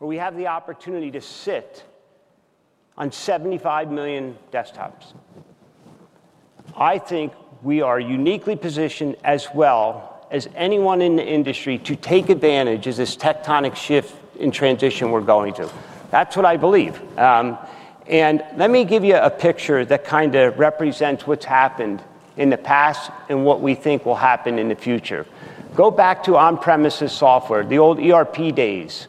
We have the opportunity to sit on 75 million desktops. I think we are uniquely positioned as well as anyone in the industry to take advantage of this tectonic shift in transition we're going through. That's what I believe. Let me give you a picture that kind of represents what's happened in the past and what we think will happen in the future. Go back to on-premises software, the old ERP days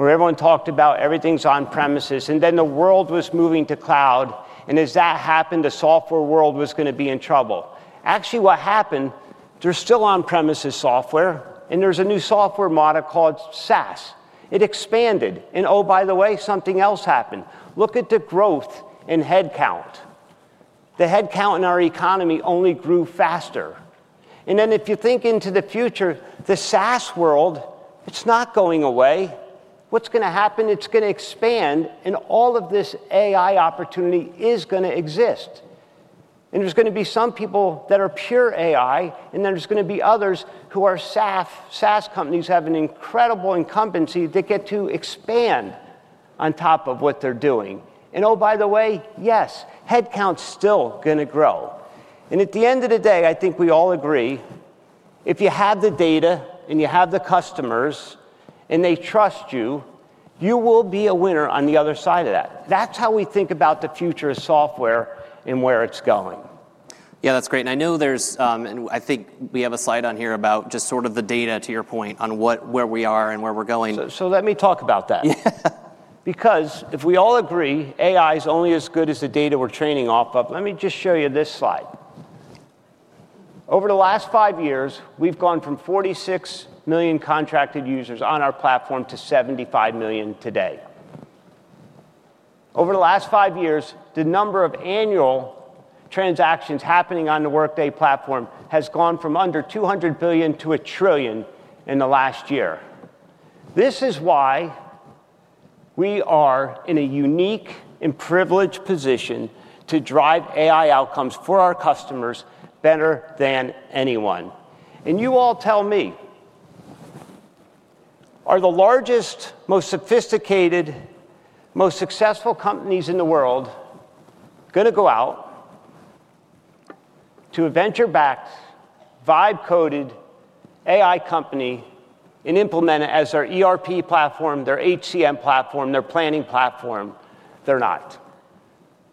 where everyone talked about everything's on-premises, and then the world was moving to cloud. As that happened, the software world was going to be in trouble. Actually, what happened? There's still on-premises software, and there's a new software model called SaaS. It expanded. Oh, by the way, something else happened. Look at the growth in headcount. The headcount in our economy only grew faster. If you think into the future, the SaaS world, it's not going away. What's going to happen? It's going to expand. All of this AI opportunity is going to exist. There are going to be some people that are pure AI, and then there are going to be others who are SaaS. SaaS companies have an incredible incumbency. They get to expand on top of what they're doing. Oh, by the way, yes, headcount is still going to grow. At the end of the day, I think we all agree, if you have the data and you have the customers and they trust you, you will be a winner on the other side of that. That's how we think about the future of software and where it's going. That's great. I think we have a slide on here about the data to your point on where we are and where we're going. Let me talk about that. If we all agree AI is only as good as the data we're training off of, let me just show you this slide. Over the last five years, we've gone from 46 million contracted users on our platform to 75 million today. Over the last five years, the number of annual transactions happening on the Workday platform has gone from under 200 billion to a trillion in the last year. This is why we are in a unique and privileged position to drive AI outcomes for our customers better than anyone. You all tell me, are the largest, most sophisticated, most successful companies in the world going to go out to a venture-backed, vibe-coded AI company and implement it as their ERP platform, their HCM platform, their planning platform? They're not.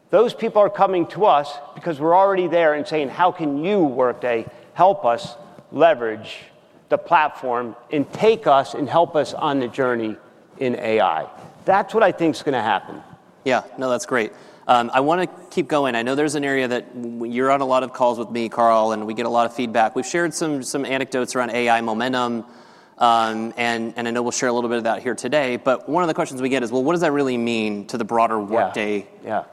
Those people are coming to us because we're already there and saying, how can you, Workday, help us leverage the platform and take us and help us on the journey in AI? That's what I think is going to happen. Yeah, no, that's great. I want to keep going. I know there's an area that when you're on a lot of calls with me, Carl, and we get a lot of feedback. We've shared some anecdotes around AI momentum. I know we'll share a little bit of that here today. One of the questions we get is, what does that really mean to the broader Workday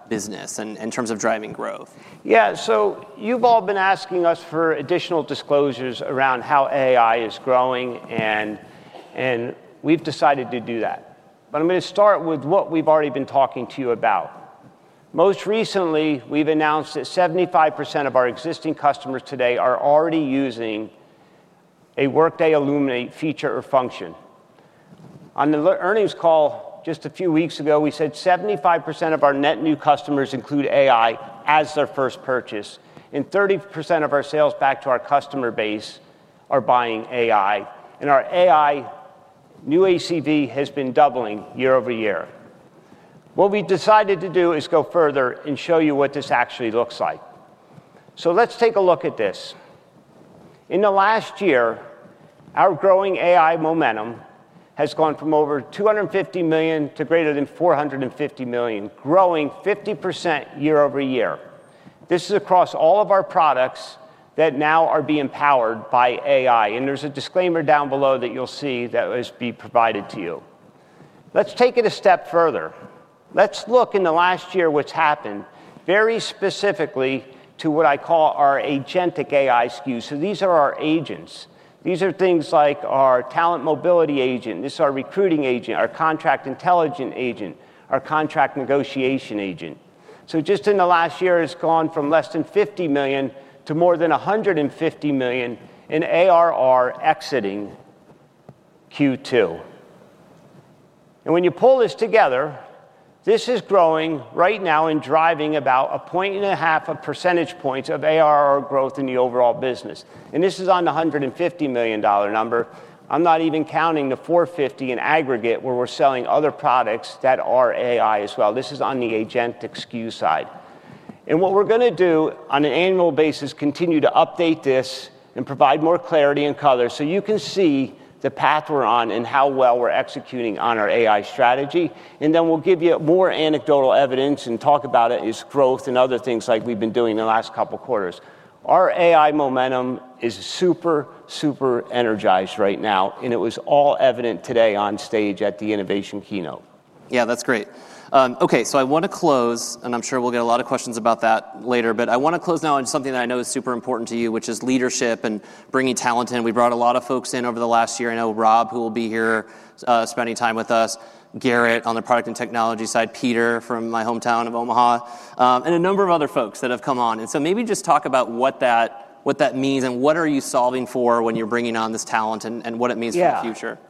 business in terms of driving growth? Yeah, you've all been asking us for additional disclosures around how AI is growing, and we've decided to do that. I'm going to start with what we've already been talking to you about. Most recently, we've announced that 75% of our existing customers today are already using a Workday Illuminate feature or function. On the earnings call just a few weeks ago, we said 75% of our net new customers include AI as their first purchase, and 30% of our sales back to our customer base are buying AI. Our AI new ACV has been doubling year-over-year. What we decided to do is go further and show you what this actually looks like. Let's take a look at this. In the last year, our growing AI momentum has gone from over $250 million to greater than $450 million, growing 50% year-over-year. This is across all of our products that now are being powered by AI. There's a disclaimer down below that you'll see that will be provided to you. Let's take it a step further. Let's look in the last year at what's happened very specifically to what I call our agentic AI SKUs. These are our agents. These are things like our talent mobility agent, our recruiting agent, our contract intelligence agent, our contract negotiation agent. Just in the last year, it's gone from less than $50 million to more than $150 million in ARR exiting Q2. When you pull this together, this is growing right now and driving about a point and a half percentage points of ARR growth in the overall business. This is on the $150 million number. I'm not even counting the $450 million in aggregate where we're selling other products that are AI as well. This is on the agentic SKU side. What we're going to do on an annual basis is continue to update this and provide more clarity and color so you can see the path we're on and how well we're executing on our AI strategy. We'll give you more anecdotal evidence and talk about its growth and other things like we've been doing in the last couple of quarters. Our AI momentum is super, super energized right now. It was all evident today on stage at the Innovation Keynote. Yeah, that's great. OK, I want to close, and I'm sure we'll get a lot of questions about that later. I want to close now on something that I know is super important to you, which is leadership and bringing talent in. We brought a lot of folks in over the last year. I know Rob, who will be here spending time with us, Gerrit on the product and technology side, Peter from my hometown of Omaha, and a number of other folks that have come on. Maybe just talk about what that means and what are you solving for when you're bringing on this talent and what it means for the future. Yeah.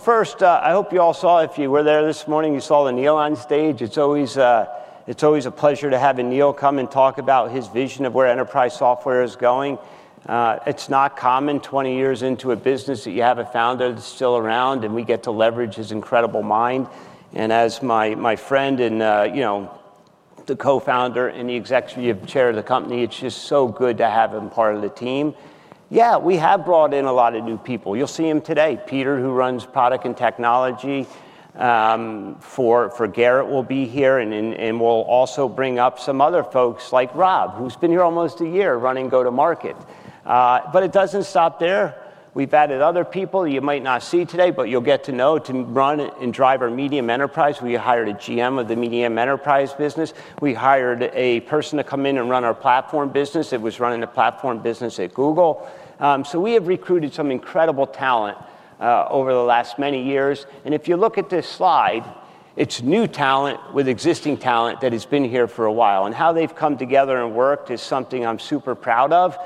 First, I hope you all saw, if you were there this morning, you saw Aneel on stage. It's always a pleasure to have Aneel come and talk about his vision of where enterprise software is going. It's not common 20 years into a business that you have a founder that's still around, and we get to leverage his incredible mind. As my friend and the Co-Founder and the Executive Chair of the company, it's just so good to have him part of the team. We have brought in a lot of new people. You'll see them today. Peter, who runs Product and Technology for Gerrit, will be here. We'll also bring up some other folks like Rob, who's been here almost a year running go-to-market. It doesn't stop there. We've added other people you might not see today, but you'll get to know to run and drive our medium enterprise. We hired a GM of the medium enterprise business. We hired a person to come in and run our platform business. He was running the platform business at Google. We have recruited some incredible talent over the last many years. If you look at this slide, it's new talent with existing talent that has been here for a while. How they've come together and worked is something I'm super proud of.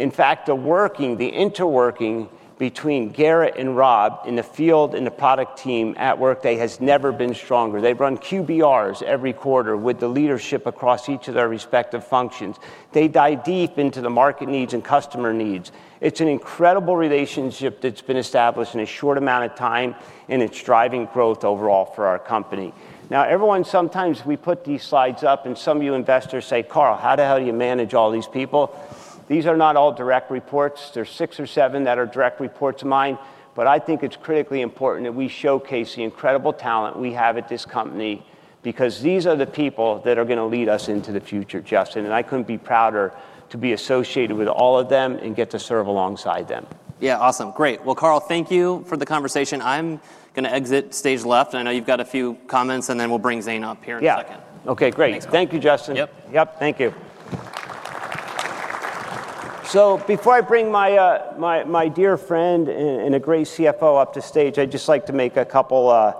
In fact, the interworking between Gerrit and Rob in the field and the product team at Workday has never been stronger. They run QBRs every quarter with the leadership across each of their respective functions. They dive deep into the market needs and customer needs. It's an incredible relationship that's been established in a short amount of time, and it's driving growth overall for our company. Sometimes we put these slides up, and some of you investors say, Carl, how the hell do you manage all these people? These are not all direct reports. There are six or seven that are direct reports of mine. I think it's critically important that we showcase the incredible talent we have at this company because these are the people that are going to lead us into the future, Justin. I couldn't be prouder to be associated with all of them and get to serve alongside them. Yeah, awesome. Great. Carl, thank you for the conversation. I'm going to exit stage left. I know you've got a few comments, and then we'll bring Zane up here in a second. OK, great. Thank you, Justin. Thank you. Before I bring my dear friend and a great CFO up to stage, I'd just like to make a couple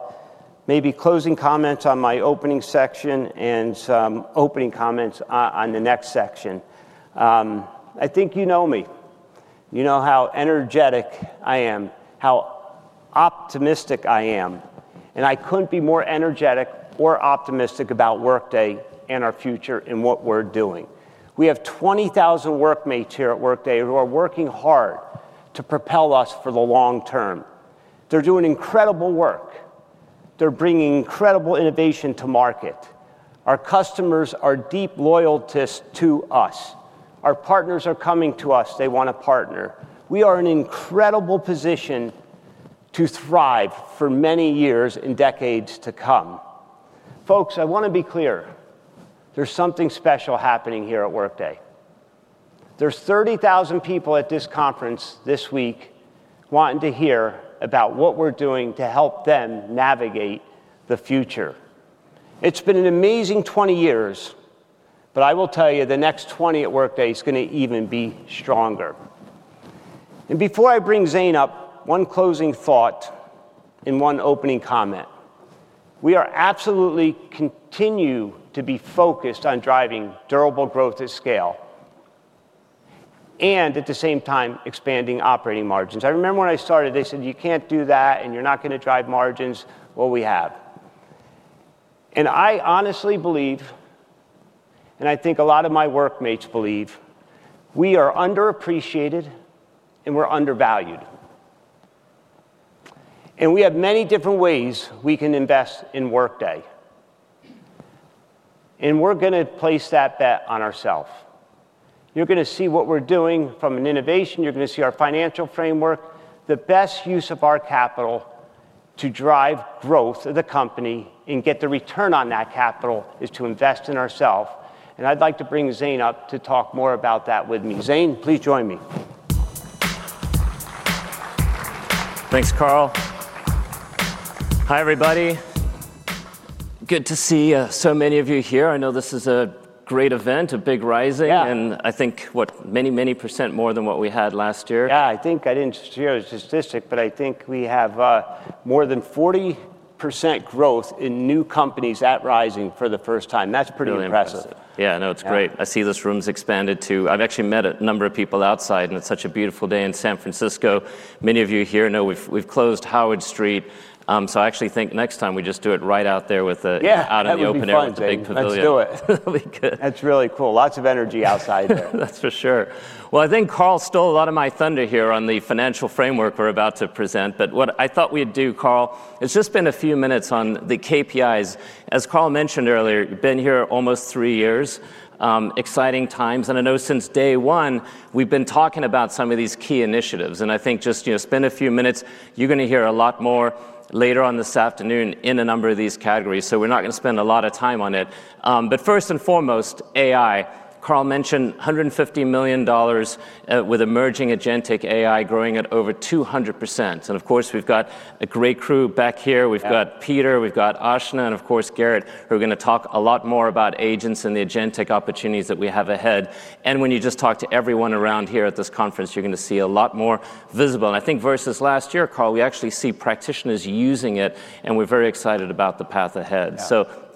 maybe closing comments on my opening section and some opening comments on the next section. I think you know me. You know how energetic I am, how optimistic I am. I couldn't be more energetic or optimistic about Workday and our future and what we're doing. We have 20,000 workmates here at Workday who are working hard to propel us for the long term. They're doing incredible work. They're bringing incredible innovation to market. Our customers are deep loyalties to us. Our partners are coming to us. They want to partner. We are in an incredible position to thrive for many years and decades to come. Folks, I want to be clear. There's something special happening here at Workday. There are 30,000 people at this conference this week wanting to hear about what we're doing to help them navigate the future. It's been an amazing 20 years. I will tell you, the next 20 at Workday is going to even be stronger. Before I bring Zane up, one closing thought and one opening comment. We are absolutely continuing to be focused on driving durable growth at scale and at the same time expanding operating margins. I remember when I started, they said, you can't do that, and you're not going to drive margins. We have. I honestly believe, and I think a lot of my workmates believe, we are underappreciated and we're undervalued. We have many different ways we can invest in Workday. We're going to place that bet on ourselves. You're going to see what we're doing from an innovation. You're going to see our financial framework. The best use of our capital to drive growth of the company and get the return on that capital is to invest in ourselves. I'd like to bring Zane up to talk more about that with me. Zane, please join me. Thanks, Carl. Hi everybody. Good to see so many of you here. I know this is a great event, a big rising. I think what, many, many percent more than what we had last year. I think I didn't share a statistic, but I think we have more than 40% growth in new companies at rising for the first time. That's pretty impressive. Yeah, no, it's great. I see this room's expanded too. I've actually met a number of people outside, and it's such a beautiful day in San Francisco. Many of you here know we've closed Howard Street. I actually think next time we just do it right out there in the open air with the big pavilion. Let's do it. That's really cool. Lots of energy outside there. That's for sure. I think Carl stole a lot of my thunder here on the financial framework we're about to present. What I thought we'd do, Carl, is just spend a few minutes on the KPIs. As Carl mentioned earlier, you've been here almost three years. Exciting times. I know since day one, we've been talking about some of these key initiatives. I think just spend a few minutes. You're going to hear a lot more later on this afternoon in a number of these categories. We're not going to spend a lot of time on it. First and foremost, AI. Carl mentioned $150 million with emerging agentic AI growing at over 200%. Of course, we've got a great crew back here. We've got Peter, we've got AAashna, and of course, Gerrit, who are going to talk a lot more about agents and the agentic opportunities that we have ahead. When you just talk to everyone around here at this conference, you're going to see a lot more visible. I think versus last year, Carl, we actually see practitioners using it, and we're very excited about the path ahead.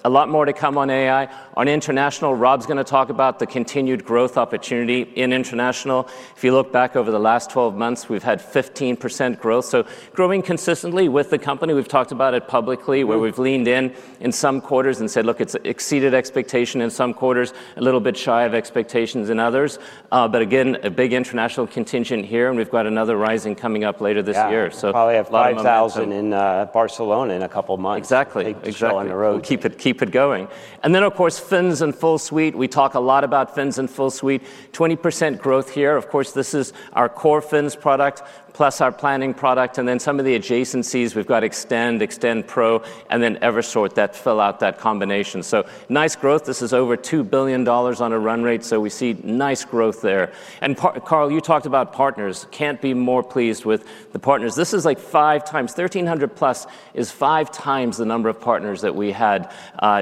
A lot more to come on AI. On international, Rob's going to talk about the continued growth opportunity in international. If you look back over the last 12 months, we've had 15% growth. Growing consistently with the company. We've talked about it publicly, where we've leaned in in some quarters and said, look, it's exceeded expectation in some quarters, a little bit shy of expectations in others. Again, a big international contingent here. We've got another rising coming up later this year. Yeah, we'll probably have 5,000 in Barcelona in a couple of months. Exactly. We'll keep it going. Of course, FINS/Full Suite. We talk a lot about FINS/Full Suite. 20% growth here. Of course, this is our core Fins product plus our planning product. Some of the adjacencies we've got are Extend, Extend Pro, and then Eversort that fill out that combination. Nice growth. This is over $2 billion on a run rate. We see nice growth there. Carl, you talked about partners. Can't be more pleased with the partners. This is like five times 1,300+, which is five times the number of partners that we had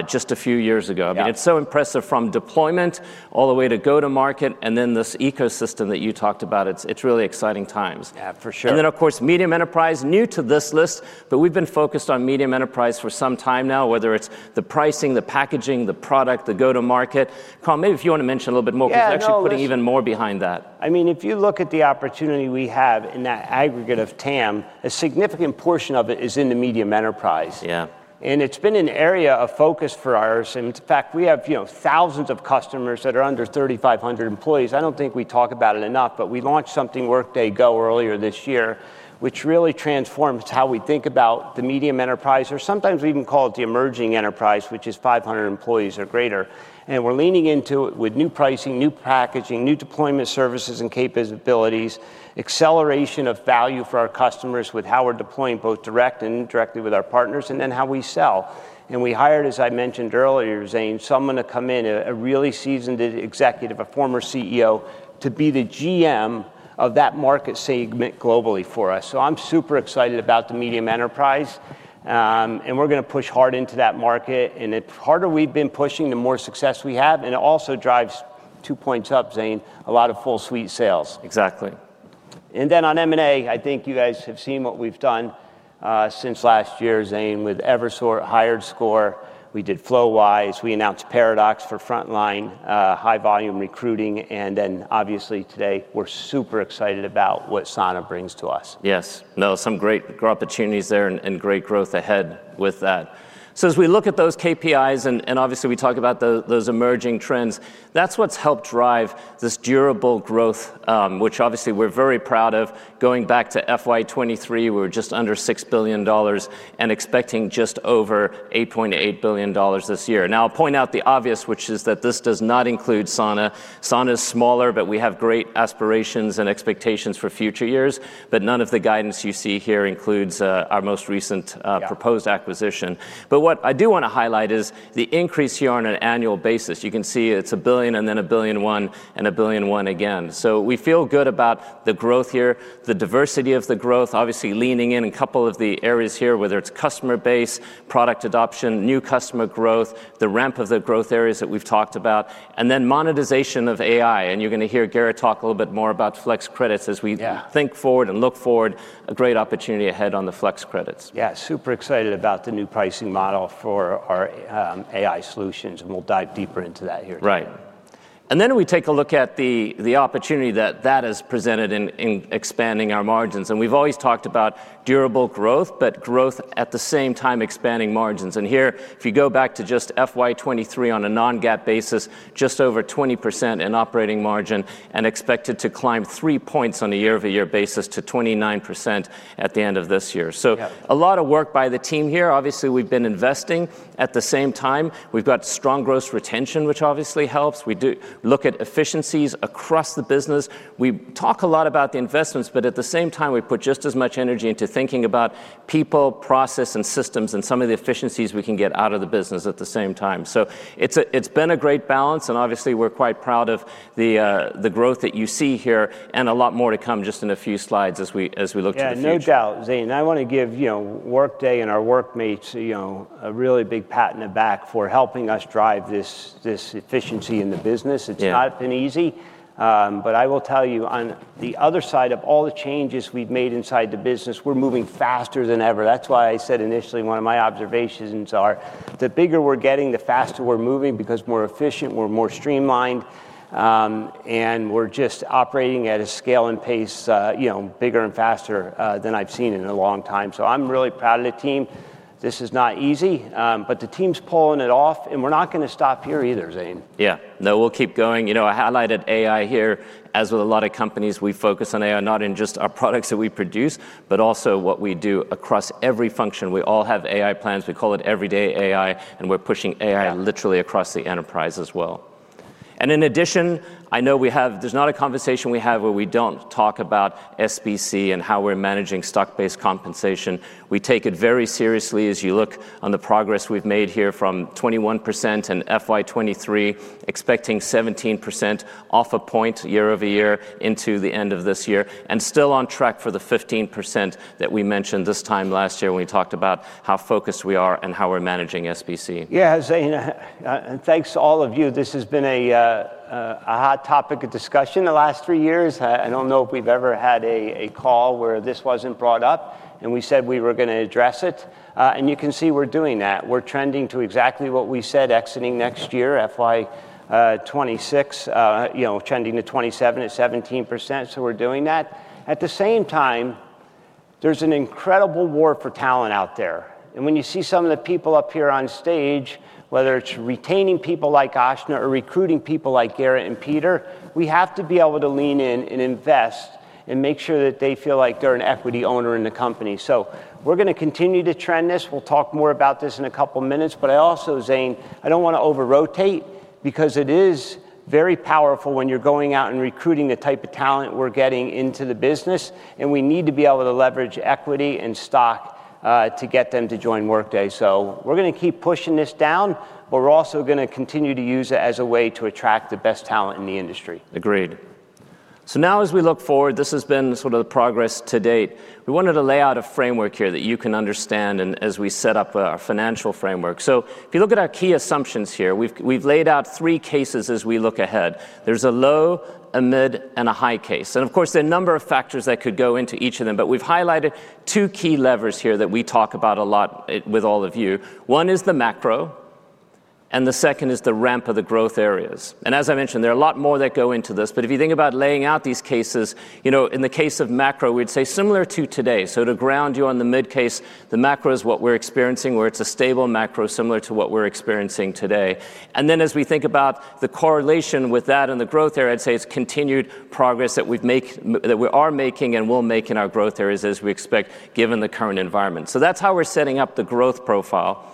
just a few years ago. It's so impressive from deployment all the way to go-to-market and then this ecosystem that you talked about. It's really exciting times. Yeah, for sure. Of course, medium enterprise, new to this list, but we've been focused on medium enterprise for some time now, whether it's the pricing, the packaging, the product, the go-to-market. Carl, maybe if you want to mention a little bit more, because we're actually putting even more behind that. I mean, if you look at the opportunity we have in that aggregate of TAM, a significant portion of it is in the medium enterprise. Yeah. It has been an area of focus for ours. In fact, we have thousands of customers that are under 3,500 employees. I do not think we talk about it enough, but we launched something, Workday Go, earlier this year, which really transforms how we think about the medium enterprise, or sometimes we even call it the emerging enterprise, which is 500 employees or greater. We are leaning into it with new pricing, new packaging, new deployment services and capabilities, acceleration of value for our customers with how we are deploying both direct and indirectly with our partners, and then how we sell. We hired, as I mentioned earlier, Zane, someone to come in, a really seasoned executive, a former CEO, to be the GM of that market segment globally for us. I am super excited about the medium enterprise. We are going to push hard into that market. The harder we have been pushing, the more success we have. It also drives, two points up, Zane, a lot of Full Suite sales. Exactly. On M&A, I think you guys have seen what we've done since last year, Zane, with Eversort, HireScore. We did FlowWise. We announced Paradox for frontline high-volume recruiting. Obviously, today, we're super excited about what Sana brings to us. Yes. Some great growth opportunities there and great growth ahead with that. As we look at those KPIs, and obviously we talk about those emerging trends, that's what's helped drive this durable growth, which we're very proud of. Going back to 2023, we were just under $6 billion and expecting just over $8.8 billion this year. I'll point out the obvious, which is that this does not include Sana. Sana is smaller, but we have great aspirations and expectations for future years. None of the guidance you see here includes our most recent proposed acquisition. What I do want to highlight is the increase here on an annual basis. You can see it's a billion, then a billion one, and a billion one again. We feel good about the growth here, the diversity of the growth, obviously leaning in a couple of the areas here, whether it's customer base, product adoption, new customer growth, the ramp of the growth areas that we've talked about, and then monetization of AI. You're going to hear Gerrit talk a little bit more about flex credits as we think forward and look forward. A great opportunity ahead on the flex credits. Yeah, super excited about the new pricing model for our AI solutions. We'll dive deeper into that here today. Right. We take a look at the opportunity that that has presented in expanding our margins. We've always talked about durable growth, but growth at the same time expanding margins. Here, if you go back to just FY 2023 on a non-GAAP basis, just over 20% in operating margin and expected to climb three points on a year-over-year basis to 29% at the end of this year. A lot of work by the team here. Obviously, we've been investing. At the same time, we've got strong gross retention, which obviously helps. We look at efficiencies across the business. We talk a lot about the investments, but at the same time, we put just as much energy into thinking about people, process, and systems and some of the efficiencies we can get out of the business at the same time. It's been a great balance. Obviously, we're quite proud of the growth that you see here and a lot more to come just in a few slides as we look to the future. Yeah, no doubt. Zane, I want to give Workday and our workmates a really big pat on the back for helping us drive this efficiency in the business. It's not been easy. I will tell you on the other side of all the changes we've made inside the business, we're moving faster than ever. That's why I said initially one of my observations is the bigger we're getting, the faster we're moving because we're more efficient, we're more streamlined, and we're just operating at a scale and pace bigger and faster than I've seen in a long time. I'm really proud of the team. This is not easy, but the team's pulling it off. We're not going to stop here either, Zane. Yeah, no, we'll keep going. You know, I highlighted AI here. As with a lot of companies, we focus on AI not in just our products that we produce, but also what we do across every function. We all have AI plans. We call it everyday AI. We're pushing AI literally across the enterprise as well. In addition, I know there's not a conversation we have where we don't talk about SBC and how we're managing stock-based compensation. We take it very seriously as you look on the progress we've made here from 21% in FY 2023, expecting 17% off a point year-over-year into the end of this year, and still on track for the 15% that we mentioned this time last year when we talked about how focused we are and how we're managing SBC. Yeah, Zane, thanks to all of you. This has been a hot topic of discussion the last three years. I don't know if we've ever had a call where this wasn't brought up. We said we were going to address it, and you can see we're doing that. We're trending to exactly what we said, exiting next year, FY 2026, trending to 27%-17%. We're doing that. At the same time, there's an incredible war for talent out there. When you see some of the people up here on stage, whether it's retaining people like AAashna or recruiting people like Gerrit and Peter, we have to be able to lean in and invest and make sure that they feel like they're an equity owner in the company. We're going to continue to trend this. We'll talk more about this in a couple of minutes. I also, Zane, don't want to over-rotate because it is very powerful when you're going out and recruiting the type of talent we're getting into the business. We need to be able to leverage equity and stock to get them to join Workday. We're going to keep pushing this down, but we're also going to continue to use it as a way to attract the best talent in the industry. Agreed. Now, as we look forward, this has been sort of the progress to date. We wanted to lay out a framework here that you can understand as we set up our financial framework. If you look at our key assumptions here, we've laid out three cases as we look ahead. There's a low, a mid, and a high case. Of course, there are a number of factors that could go into each of them. We've highlighted two key levers here that we talk about a lot with all of you. One is the macro. The second is the ramp of the growth areas. As I mentioned, there are a lot more that go into this. If you think about laying out these cases, in the case of macro, we'd say similar to today. To ground you on the mid-case, the macro is what we're experiencing, where it's a stable macro similar to what we're experiencing today. As we think about the correlation with that and the growth there, I'd say it's continued progress that we are making and will make in our growth areas as we expect, given the current environment. That's how we're setting up the growth profile.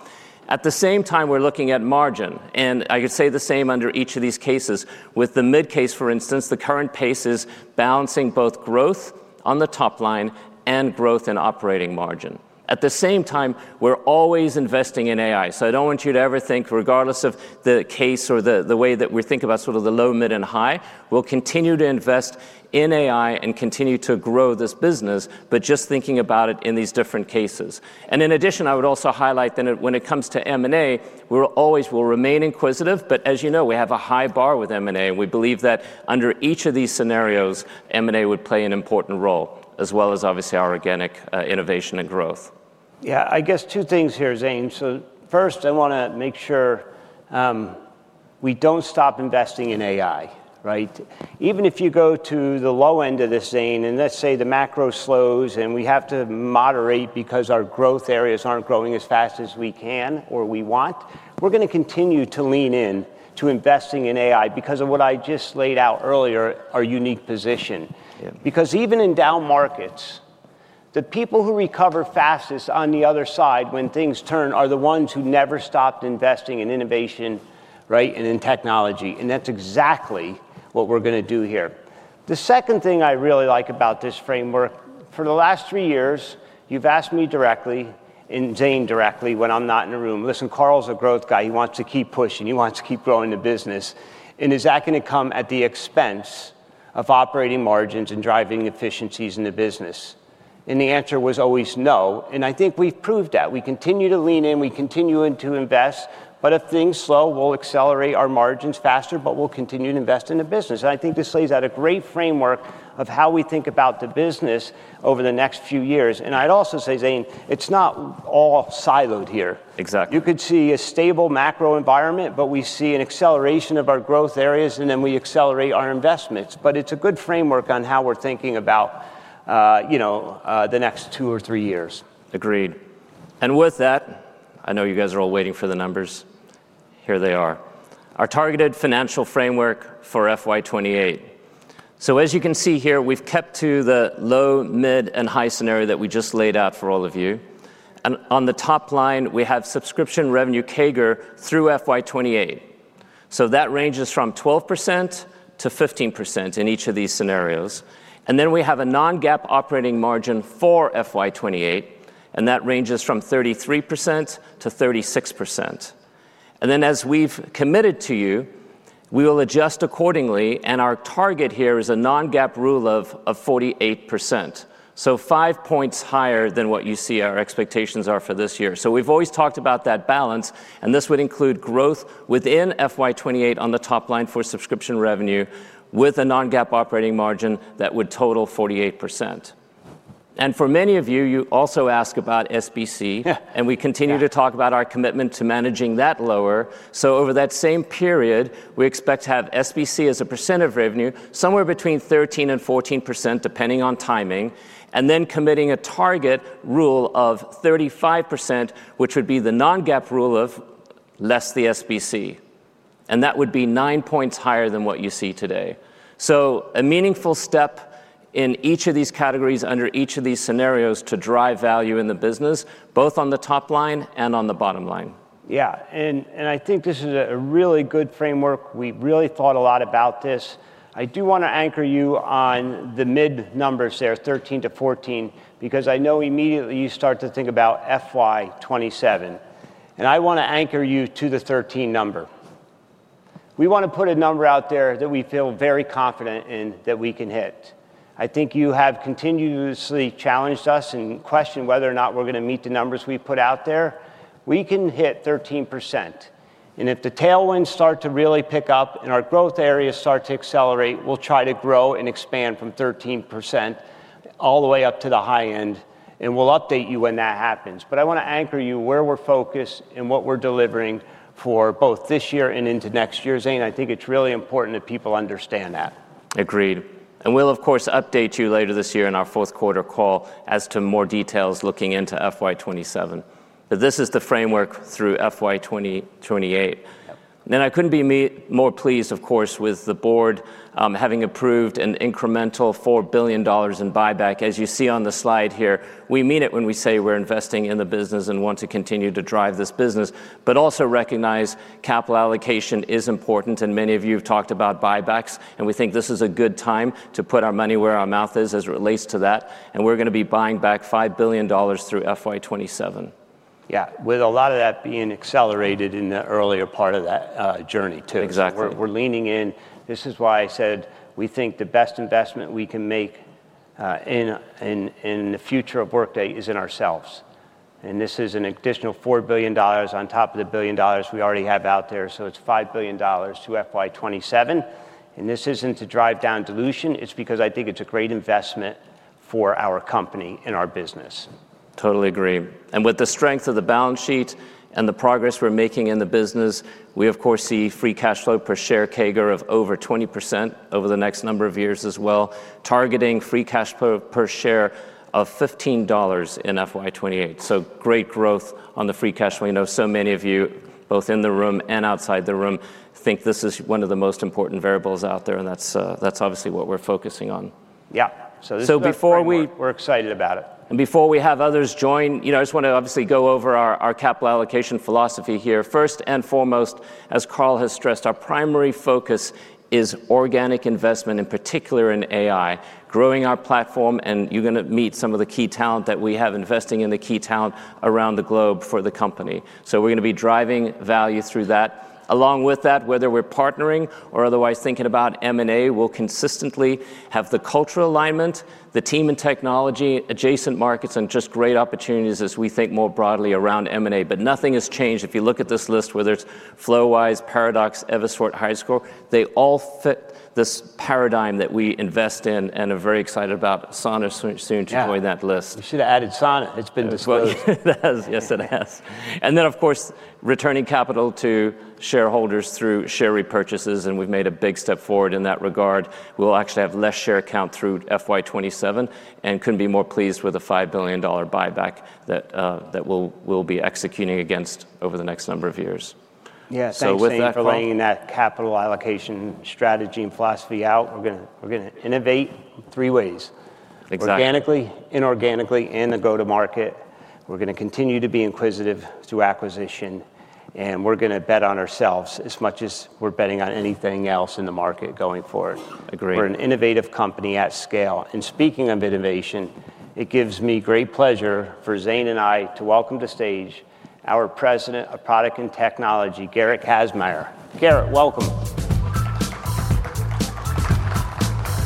At the same time, we're looking at margin. I could say the same under each of these cases. With the mid-case, for instance, the current pace is balancing both growth on the top line and growth in operating margin. At the same time, we're always investing in AI. I don't want you to ever think, regardless of the case or the way that we think about sort of the low, mid, and high, we'll continue to invest in AI and continue to grow this business, just thinking about it in these different cases. In addition, I would also highlight that when it comes to M&A, we always will remain inquisitive. As you know, we have a high bar with M&A. We believe that under each of these scenarios, M&A would play an important role, as well as obviously our organic innovation and growth. Yeah, I guess two things here, Zane. First, I want to make sure we don't stop investing in AI, right? Even if you go to the low end of this, Zane, and let's say the macro slows and we have to moderate because our growth areas aren't growing as fast as we can or we want, we're going to continue to lean in to investing in AI because of what I just laid out earlier, our unique position. Even in down markets, the people who recover fastest on the other side when things turn are the ones who never stopped investing in innovation and in technology. That's exactly what we're going to do here. The second thing I really like about this framework, for the last three years, you've asked me directly and Zane directly when I'm not in the room, listen, Carl's a growth guy. He wants to keep pushing. He wants to keep growing the business. Is that going to come at the expense of operating margins and driving efficiencies in the business? The answer was always no. I think we've proved that. We continue to lean in. We continue to invest. If things slow, we'll accelerate our margins faster, but we'll continue to invest in the business. I think this lays out a great framework of how we think about the business over the next few years. I'd also say, Zane, it's not all siloed here. Exactly. You could see a stable macro environment. We see an acceleration of our growth areas, and then we accelerate our investments. It's a good framework on how we're thinking about the next two or three years. Agreed. With that, I know you guys are all waiting for the numbers. Here they are. Our targeted financial framework for FY 2028. As you can see here, we've kept to the low, mid, and high scenario that we just laid out for all of you. On the top line, we have subscription revenue CAGR through FY 2028. That ranges from 12%-15% in each of these scenarios. We have a non-GAAP operating margin for FY 2028, and that ranges from 33%-36%. As we've committed to you, we will adjust accordingly. Our target here is a non-GAAP rule of 48%, which is five points higher than what you see our expectations are for this year. We've always talked about that balance. This would include growth within FY 2028 on the top line for subscription revenue with a non-GAAP operating margin that would total 48%. For many of you, you also ask about SBC. We continue to talk about our commitment to managing that lower. Over that same period, we expect to have SBC as a percent of revenue somewhere between 13%-14%, depending on timing, and then committing a target rule of 35%, which would be the non-GAAP rule of less the SBC. That would be nine points higher than what you see today. A meaningful step in each of these categories under each of these scenarios to drive value in the business, both on the top line and on the bottom line. Yeah. I think this is a really good framework. We really thought a lot about this. I do want to anchor you on the mid numbers there, 13%-14%, because I know immediately you start to think about FY 2027. I want to anchor you to the 13% number. We want to put a number out there that we feel very confident in that we can hit. I think you have continuously challenged us and questioned whether or not we're going to meet the numbers we put out there. We can hit 13%. If the tailwinds start to really pick up and our growth areas start to accelerate, we'll try to grow and expand from 13% all the way up to the high end. We'll update you when that happens. I want to anchor you where we're focused and what we're delivering for both this year and into next year. Zane, I think it's really important that people understand that. Agreed. We'll, of course, update you later this year in our fourth quarter call as to more details looking into FY 2027. This is the framework through FY 2028. I couldn't be more pleased, of course, with the board having approved an incremental $4 billion in buyback. As you see on the slide here, we mean it when we say we're investing in the business and want to continue to drive this business, but also recognize capital allocation is important. Many of you have talked about buybacks. We think this is a good time to put our money where our mouth is as it relates to that. We're going to be buying back $5 billion through FY 2027. Yeah, with a lot of that being accelerated in the earlier part of that journey, too. Exactly. We're leaning in. This is why I said we think the best investment we can make in the future of Workday is in ourselves. This is an additional $4 billion on top of the $1 billion we already have out there. It is $5 billion to FY 2027. This isn't to drive down dilution. It's because I think it's a great investment for our company and our business. Totally agree. With the strength of the balance sheet and the progress we're making in the business, we, of course, see free cash flow per share CAGR of over 20% over the next number of years as well, targeting free cash flow per share of $15 in FY 2028. Great growth on the free cash flow. I know so many of you, both in the room and outside the room, think this is one of the most important variables out there. That's obviously what we're focusing on. Yeah, before we. We're excited about it. Before we have others join, I just want to obviously go over our capital allocation philosophy here. First and foremost, as Carl has stressed, our primary focus is organic investment, in particular in AI, growing our platform. You are going to meet some of the key talent that we have investing in the key talent around the globe for the company. We are going to be driving value through that. Along with that, whether we are partnering or otherwise thinking about M&A, we will consistently have the cultural alignment, the team and technology, adjacent markets, and just great opportunities as we think more broadly around M&A. Nothing has changed. If you look at this list, whether it is FlowWise, Paradox, Eversort, HireScore, they all fit this paradigm that we invest in and are very excited about. Sana is soon to join that list. We should have added Sana. It's been disclosed. Yes, it has. Of course, returning capital to shareholders through share repurchases, we've made a big step forward in that regard. We'll actually have less share count through FY 2027 and couldn't be more pleased with a $5 billion buyback that we'll be executing against over the next number of years. Yeah, thanks for laying that capital allocation strategy and philosophy out. We're going to innovate three ways. Exactly. Organically, inorganically, and the go-to-market, we're going to continue to be inquisitive through acquisition. We're going to bet on ourselves as much as we're betting on anything else in the market going forward. Agreed. We're an innovative company at scale. Speaking of innovation, it gives me great pleasure for Zane and I to welcome to stage our President of Product and Technology, Gerrit Kazmaier. Gerrit, welcome.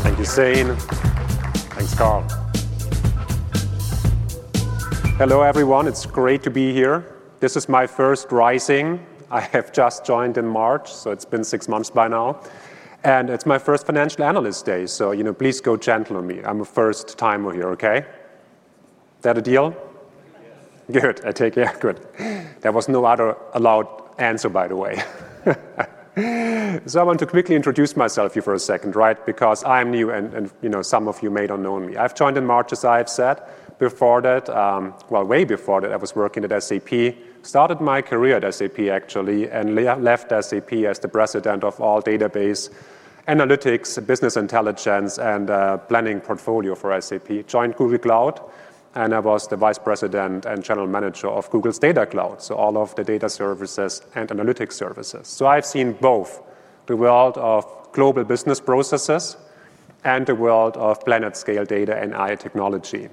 Thank you, Zane. Thanks, Carl. Hello, everyone. It's great to be here. This is my first Rising. I have just joined in March. It's been six months by now, and it's my first Financial Analyst Day. Please go gentle on me. I'm a first-timer here, OK? Is that a deal? Good. I take it. Good. There was no other allowed answer, by the way. I want to quickly introduce myself to you for a second, right? Because I am new and some of you may not know me. I joined in March, as I have said before. Way before that, I was working at SAP. I started my career at SAP, actually, and left SAP as the President of all Database Analytics, Business Intelligence, and Planning Portfolio for SAP. I joined Google Cloud, and I was the Vice President and General Manager of Google's Data Cloud, so all of the data services and analytic services. I've seen both the world of global business processes and the world of planet-scale data and AI technology.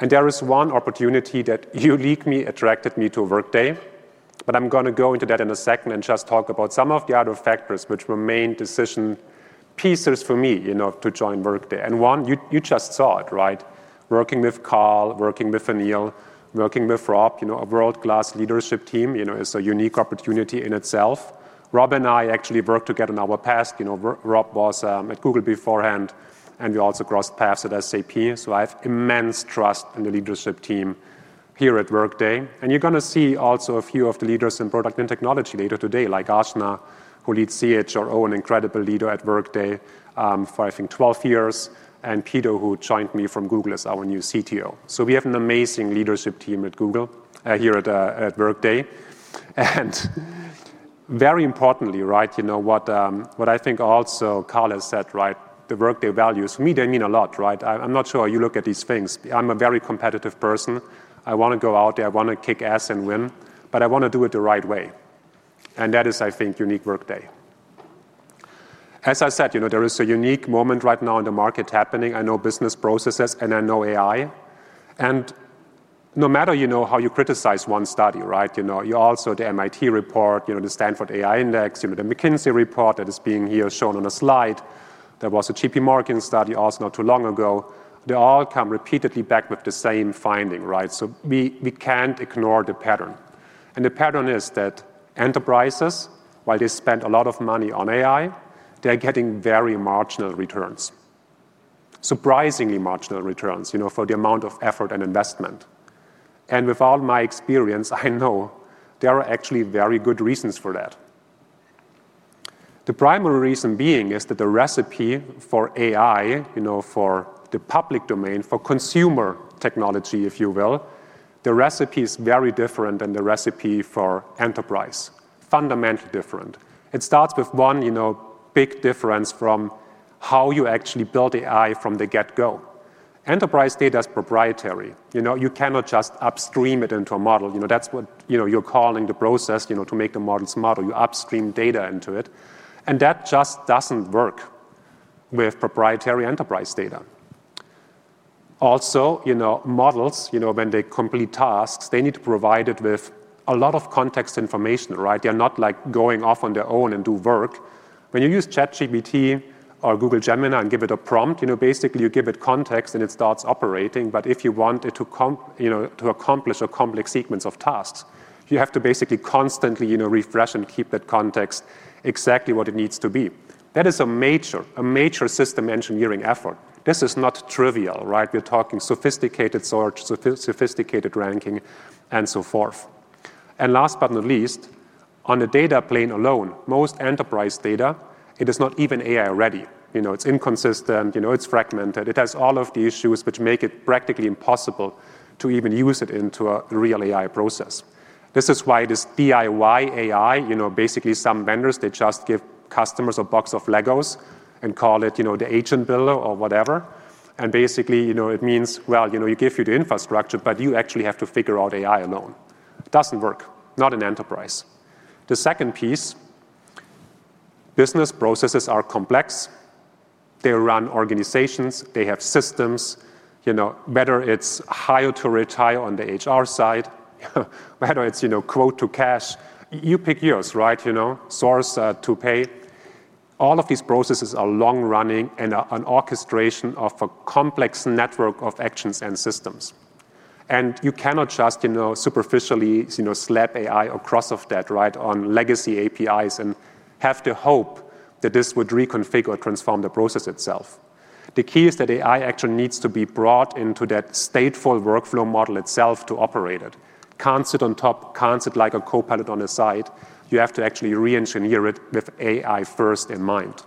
There is one opportunity that uniquely attracted me to Workday. I'm going to go into that in a second and just talk about some of the other factors which were main decision pieces for me to join Workday. One, you just saw it, right? Working with Carl, working with Aneel, working with Rob, a world-class leadership team is a unique opportunity in itself. Rob and I actually worked together in our past. Rob was at Google beforehand, and we also crossed paths at SAP. I have immense trust in the leadership team here at Workday. You're going to see also a few of the leaders in Product and Technology later today, like Aashna, who leads CHRO, an incredible leader at Workday for, I think, 12 years, and Peter, who joined me from Google as our new CTO. We have an amazing leadership team at Google here at Workday. Very importantly, you know what I think also Carl has said, the Workday values for me, they mean a lot. I'm not sure how you look at these things. I'm a very competitive person. I want to go out there. I want to kick ass and win. I want to do it the right way, and that is, I think, unique Workday. As I said, there is a unique moment right now in the market happening. I know business processes, and I know AI. No matter how you criticize one study, you also see the MIT report, the Stanford AI Index, the McKinsey report that is being shown here on a slide. There was a JPMorgan study also not too long ago. They all come repeatedly back with the same finding, right? We can't ignore the pattern. The pattern is that enterprises, while they spend a lot of money on AI, they're getting very marginal returns, surprisingly marginal returns for the amount of effort and investment. With all my experience, I know there are actually very good reasons for that. The primary reason is that the recipe for AI for the public domain, for consumer technology, if you will, is very different than the recipe for enterprise, fundamentally different. It starts with one big difference from how you actually build AI from the get-go. Enterprise data is proprietary. You cannot just upstream it into a model. That's what you're calling the process to make the model smarter. You upstream data into it. That just doesn't work with proprietary enterprise data. Also, models, when they complete tasks, need to be provided with a lot of context information, right? They're not going off on their own and doing work. When you use ChatGPT or Google Gemini and give it a prompt, basically, you give it context, and it starts operating. If you want it to accomplish a complex sequence of tasks, you have to constantly refresh and keep that context exactly what it needs to be. That is a major system engineering effort. This is not trivial, right? We're talking sophisticated search, sophisticated ranking, and so forth. Last but not least, on the data plane alone, most enterprise data is not even AI-ready. It's inconsistent. It's fragmented. It has all of the issues which make it practically impossible to even use it in a real AI process. This is why this DIY AI, basically, some vendors just give customers a box of Legos and call it the agent builder or whatever. Basically, it means, well, we give you the infrastructure, but you actually have to figure out AI alone. It doesn't work. Not in enterprise. The second piece, business processes are complex. They run organizations. They have systems. Whether it's hire to retire on the HR side, whether it's quote to cash, you pick yours, right? Source to pay. All of these processes are long running and are an orchestration of a complex network of actions and systems. You cannot just superficially slap AI or cross off that on legacy APIs and hope that this would reconfigure or transform the process itself. The key is that AI actually needs to be brought into that stateful workflow model itself to operate it. It can't sit on top. It can't sit like a copilot on the side. You have to actually re-engineer it with AI first in mind.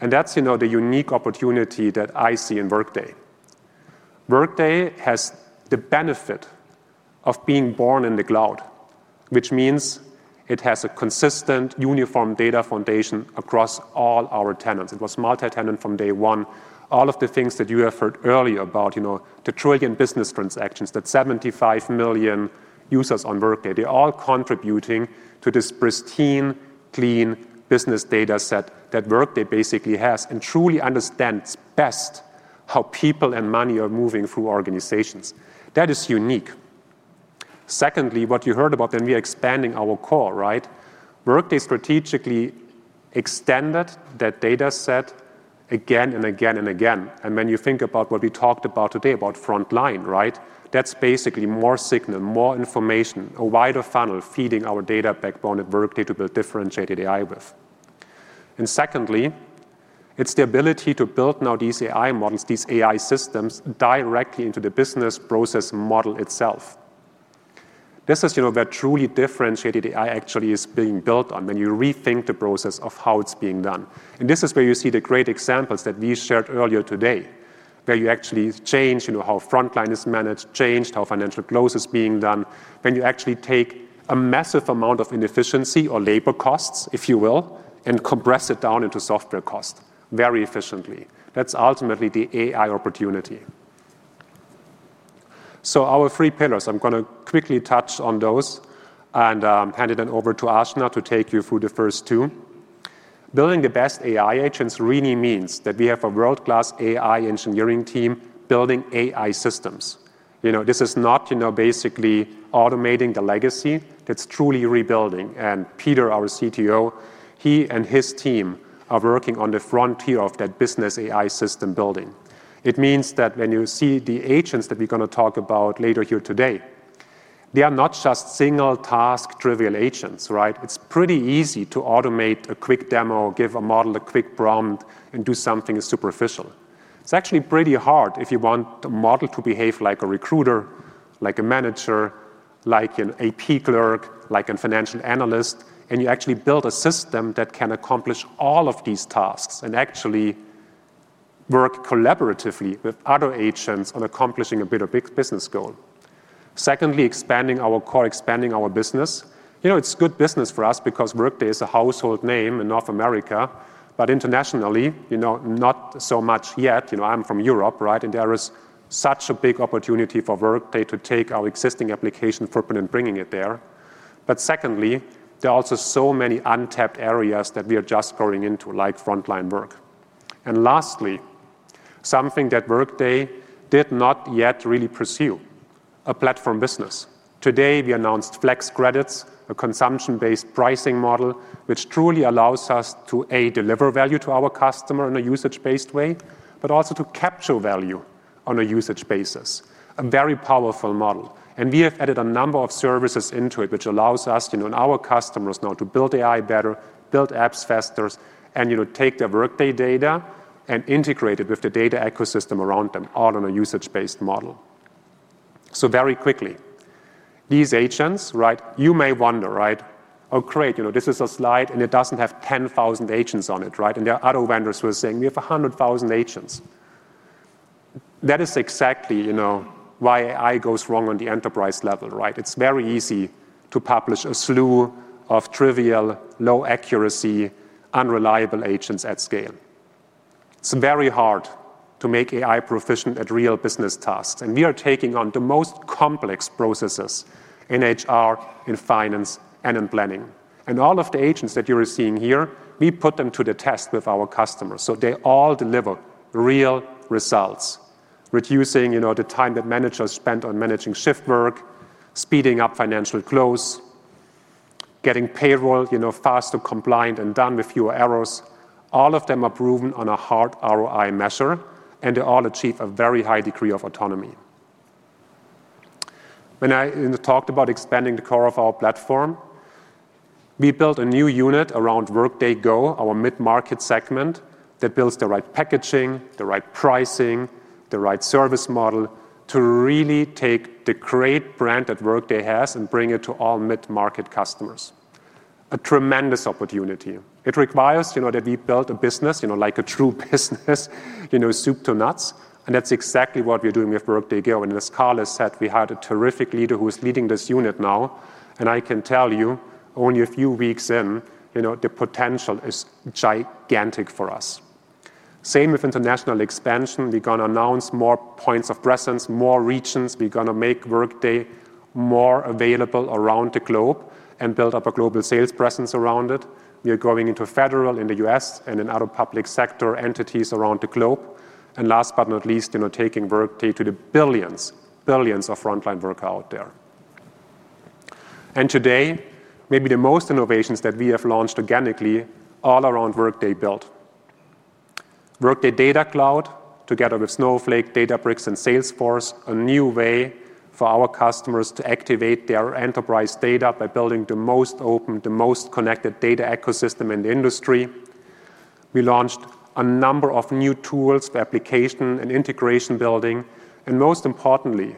That's the unique opportunity that I see in Workday. Workday has the benefit of being born in the cloud, which means it has a consistent, uniform data foundation across all our tenants. It was multi-tenant from day one. All of the things that you have heard earlier about, the trillion business transactions, the 75 million users on Workday, they're all contributing to this pristine, clean business data set that Workday basically has and truly understands best how people and money are moving through organizations. That is unique. What you heard about when we are expanding our core, right? Workday strategically extended that data set again and again and again. When you think about what we talked about today about frontline, right? That's basically more signal, more information, a wider funnel feeding our data backbone at Workday to build differentiated AI with. It's the ability to build now these AI models, these AI systems directly into the business process model itself. This is where truly differentiated AI actually is being built on when you rethink the process of how it's being done. This is where you see the great examples that we shared earlier today, where you actually change how frontline is managed, changed how financial close is being done, when you actually take a massive amount of inefficiency or labor costs, if you will, and compress it down into software cost very efficiently. That's ultimately the AI opportunity. Our three pillars, I'm going to quickly touch on those and hand it over to AAashna to take you through the first two. Building the best AI agents really means that we have a world-class AI engineering team building AI systems. This is not basically automating the legacy. That's truly rebuilding. Peter, our Chief Technology Officer, he and his team are working on the frontier of that business AI system building. It means that when you see the agents that we're going to talk about later here today, they are not just single-task trivial agents, right? It's pretty easy to automate a quick demo, give a model a quick prompt, and do something superficial. It's actually pretty hard if you want the model to behave like a recruiter, like a manager, like an AP clerk, like a financial analyst, and you actually build a system that can accomplish all of these tasks and actually work collaboratively with other agents on accomplishing a bit of a big business goal. Secondly, expanding our core, expanding our business. It's good business for us because Workday is a household name in North America, but internationally, not so much yet. I'm from Europe, right? There is such a big opportunity for Workday to take our existing application footprint and bring it there. Secondly, there are also so many untapped areas that we are just going into, like frontline work. Lastly, something that Workday did not yet really pursue: a platform business. Today, we announced flex credits, a consumption-based pricing model, which truly allows us to, A, deliver value to our customer in a usage-based way, but also to capture value on a usage basis. A very powerful model. We have added a number of services into it, which allows us and our customers now to build AI better, build apps faster, and take their Workday data and integrate it with the data ecosystem around them, all on a usage-based model. Very quickly, these agents, you may wonder, right? Oh, great. This is a slide, and it doesn't have 10,000 agents on it, right? There are other vendors who are saying we have 100,000 agents. That is exactly why AI goes wrong on the enterprise level, right? It's very easy to publish a slew of trivial, low-accuracy, unreliable agents at scale. It's very hard to make AI proficient at real business tasks. We are taking on the most complex processes in HR, in finance, and in planning. All of the agents that you're seeing here, we put them to the test with our customers. They all deliver real results, reducing the time that managers spend on managing shift work, speeding up financial close, getting payroll faster compliant and done with fewer errors. All of them are proven on a hard ROI measure. They all achieve a very high degree of autonomy. When I talked about expanding the core of our platform, we built a new unit around Workday Go, our medium enterprise segment that builds the right packaging, the right pricing, the right service model to really take the great brand that Workday has and bring it to all medium enterprise customers. A tremendous opportunity. It requires that we build a business like a true business, soup to nuts. That's exactly what we're doing with Workday Go. As Carl has said, we hired a terrific leader who is leading this unit now. I can tell you, only a few weeks in, the potential is gigantic for us. Same with international expansion. We're going to announce more points of presence, more regions. We're going to make Workday more available around the globe and build up a global sales presence around it. We are going into federal in the U.S. and in other public sector entities around the globe. Last but not least, taking Workday to the billions, billions of frontline workers out there. Today, maybe the most innovations that we have launched organically all around Workday built. Workday Data Cloud, together with Snowflake, Databricks, and Salesforce, a new way for our customers to activate their enterprise data by building the most open, the most connected data ecosystem in the industry. We launched a number of new tools for application and integration building. Most importantly,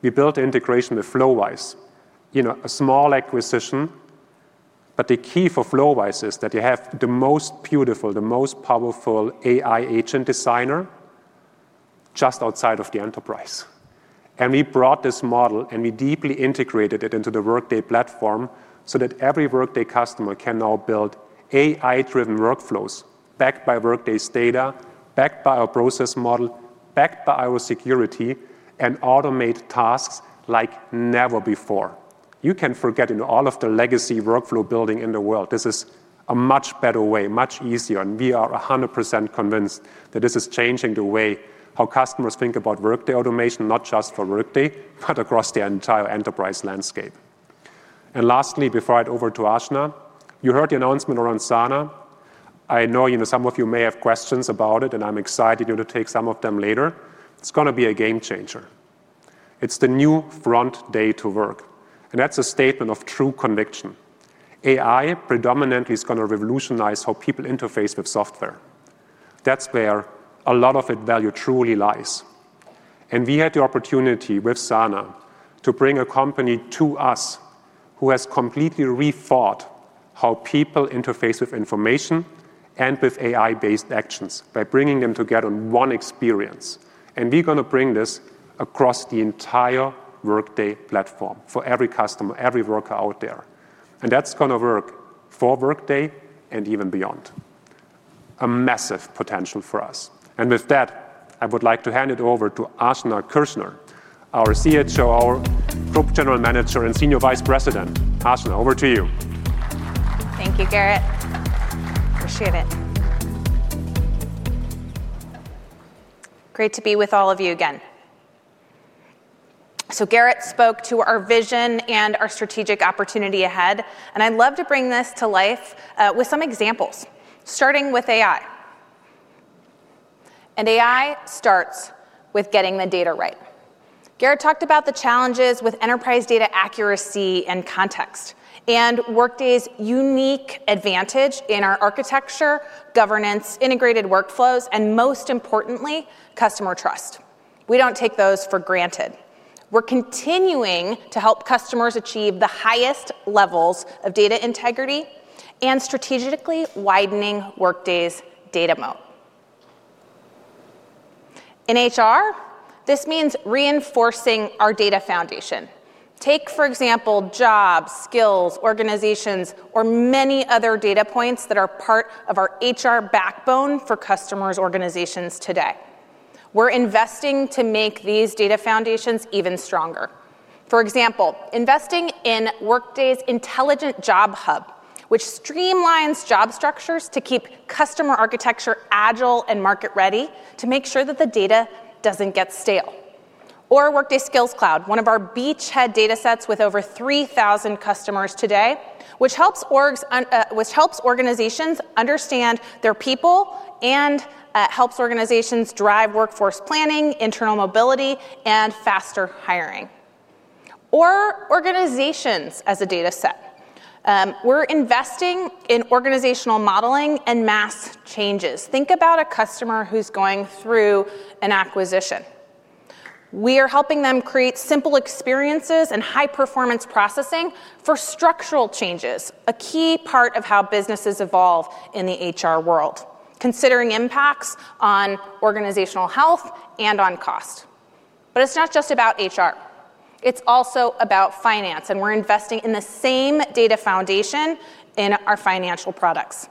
we built integration with FlowWise. A small acquisition. The key for FlowWise is that you have the most beautiful, the most powerful AI agent designer just outside of the enterprise. We brought this model, and we deeply integrated it into the Workday platform so that every Workday customer can now build AI-driven workflows backed by Workday's data, backed by our process model, backed by our security, and automate tasks like never before. You can forget all of the legacy workflow building in the world. This is a much better way, much easier. We are 100% convinced that this is changing the way how customers think about Workday automation, not just for Workday, but across the entire enterprise landscape. Lastly, before I get over to AAashna, you heard the announcement around Sana. I know some of you may have questions about it. I'm excited to take some of them later. It's going to be a game changer. It's the new front day to work. That's a statement of true conviction. AI predominantly is going to revolutionize how people interface with software. That's where a lot of value truly lies. We had the opportunity with Sana to bring a company to us who has completely rethought how people interface with information and with AI-based actions by bringing them together in one experience. We're going to bring this across the entire Workday platform for every customer, every worker out there. That's going to work for Workday and even beyond. A massive potential for us. With that, I would like to hand it over to AAashna Kirschner, our CHRO, Group General Manager, and Senior Vice President. AAashna, over to you. Thank you, Gerrit. Appreciate it. Great to be with all of you again. Gerrit spoke to our vision and our strategic opportunity ahead. I'd love to bring this to life with some examples, starting with AI. AI starts with getting the data right. Gerrit talked about the challenges with enterprise data accuracy and context and Workday's unique advantage in our architecture, governance, integrated workflows, and most importantly, customer trust. We don't take those for granted. We're continuing to help customers achieve the highest levels of data integrity and strategically widening Workday's data moat. In HR, this means reinforcing our data foundation. Take, for example, jobs, skills, organizations, or many other data points that are part of our HR backbone for customers' organizations today. We're investing to make these data foundations even stronger. For example, investing in Workday's Intelligent Job Hub, which streamlines job structures to keep customer architecture agile and market-ready to make sure that the data doesn't get stale. Workday Skills Cloud, one of our beachhead data sets with over 3,000 customers today, helps organizations understand their people and helps organizations drive workforce planning, internal mobility, and faster hiring. Organizations as a data set are also important. We're investing in organizational modeling and mass changes. Think about a customer who's going through an acquisition. We are helping them create simple experiences and high-performance processing for structural changes, a key part of how businesses evolve in the HR world, considering impacts on organizational health and on cost. It's not just about HR. It's also about finance. We're investing in the same data foundation in our financial products.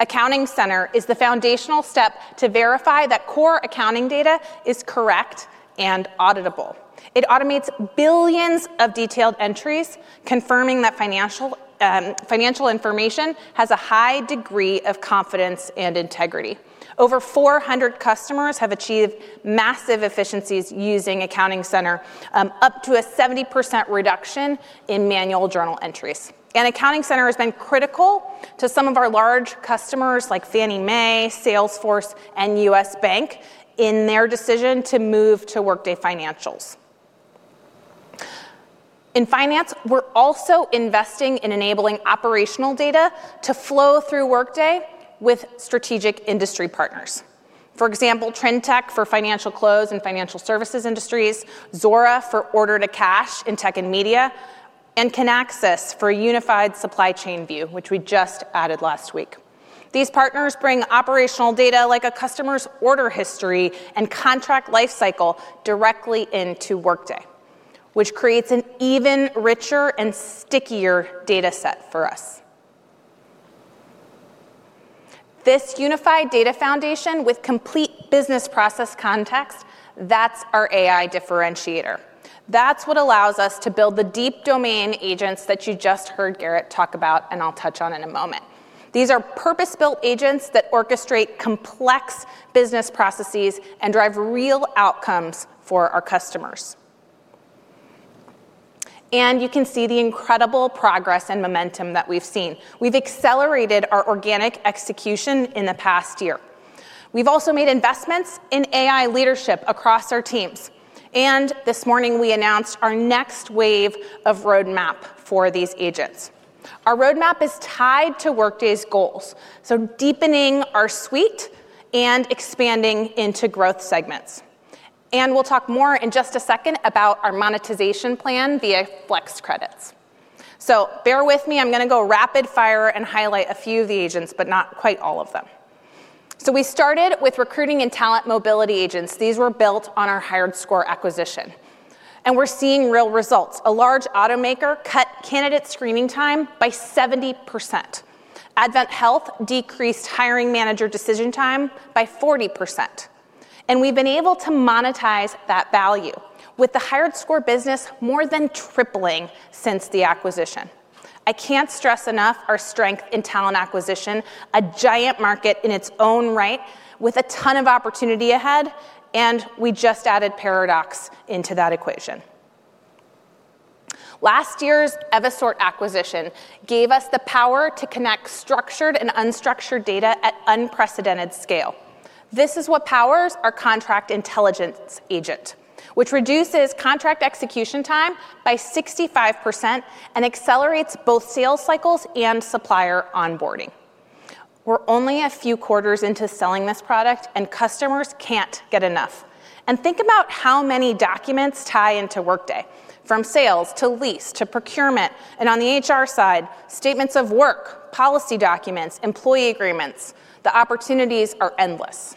Accounting Center is the foundational step to verify that core accounting data is correct and auditable. It automates billions of detailed entries, confirming that financial information has a high degree of confidence and integrity. Over 400 customers have achieved massive efficiencies using Accounting Center, up to a 70% reduction in manual journal entries. Accounting Center has been critical to some of our large customers like Fannie Mae, Salesforce, and U.S. Bank in their decision to move to Workday Financials. In finance, we're also investing in enabling operational data to flow through Workday with strategic industry partners. For example, Trintech for financial close and financial services industries, Zuora for order-to-cash in tech and media, and Kinaxis for a unified supply chain view, which we just added last week. These partners bring operational data like a customer's order history and contract lifecycle directly into Workday, which creates an even richer and stickier data set for us. This unified data foundation with complete business process context, that's our AI differentiator. That is what allows us to build the deep domain agents that you just heard Gerrit talk about and I'll touch on in a moment. These are purpose-built agents that orchestrate complex business processes and drive real outcomes for our customers. You can see the incredible progress and momentum that we've seen. We've accelerated our organic execution in the past year. We've also made investments in AI leadership across our teams. This morning, we announced our next wave of roadmap for these agents. Our roadmap is tied to Workday's goals, deepening our suite and expanding into growth segments. We'll talk more in just a second about our monetization plan via flex credits. Bear with me. I'm going to go rapid fire and highlight a few of the agents, but not quite all of them. We started with recruiting and talent mobility agents. These were built on our HireScore acquisition. We're seeing real results. A large automaker cut candidate screening time by 70%. AdventHealth decreased hiring manager decision time by 40%. We've been able to monetize that value with the HireScore business more than tripling since the acquisition. I can't stress enough our strength in talent acquisition, a giant market in its own right, with a ton of opportunity ahead. We just added Paradox into that equation. Last year's Eversort acquisition gave us the power to connect structured and unstructured data at unprecedented scale. This is what powers our contract intelligence agent, which reduces contract execution time by 65% and accelerates both sales cycles and supplier onboarding. We're only a few quarters into selling this product, and customers can't get enough. Think about how many documents tie into Workday, from sales to lease to procurement. On the HR side, statements of work, policy documents, employee agreements, the opportunities are endless.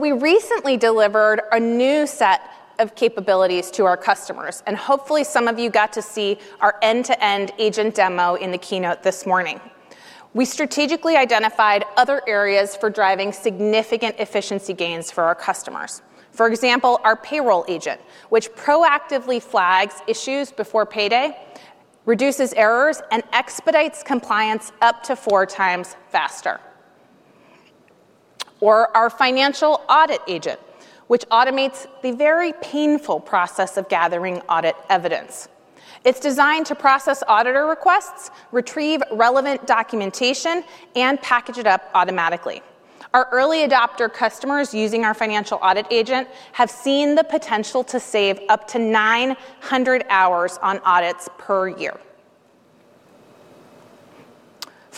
We recently delivered a new set of capabilities to our customers. Hopefully, some of you got to see our end-to-end agent demo in the keynote this morning. We strategically identified other areas for driving significant efficiency gains for our customers. For example, our payroll agent, which proactively flags issues before payday, reduces errors, and expedites compliance up to four times faster. Our financial audit agent automates the very painful process of gathering audit evidence. It's designed to process auditor requests, retrieve relevant documentation, and package it up automatically. Our early adopter customers using our financial audit agent have seen the potential to save up to 900 hours on audits per year.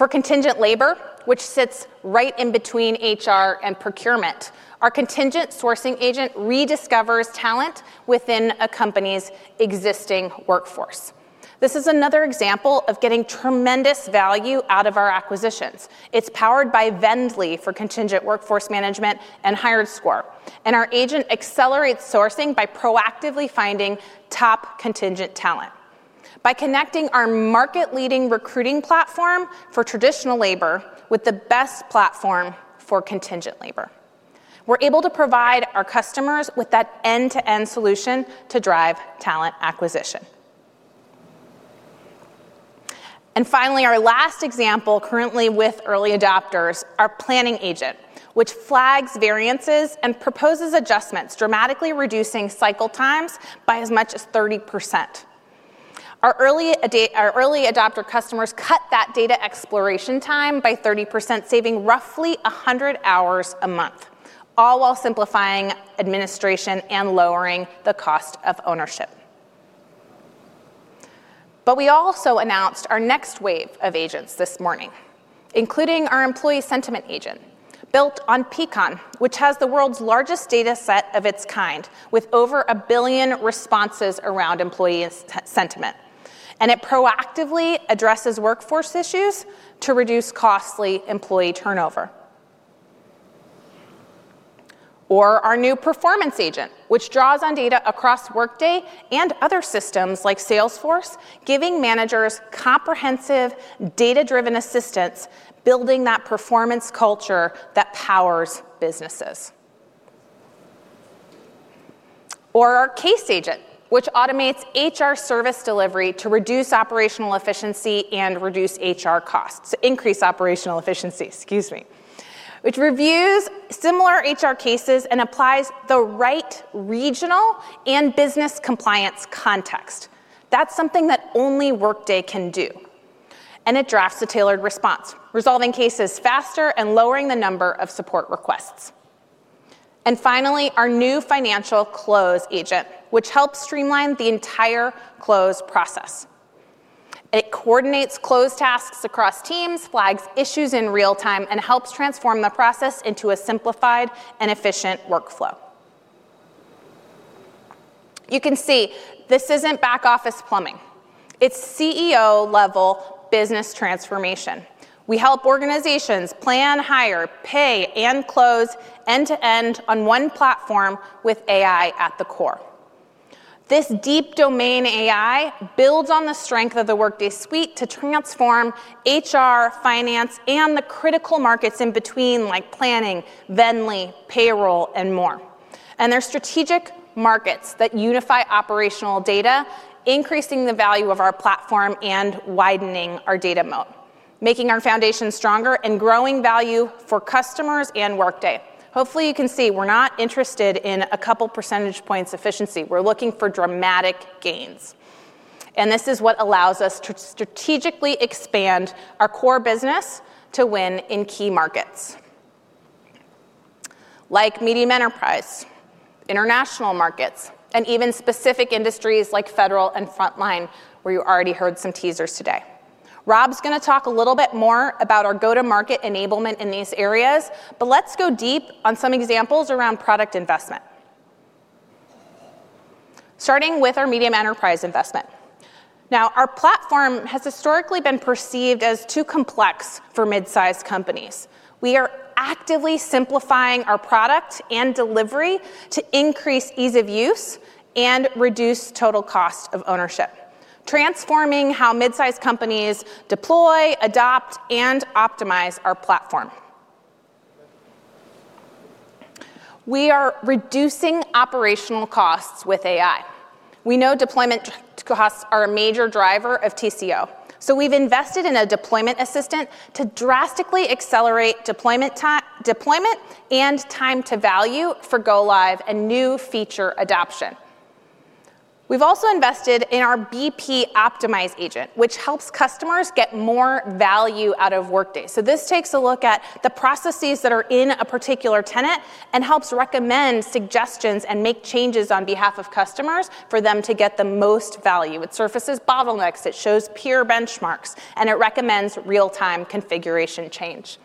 For contingent labor, which sits right in between HR and procurement, our contingent sourcing agent rediscovers talent within a company's existing workforce. This is another example of getting tremendous value out of our acquisitions. It's powered by VNDLY for contingent workforce management and HireScore. Our agent accelerates sourcing by proactively finding top contingent talent. By connecting our market-leading recruiting platform for traditional labor with the best platform for contingent labor, we're able to provide our customers with that end-to-end solution to drive talent acquisition. Finally, our last example currently with early adopters is our planning agent, which flags variances and proposes adjustments, dramatically reducing cycle times by as much as 30%. Our early adopter customers cut that data exploration time by 30%, saving roughly 100 hours a month, all while simplifying administration and lowering the cost of ownership. We also announced our next wave of agents this morning, including our employee sentiment agent built on Peakon, which has the world's largest data set of its kind, with over a billion responses around employee sentiment. It proactively addresses workforce issues to reduce costly employee turnover. Our new performance agent draws on data across Workday and other systems like Salesforce, giving managers comprehensive data-driven assistance, building that performance culture that powers businesses. Our case agent automates HR service delivery to increase operational efficiency and reduce HR costs, which reviews similar HR cases and applies the right regional and business compliance context. That's something that only Workday can do. It drafts a tailored response, resolving cases faster and lowering the number of support requests. Finally, our new financial close agent helps streamline the entire close process. It coordinates close tasks across teams, flags issues in real time, and helps transform the process into a simplified and efficient workflow. You can see this isn't back office plumbing. It's CEO-level business transformation. We help organizations plan, hire, pay, and close end-to-end on one platform with AI at the core. This deep domain AI builds on the strength of the Workday suite to transform HR, finance, and the critical markets in between, like planning, VNDLY, payroll, and more. These are strategic markets that unify operational data, increasing the value of our platform and widening our data moat, making our foundation stronger and growing value for customers and Workday. Hopefully, you can see we're not interested in a couple percentage points efficiency. We're looking for dramatic gains. This is what allows us to strategically expand our core business to win in key markets, like medium enterprise, international markets, and even specific industries like federal and frontline, where you already heard some teasers today. Rob's going to talk a little bit more about our go-to-market enablement in these areas. Let's go deep on some examples around product investment, starting with our medium enterprise investment. Our platform has historically been perceived as too complex for midsize companies. We are actively simplifying our product and delivery to increase ease of use and reduce total cost of ownership, transforming how midsize companies deploy, adopt, and optimize our platform. We are reducing operational costs with AI. We know deployment costs are a major driver of TCO. We've invested in a deployment assistant to drastically accelerate deployment and time to value for go-live and new feature adoption. We've also invested in our BP Optimize agent, which helps customers get more value out of Workday. This takes a look at the processes that are in a particular tenant and helps recommend suggestions and make changes on behalf of customers for them to get the most value. It surfaces bottlenecks, shows peer benchmarks, and recommends real-time configuration change.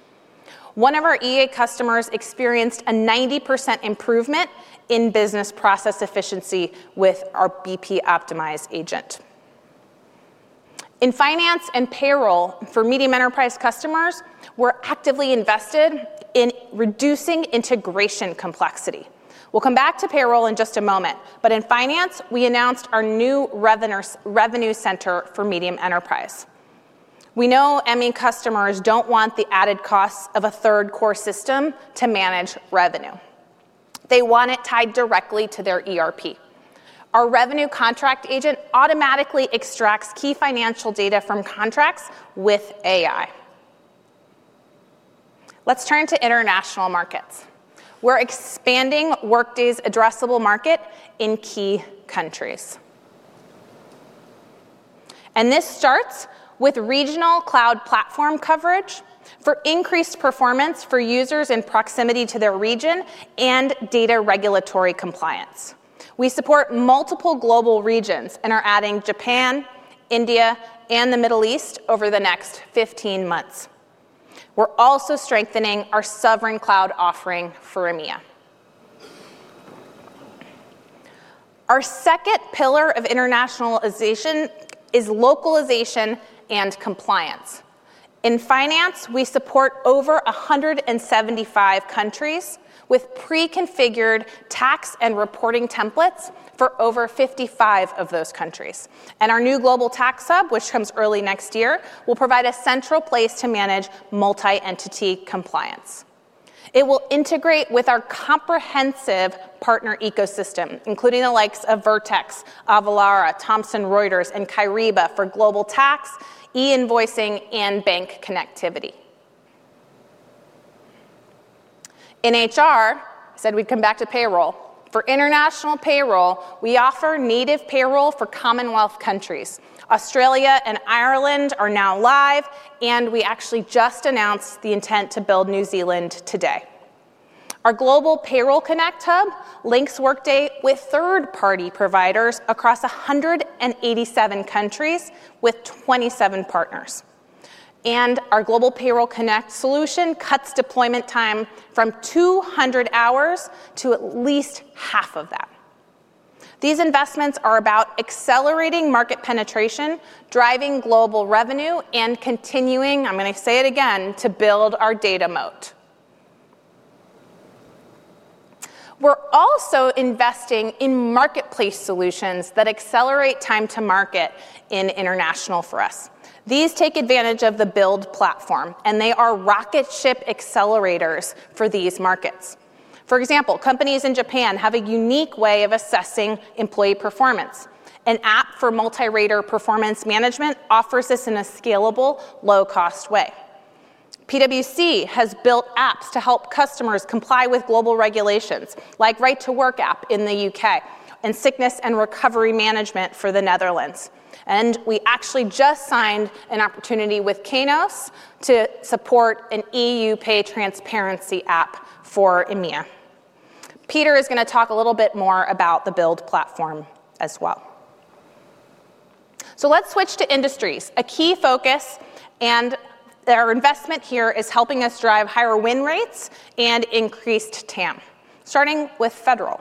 One of our EA customers experienced a 90% improvement in business process efficiency with our BP Optimize agent. In finance and payroll for medium enterprise customers, we're actively invested in reducing integration complexity. We'll come back to payroll in just a moment. In finance, we announced our new revenue center for medium enterprise. We know ME customers don't want the added costs of a third core system to manage revenue. They want it tied directly to their ERP. Our revenue contract agent automatically extracts key financial data from contracts with AI. Let's turn to international markets. We're expanding Workday's addressable market in key countries. This starts with regional cloud platform coverage for increased performance for users in proximity to their region and data regulatory compliance. We support multiple global regions and are adding Japan, India, and the Middle East over the next 15 months. We're also strengthening our sovereign cloud offering for EMEA. Our second pillar of internationalization is localization and compliance. In finance, we support over 175 countries with pre-configured tax and reporting templates for over 55 of those countries. Our new global tax hub, which comes early next year, will provide a central place to manage multi-entity compliance. It will integrate with our comprehensive partner ecosystem, including the likes of Vertex, Avalara, Thomson Reuters, and Kyriba for global tax, e-invoicing, and bank connectivity. In HR, I said we'd come back to payroll. For international payroll, we offer native payroll for Commonwealth countries. Australia and Ireland are now live. We actually just announced the intent to build New Zealand today. Our global payroll connect hub links Workday with third-party providers across 187 countries with 27 partners. Our global payroll connect solution cuts deployment time from 200 hours to at least half of that. These investments are about accelerating market penetration, driving global revenue, and continuing, I'm going to say it again, to build our data moat. We're also investing in marketplace solutions that accelerate time to market in international for us. These take advantage of the build platform. They are rocket ship accelerators for these markets. For example, companies in Japan have a unique way of assessing employee performance. An app for multi-rater performance management offers this in a scalable, low-cost way. PwC has built apps to help customers comply with global regulations, like Right to Work app in the U.K. and sickness and recovery management for the Netherlands. We actually just signed an opportunity with Kainos to support an EU pay transparency app for EMEA. Peter is going to talk a little bit more about the build platform as well. Let's switch to industries, a key focus. Our investment here is helping us drive higher win rates and increased TAM, starting with federal.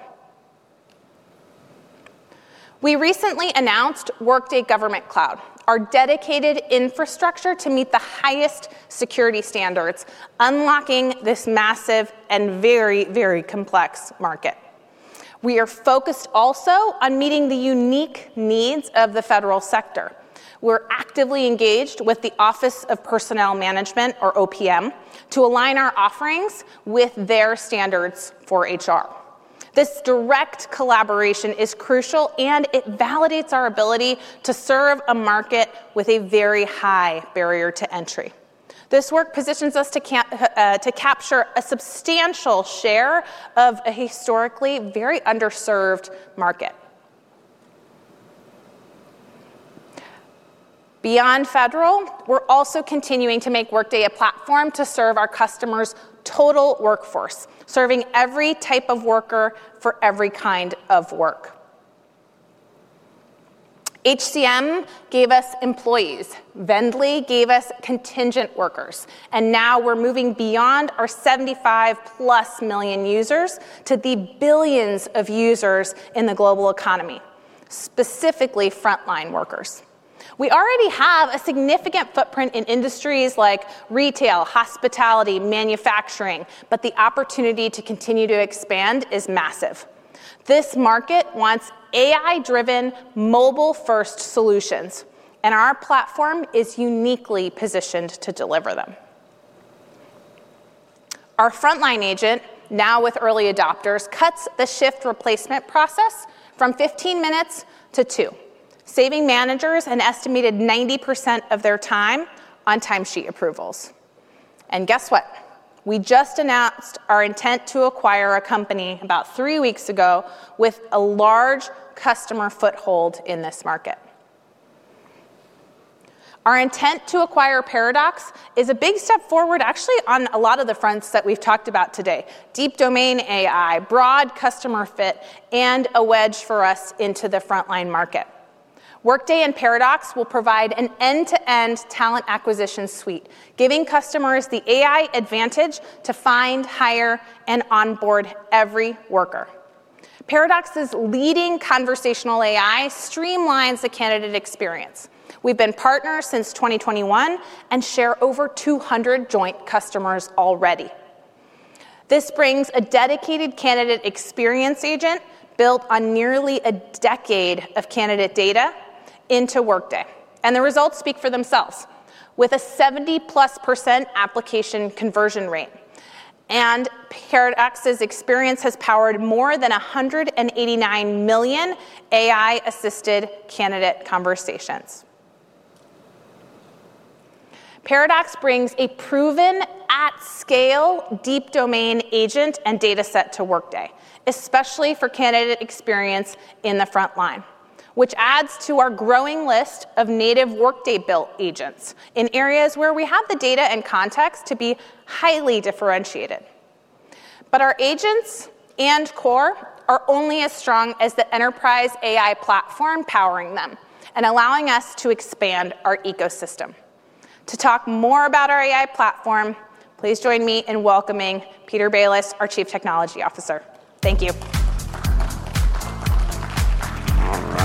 We recently announced Workday Government Cloud, our dedicated infrastructure to meet the highest security standards, unlocking this massive and very, very complex market. We are focused also on meeting the unique needs of the federal sector. We're actively engaged with the Office of Personnel Management, or OPM, to align our offerings with their standards for HR. This direct collaboration is crucial, and it validates our ability to serve a market with a very high barrier to entry. This work positions us to capture a substantial share of a historically very underserved market. Beyond federal, we're also continuing to make Workday a platform to serve our customers' total workforce, serving every type of worker for every kind of work. HCN gave us employees. VNDLY gave us contingent workers. Now we're moving beyond our 75+ million users to the billions of users in the global economy, specifically frontline workers. We already have a significant footprint in industries like retail, hospitality, and manufacturing. The opportunity to continue to expand is massive. This market wants AI-driven, mobile-first solutions, and our platform is uniquely positioned to deliver them. Our frontline agent, now with early adopters, cuts the shift replacement process from 15 minutes to 2, saving managers an estimated 90% of their time on timesheet approvals. Guess what? We just announced our intent to acquire a company about three weeks ago with a large customer foothold in this market. Our intent to acquire Paradox is a big step forward, actually, on a lot of the fronts that we've talked about today: deep domain AI, broad customer fit, and a wedge for us into the frontline market. Workday and Paradox will provide an end-to-end talent acquisition suite, giving customers the AI advantage to find, hire, and onboard every worker. Paradox's leading conversational AI streamlines the candidate experience. We've been partners since 2021 and share over 200 joint customers already. This brings a dedicated candidate experience agent built on nearly a decade of candidate data into Workday. The results speak for themselves, with a 70%+ application conversion rate. Paradox's experience has powered more than 189 million AI-assisted candidate conversations. Paradox brings a proven at-scale deep domain agent and data set to Workday, especially for candidate experience in the frontline, which adds to our growing list of native Workday-built agents in areas where we have the data and context to be highly differentiated. Our agents and core are only as strong as the enterprise AI platform powering them and allowing us to expand our ecosystem. To talk more about our AI platform, please join me in welcoming Peter Bailis, our Chief Technology Officer. Thank you.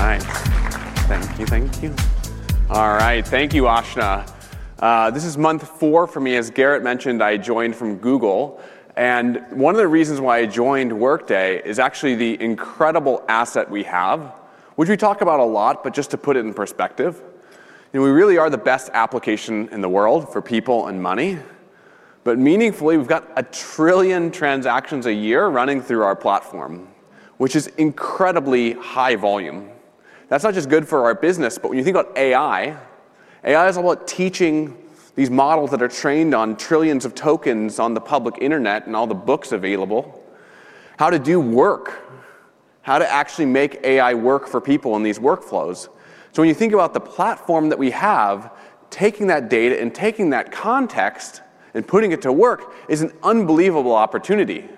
All right. Thank you, thank you. All right. Thank you, AAashna. This is month four for me. As Gerrit mentioned, I joined from Google. One of the reasons why I joined Workday is actually the incredible asset we have, which we talk about a lot, but just to put it in perspective, we really are the best application in the world for people and money. Meaningfully, we've got a trillion transactions a year running through our platform, which is incredibly high volume. That's not just good for our business, but when you think about AI, AI is all about teaching these models that are trained on trillions of tokens on the public internet and all the books available, how to do work, how to actually make AI work for people in these workflows. When you think about the platform that we have, taking that data and taking that context and putting it to work is an unbelievable opportunity.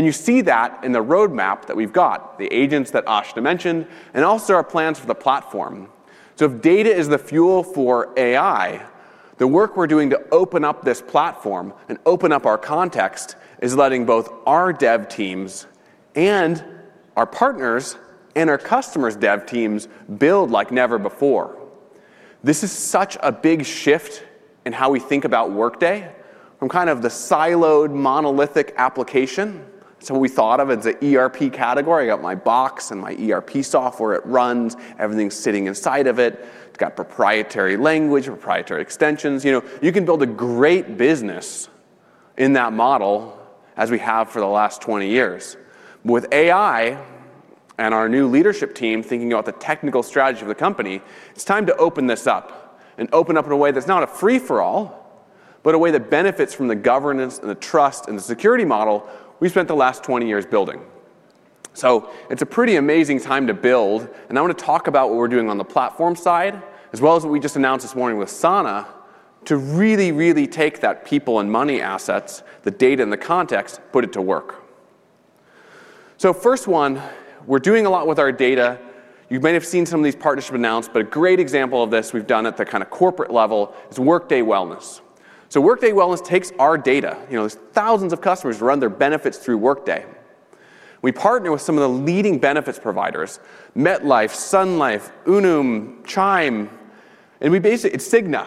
You see that in the roadmap that we've got, the agents that Aashna mentioned, and also our plans for the platform. If data is the fuel for AI, the work we're doing to open up this platform and open up our context is letting both our dev teams and our partners and our customers' dev teams build like never before. This is such a big shift in how we think about Workday from kind of the siloed, monolithic application. We thought of it as an ERP category. I got my box and my ERP software. It runs. Everything's sitting inside of it. It's got proprietary language, proprietary extensions. You can build a great business in that model, as we have for the last 20 years. With AI and our new leadership team thinking about the technical strategy of the company, it's time to open this up and open up in a way that's not a free-for-all, but a way that benefits from the governance and the trust and the security model we spent the last 20 years building. It's a pretty amazing time to build. I want to talk about what we're doing on the platform side, as well as what we just announced this morning with Sana to really, really take that people and money assets, the data and the context, put it to work. First, we're doing a lot with our data. You might have seen some of these partnerships announced. A great example of this we've done at the kind of corporate level is Workday Wellness. Workday Wellness takes our data. There are thousands of customers who run their benefits through Workday. We partner with some of the leading benefits providers: MetLife, Sun Life, Unum, Chime. We basically, it's Cigna,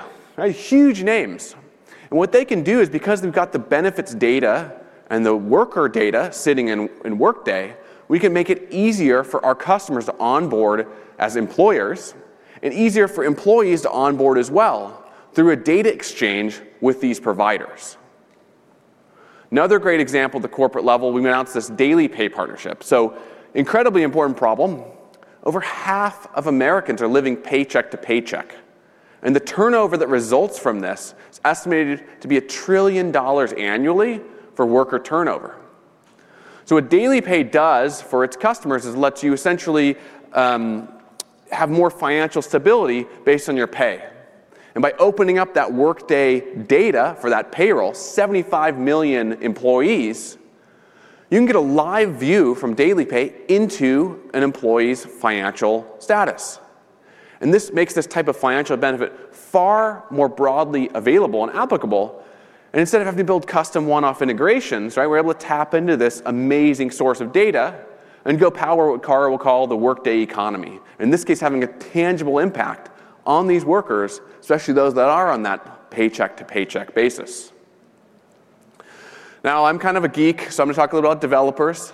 huge names. What they can do is because they've got the benefits data and the worker data sitting in Workday, we can make it easier for our customers to onboard as employers and easier for employees to onboard as well through a data exchange with these providers. Another great example at the corporate level, we've announced this daily pay partnership. Incredibly important problem. Over half of Americans are living paycheck to paycheck. The turnover The result from this is estimated to be $1 trillion annually for worker turnover. What DailyPay does for its customers is let you essentially have more financial stability based on your pay. By opening up that Workday data for that payroll, 75 million employees, you can get a live view from DailyPay into an employee's financial status. This makes this type of financial benefit far more broadly available and applicable. Instead of having to build custom one-off integrations, we're able to tap into this amazing source of data and power what Carl will call the Workday economy. In this case, having a tangible impact on these workers, especially those that are on that paycheck-to-paycheck basis. I'm kind of a geek, so I'm going to talk a little bit about developers.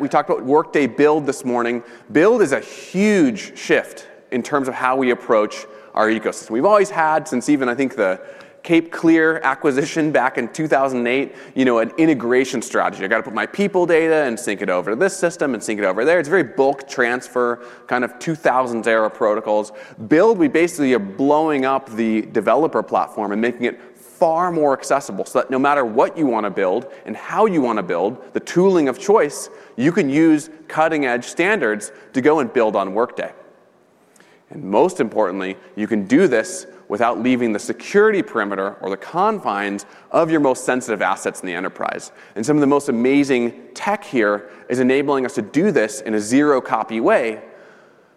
We talked about Workday Build this morning. Build is a huge shift in terms of how we approach our ecosystem. We've always had, since even, I think, the Cape Clear acquisition back in 2008, an integration strategy. I got to put my people data and sync it over to this system and sync it over there. It's very bulk transfer, kind of 2000s era protocols. Build, we basically are blowing up the developer platform and making it far more accessible so that no matter what you want to build and how you want to build, the tooling of choice, you can use cutting-edge standards to go and build on Workday. Most importantly, you can do this without leaving the security perimeter or the confines of your most sensitive assets in the enterprise. Some of the most amazing tech here is enabling us to do this in a zero-copy way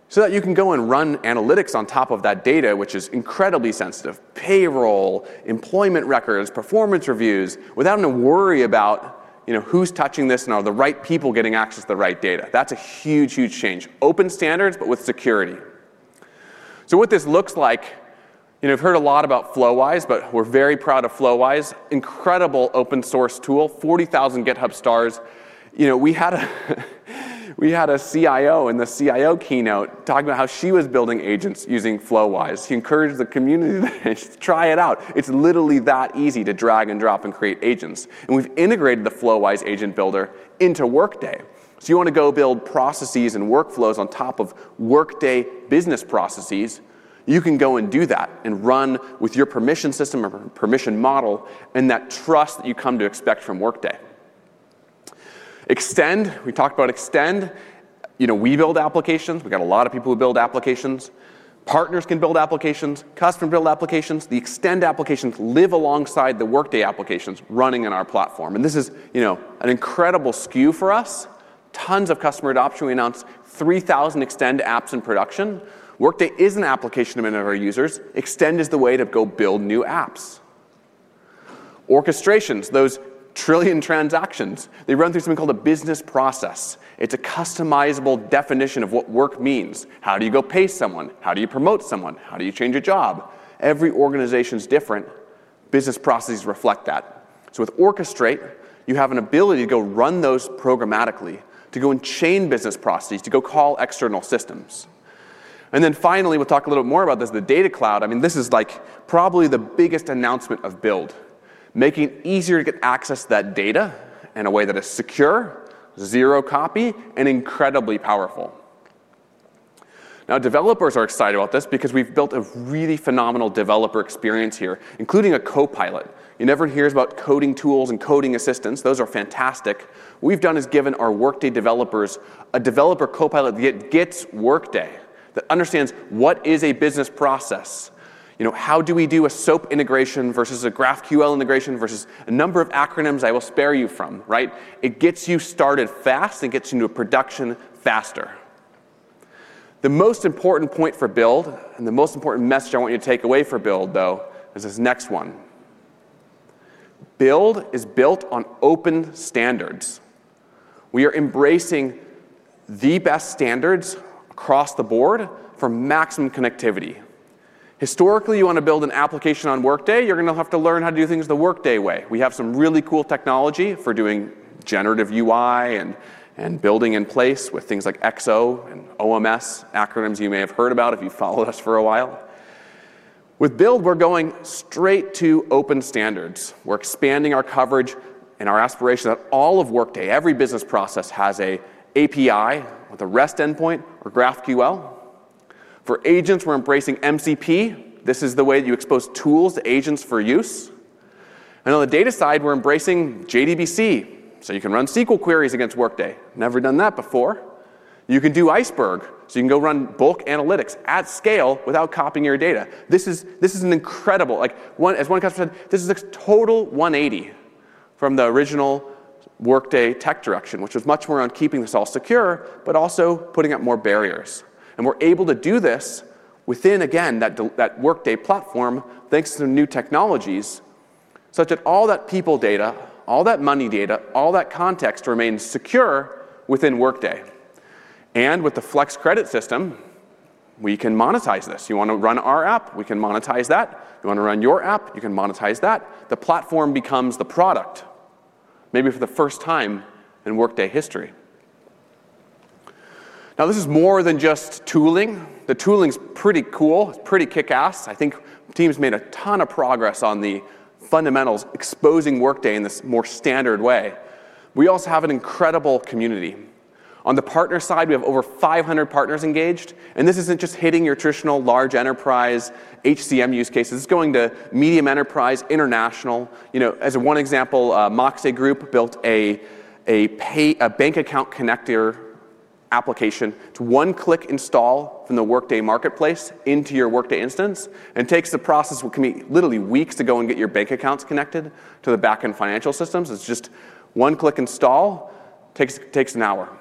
so that you can go and run analytics on top of that data, which is incredibly sensitive: payroll, employment records, performance reviews, without any worry about who's touching this and are the right people getting access to the right data. That's a huge, huge change. Open standards, but with security. What this looks like, you've heard a lot about FlowWise, but we're very proud of FlowWise. Incredible open source tool, 40,000 GitHub stars. We had a CIO in the CIO keynote talking about how she was building agents using FlowWise. She encouraged the community to try it out. It's literally that easy to drag and drop and create agents. We've integrated the FlowWise agent builder into Workday. You want to go build processes and workflows on top of Workday business processes, you can go and do that and run with your permission system or permission model and that trust that you come to expect from Workday. Extend, we talked about Extend. We build applications. We've got a lot of people who build applications. Partners can build applications, custom build applications. The Extend applications live alongside the Workday applications running in our platform. This is an incredible SKU for us. Tons of customer adoption. We announced 3,000 Extend apps in production. Workday is an application of many of our users. Extend is the way to go build new apps. Orchestrations, those trillion transactions, they run through something called a business process. It's a customizable definition of what work means. How do you go pay someone? How do you promote someone? How do you change a job? Every organization is different. Business processes reflect that. With Orchestrate, you have an ability to go run those programmatically, to go and chain business processes, to go call external systems. Finally, we'll talk a little bit more about this, the data cloud. This is probably the biggest announcement of Build, making it easier to get access to that data in a way that is secure, zero-copy, and incredibly powerful. Developers are excited about this because we've built a really phenomenal developer experience here, including a copilot. You never hear about coding tools and coding assistants. Those are fantastic. What we've done is given our Workday developers a developer copilot that gets Workday, that understands what is a business process. How do we do a SOAP integration versus a GraphQL integration versus a number of acronyms I will spare you from? It gets you started fast and gets you into a production faster. The most important point for Build, and the most important message I want you to take away for Build, is this next one. Build is built on open standards. We are embracing the best standards across the board for maximum connectivity. Historically, you want to build an application on Workday, you're going to have to learn how to do things the Workday way. We have some really cool technology for doing generative UI and building in place with things like XO and OMS, acronyms you may have heard about if you've followed us for a while. With Build, we're going straight to open standards. We're expanding our coverage and our aspiration that all of Workday, every business process, has an API with a REST endpoint or GraphQL. For agents, we're embracing MCP. This is the way you expose tools to agents for use. On the data side, we're embracing JDBC so you can run SQL queries against Workday. Never done that before. You can do Iceberg, so you can go run bulk analytics at scale without copying your data. This is incredible. As one customer said, this is a total 180 from the original Workday tech direction, which was much more on keeping this all secure, but also putting up more barriers. We're able to do this within, again, that Workday platform, thanks to new technologies, such that all that people data, all that money data, all that context remains secure within Workday. With the flex credits system, we can monetize this. You want to run our app, we can monetize that. You want to run your app, you can monetize that. The platform becomes the product, maybe for the first time in Workday history. Now, this is more than just tooling. The tooling is pretty cool. It's pretty kick-ass. I think teams made a ton of progress on the fundamentals exposing Workday in this more standard way. We also have an incredible community. On the partner side, we have over 500 partners engaged. This isn't just hitting your traditional large enterprise HCM use cases. It's going to medium enterprise, international. As one example, Moxie Group built a bank account connector application. It's one-click install from the Workday marketplace into your Workday instance, and it takes the process, what can be literally weeks, to go and get your bank accounts connected to the backend financial systems. It's just one-click install. It takes an hour.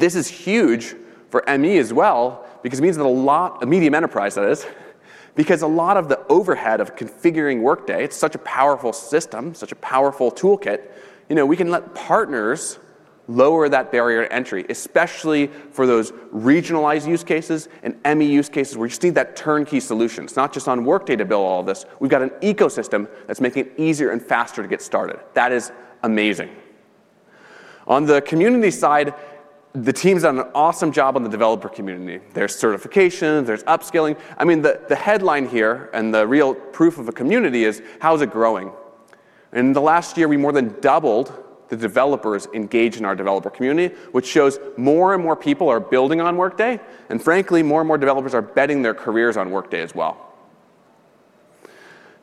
This is huge for ME as well, that is, medium enterprise, because a lot of the overhead of configuring Workday, it's such a powerful system, such a powerful toolkit. We can let partners lower that barrier to entry, especially for those regionalized use cases and ME use cases where you just need that turnkey solution. It's not just on Workday to build all of this. We've got an ecosystem that's making it easier and faster to get started. That is amazing. On the community side, the team's done an awesome job on the developer community. There's certification, there's upskilling. I mean, the headline here and the real proof of a community is how is it growing? In the last year, we more than doubled the developers engaged in our developer community, which shows more and more people are building on Workday. Frankly, more and more developers are betting their careers on Workday as well.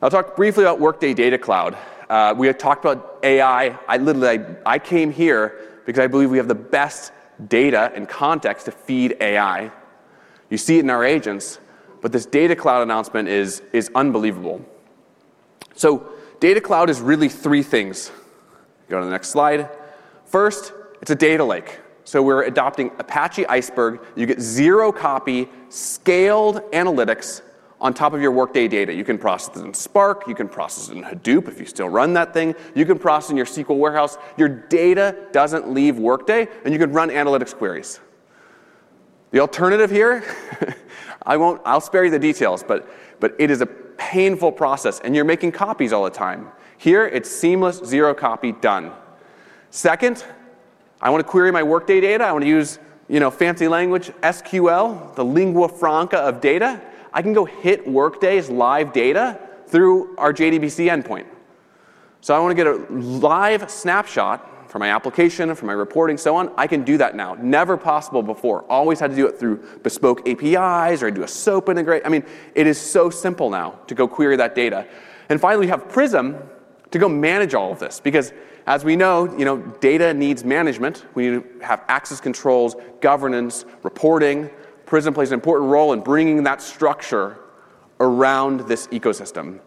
I'll talk briefly about Workday Data Cloud. We had talked about AI. I literally came here because I believe we have the best data and context to feed AI. You see it in our agents, but this Data Cloud announcement is unbelievable. Data Cloud is really three things. Go to the next slide. First, it's a data lake. We're adopting Apache Iceberg. You get zero-copy scaled analytics on top of your Workday data. You can process it in Spark. You can process it in Hadoop if you still run that thing. You can process it in your SQL warehouse. Your data doesn't leave Workday, and you can run analytics queries. The alternative here, I'll spare you the details, but it is a painful process, and you're making copies all the time. Here, it's seamless, zero-copy, done. Second, I want to query my Workday data. I want to use fancy language, SQL, the lingua franca of data. I can go hit Workday's live data through our JDBC endpoint. I want to get a live snapshot for my application, for my reporting, and so on. I can do that now. Never possible before. Always had to do it through bespoke APIs, or I do a SOAP integration. It is so simple now to go query that data. Finally, we have Prism to go manage all of this, because as we know, data needs management. We have access controls, governance, reporting. Prism plays an important role in bringing that structure around this ecosystem.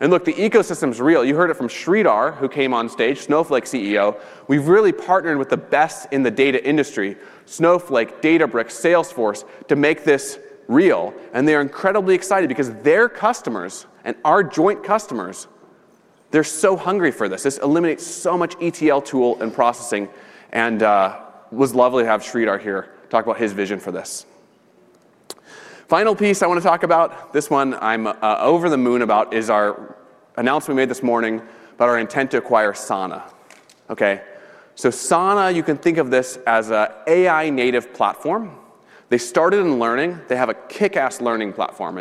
The ecosystem is real. You heard it from Shridhar who came on stage, Snowflake CEO. We've really partnered with the best in the data industry, Snowflake, Databricks, Salesforce, to make this real. They're incredibly excited because their customers and our joint customers are so hungry for this. This eliminates so much ETL tool and processing. It was lovely to have Shridhar here talk about his vision for this. The final piece I want to talk about, this one I'm over the moon about, is our announcement we made this morning about our intent to acquire Sana. Sana, you can think of this as an AI-native platform. They started in learning. They have a kick-ass learning platform.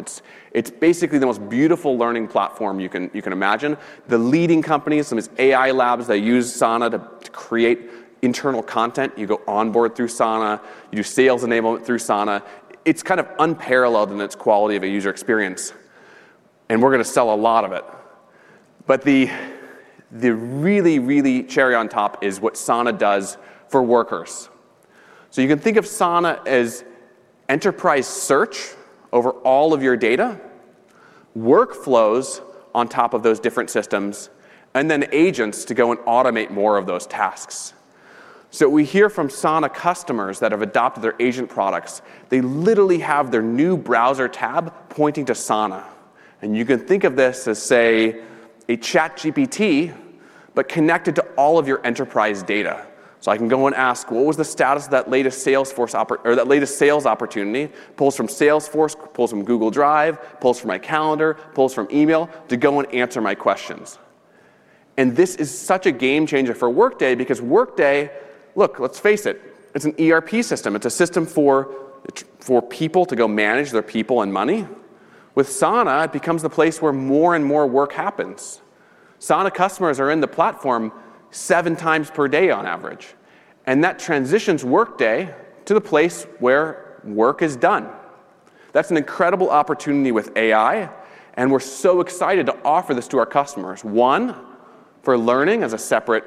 It's basically the most beautiful learning platform you can imagine. The leading companies, some of these AI labs, use Sana to create internal content. You go onboard through Sana. You do sales enablement through Sana. It's kind of unparalleled in its quality of a user experience. We're going to sell a lot of it. The really, really cherry on top is what Sana does for workers. You can think of Sana as enterprise search over all of your data, workflows on top of those different systems, and then agents to go and automate more of those tasks. We hear from Sana customers that have adopted their agent products. They literally have their new browser tab pointing to Sana. You can think of this as, say, a ChatGPT, but connected to all of your enterprise data. I can go and ask, what was the status of that latest Salesforce opportunity? Pulls from Salesforce, pulls from Google Drive, pulls from my calendar, pulls from email to go and answer my questions. This is such a game changer for Workday because Workday, look, let's face it, it's an ERP system. It's a system for people to go manage their people and money. With Sana, it becomes the place where more and more work happens. Sana customers are in the platform seven times per day on average. That transitions Workday to the place where work is done. That's an incredible opportunity with AI. We're so excited to offer this to our customers. One, for learning as a separate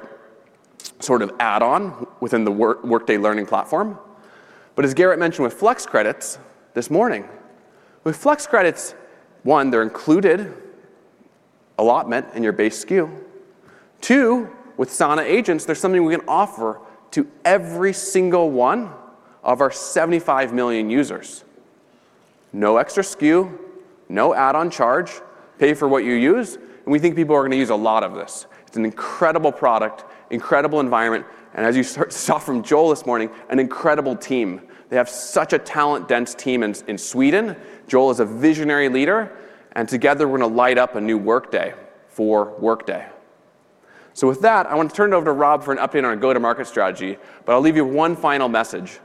sort of add-on within the Workday learning platform. As Gerrit mentioned with Flex Credits this morning, with Flex Credits, one, they're included allotment in your base SKU. Two, with Sana agents, there's something we can offer to every single one of our 75 million users. No extra SKU, no add-on charge. Pay for what you use. We think people are going to use a lot of this. It's an incredible product, incredible environment. As you saw from Joel this morning, an incredible team. They have such a talent-dense team in Sweden. Joel is a visionary leader. Together, we're going to light up a new Workday for Workday. With that, I want to turn it over to Rob for an update on our go-to-market strategy. I'll leave you one final message.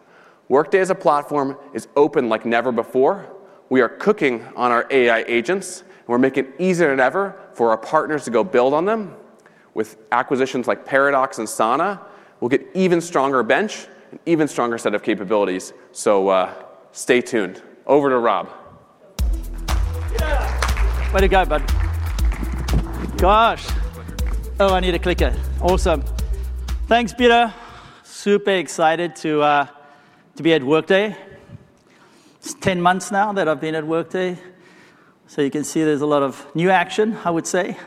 Workday as a platform is open like never before. We are cooking on our AI agents. We're making it easier than ever for our partners to go build on them. With acquisitions like Paradox and Sana, we'll get an even stronger bench and an even stronger set of capabilities. Stay tuned. Over to Rob. How did it go, bud? Gosh. Oh, I need a clicker. Awesome. Thanks, Peter. Super excited to be at Workday. It's 10 months now that I've been at Workday. You can see there's a lot of new action, I would say.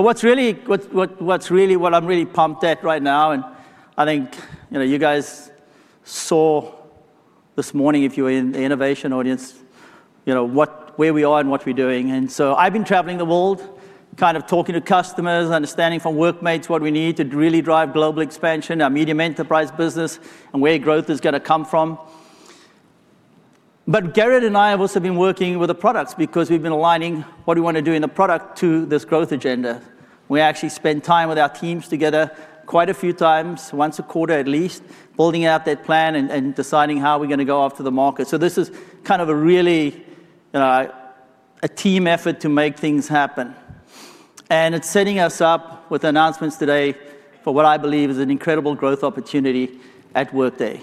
What's really what I'm really pumped at right now, and I think you guys saw this morning if you were in the Innovation Audience, where we are and what we're doing. I've been traveling the world, kind of talking to customers, understanding from workmates what we need to really drive global expansion, our medium enterprise business, and where growth is going to come from. Gerrit and I have also been working with the products because we've been aligning what we want to do in the product to this growth agenda. We actually spend time with our teams together quite a few times, once a quarter at least, building out that plan and deciding how we're going to go after the market. This is kind of a really team effort to make things happen. It's setting us up with announcements today for what I believe is an incredible growth opportunity at Workday.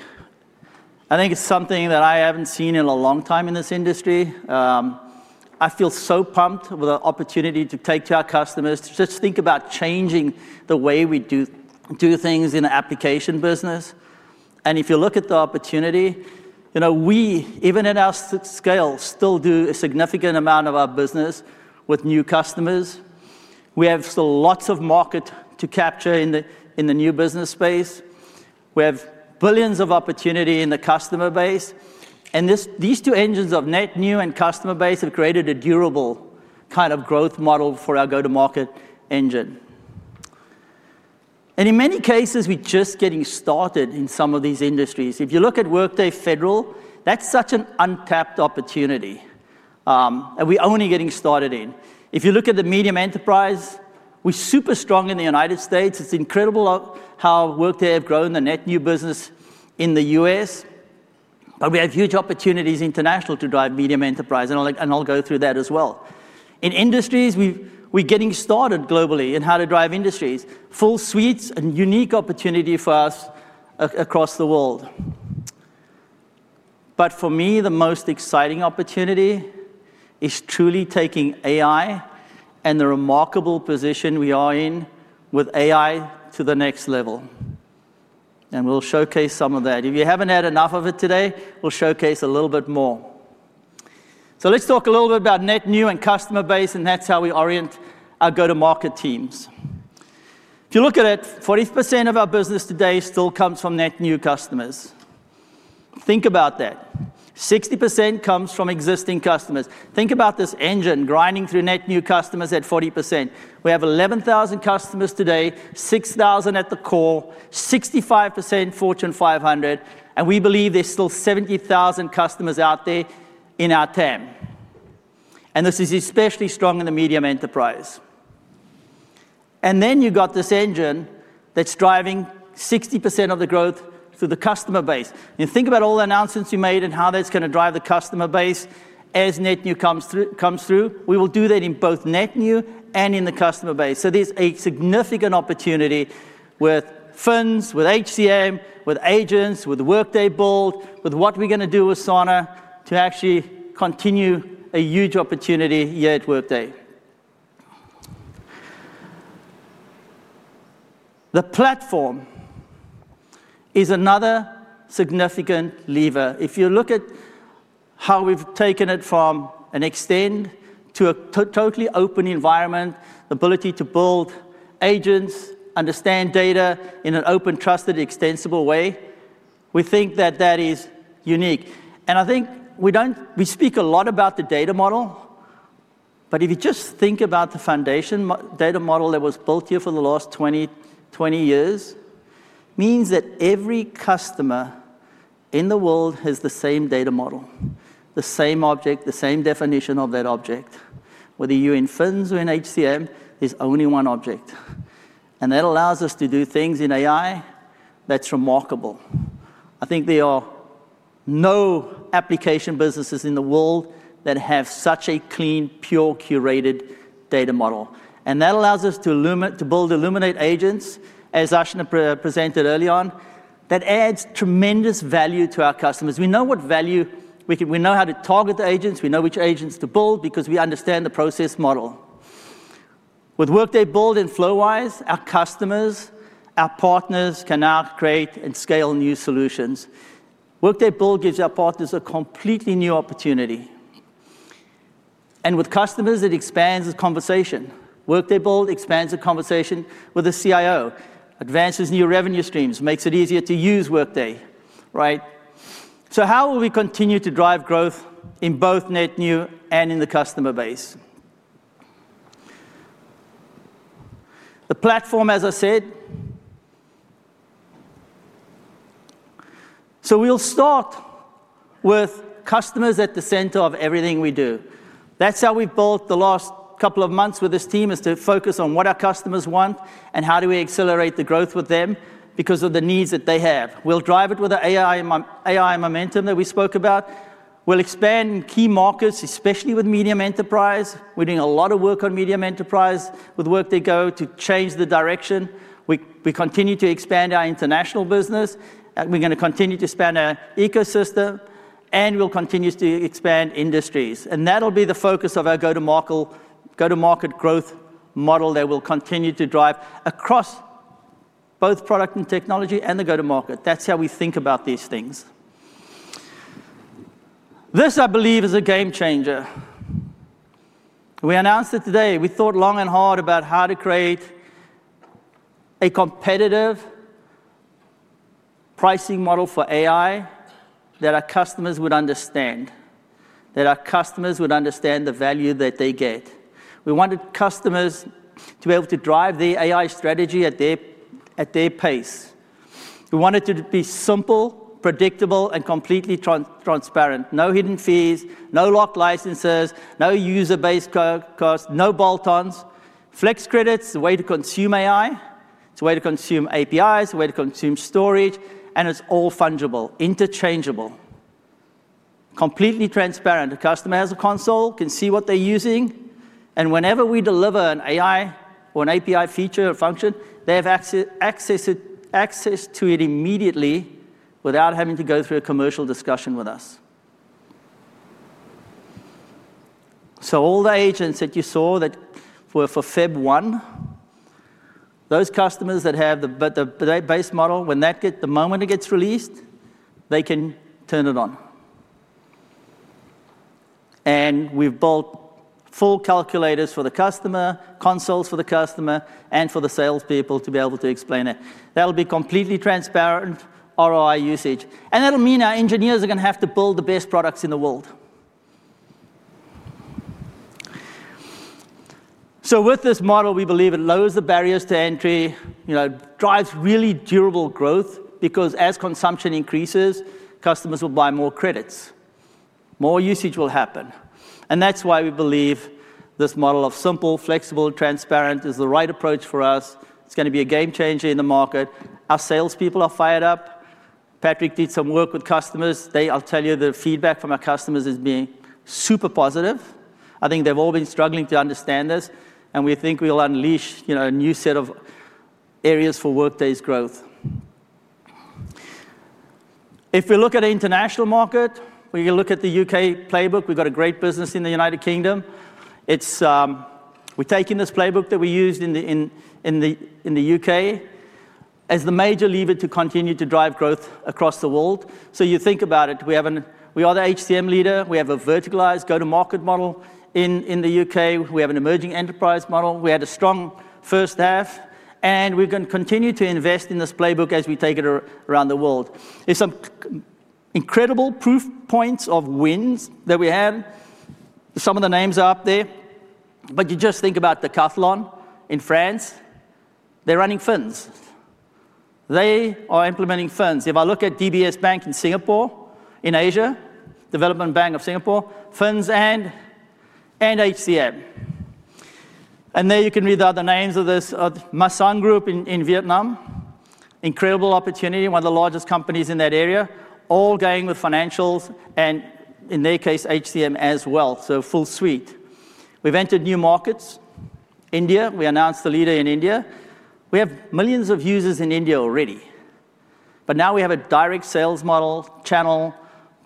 I think it's something that I haven't seen in a long time in this industry. I feel so pumped with the opportunity to take to our customers, just think about changing the way we do things in the application business. If you look at the opportunity, you know we, even at our scale, still do a significant amount of our business with new customers. We have lots of market to capture in the new business space. We have billions of opportunity in the customer base. These two engines of net new and customer base have created a durable kind of growth model for our go-to-market engine. In many cases, we're just getting started in some of these industries. If you look at Workday Federal, that's such an untapped opportunity that we're only getting started in. If you look at the medium enterprise, we're super strong in the United States. It's incredible how Workday has grown the net new business in the U.S. We have huge opportunities internationally to drive medium enterprise. I'll go through that as well. In industries, we're getting started globally in how to drive industries. Full suites and unique opportunity for us across the world. For me, the most exciting opportunity is truly taking AI and the remarkable position we are in with AI to the next level. We'll showcase some of that. If you haven't had enough of it today, we'll showcase a little bit more. Let's talk a little bit about net new and customer base, and that's how we orient our go-to-market teams. If you look at it, 40% of our business today still comes from net new customers. Think about that. 60% comes from existing customers. Think about this engine grinding through net new customers at 40%. We have 11,000 customers today, 6,000 at the core, 65% Fortune 500. We believe there's still 70,000 customers out there in our TAM. This is especially strong in the medium enterprise. You've got this engine that's driving 60% of the growth through the customer base. Think about all the announcements you made and how that's going to drive the customer base as net new comes through. We will do that in both net new and in the customer base. There's a significant opportunity with funds, with HCM, with agents, with Workday Bold, with what we're going to do with Sana to actually continue a huge opportunity here at Workday. The platform is another significant lever. If you look at how we've taken it from an extend to a totally open environment, the ability to build agents, understand data in an open, trusted, extensible way, we think that is unique. I think we speak a lot about the data model. If you just think about the foundation data model that was built here for the last 20 years, it means that every customer in the world has the same data model, the same object, the same definition of that object. Whether you're in funds or in HCM, there's only one object. That allows us to do things in AI that's remarkable. I think there are no application businesses in the world that have such a clean, pure, curated data model. That allows us to build Illuminate agents, as Aashna presented early on. That adds tremendous value to our customers. We know what value, we know how to target the agents. We know which agents to build because we understand the process model. With Workday Bold and FlowWise, our customers, our partners can now create and scale new solutions. Workday Bold gives our partners a completely new opportunity. With customers, it expands the conversation. Workday Bold expands the conversation with the CIO, advances new revenue streams, makes it easier to use Workday. Right? How will we continue to drive growth in both net new and in the customer base? The platform, as I said. We'll start with customers at the center of everything we do. That's how we've built the last couple of months with this team, to focus on what our customers want and how do we accelerate the growth with them because of the needs that they have. We'll drive it with the AI momentum that we spoke about. We'll expand key markets, especially with medium enterprise. We're doing a lot of work on medium enterprise with Workday Go to change the direction. We continue to expand our international business. We're going to continue to expand our ecosystem. We'll continue to expand industries. That'll be the focus of our go-to-market growth model that will continue to drive across both product and technology and the go-to-market. That's how we think about these things. This, I believe, is a game changer. We announced it today. We thought long and hard about how to create a competitive pricing model for AI that our customers would understand, that our customers would understand the value that they get. We wanted customers to be able to drive the AI strategy at their pace. We want it to be simple, predictable, and completely transparent. No hidden fees, no locked licenses, no user-based costs, no bolt-ons. Flex Credits, the way to consume AI. It's a way to consume APIs, a way to consume storage. It's all fungible, interchangeable, completely transparent. The customer has a console, can see what they're using. Whenever we deliver an AI or an API feature or function, they have access to it immediately without having to go through a commercial discussion with us. All the agents that you saw that were for Feb 1, those customers that have the base model, the moment it gets released, they can turn it on. We've built full calculators for the customer, consoles for the customer, and for the salespeople to be able to explain it. That'll be completely transparent ROI usage. That'll mean our engineers are going to have to build the best products in the world. With this model, we believe it lowers the barriers to entry, drives really durable growth because as consumption increases, customers will buy more credits. More usage will happen. That's why we believe this model of simple, flexible, transparent is the right approach for us. It's going to be a game changer in the market. Our salespeople are fired up. Patrick did some work with customers. I'll tell you the feedback from our customers has been super positive. I think they've all been struggling to understand this. We think we'll unleash a new set of areas for Workday's growth. If we look at an international market, we can look at the U.K. playbook. We've got a great business in the United Kingdom. We're taking this playbook that we used in the U.K. as the major lever to continue to drive growth across the world. You think about it. We are the HCM leader. We have a verticalized go-to-market model in the U.K. We have an emerging enterprise model. We had a strong first half. We're going to continue to invest in this playbook as we take it around the world. There are some incredible proof points of wins that we had. Some of the names are up there. You just think about Decathlon in France. They're running financials. They are implementing financials. If I look at DBS Bank in Singapore, in Asia, Development Bank of Singapore, financials and HCM. You can read the other names of this. Masan Group in Vietnam, incredible opportunity, one of the largest companies in that area, all going with financials and, in their case, HCM as well. Full suite. We've entered new markets. India, we announced the leader in India. We have millions of users in India already. Now we have a direct sales model, channel,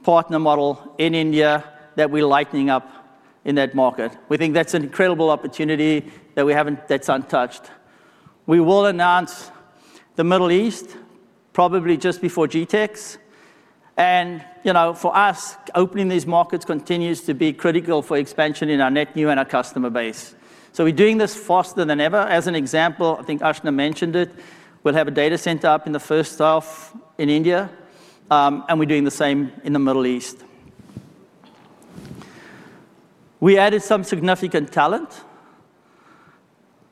partner model in India that we're lighting up in that market. We think that's an incredible opportunity that we haven't touched. We will announce the Middle East, probably just before GITEX. For us, opening these markets continues to be critical for expansion in our net new and our customer base. We're doing this faster than ever. As an example, I think Aashna mentioned it. We'll have a data center up in the first half in India. We're doing the same in the Middle East. We added some significant talent.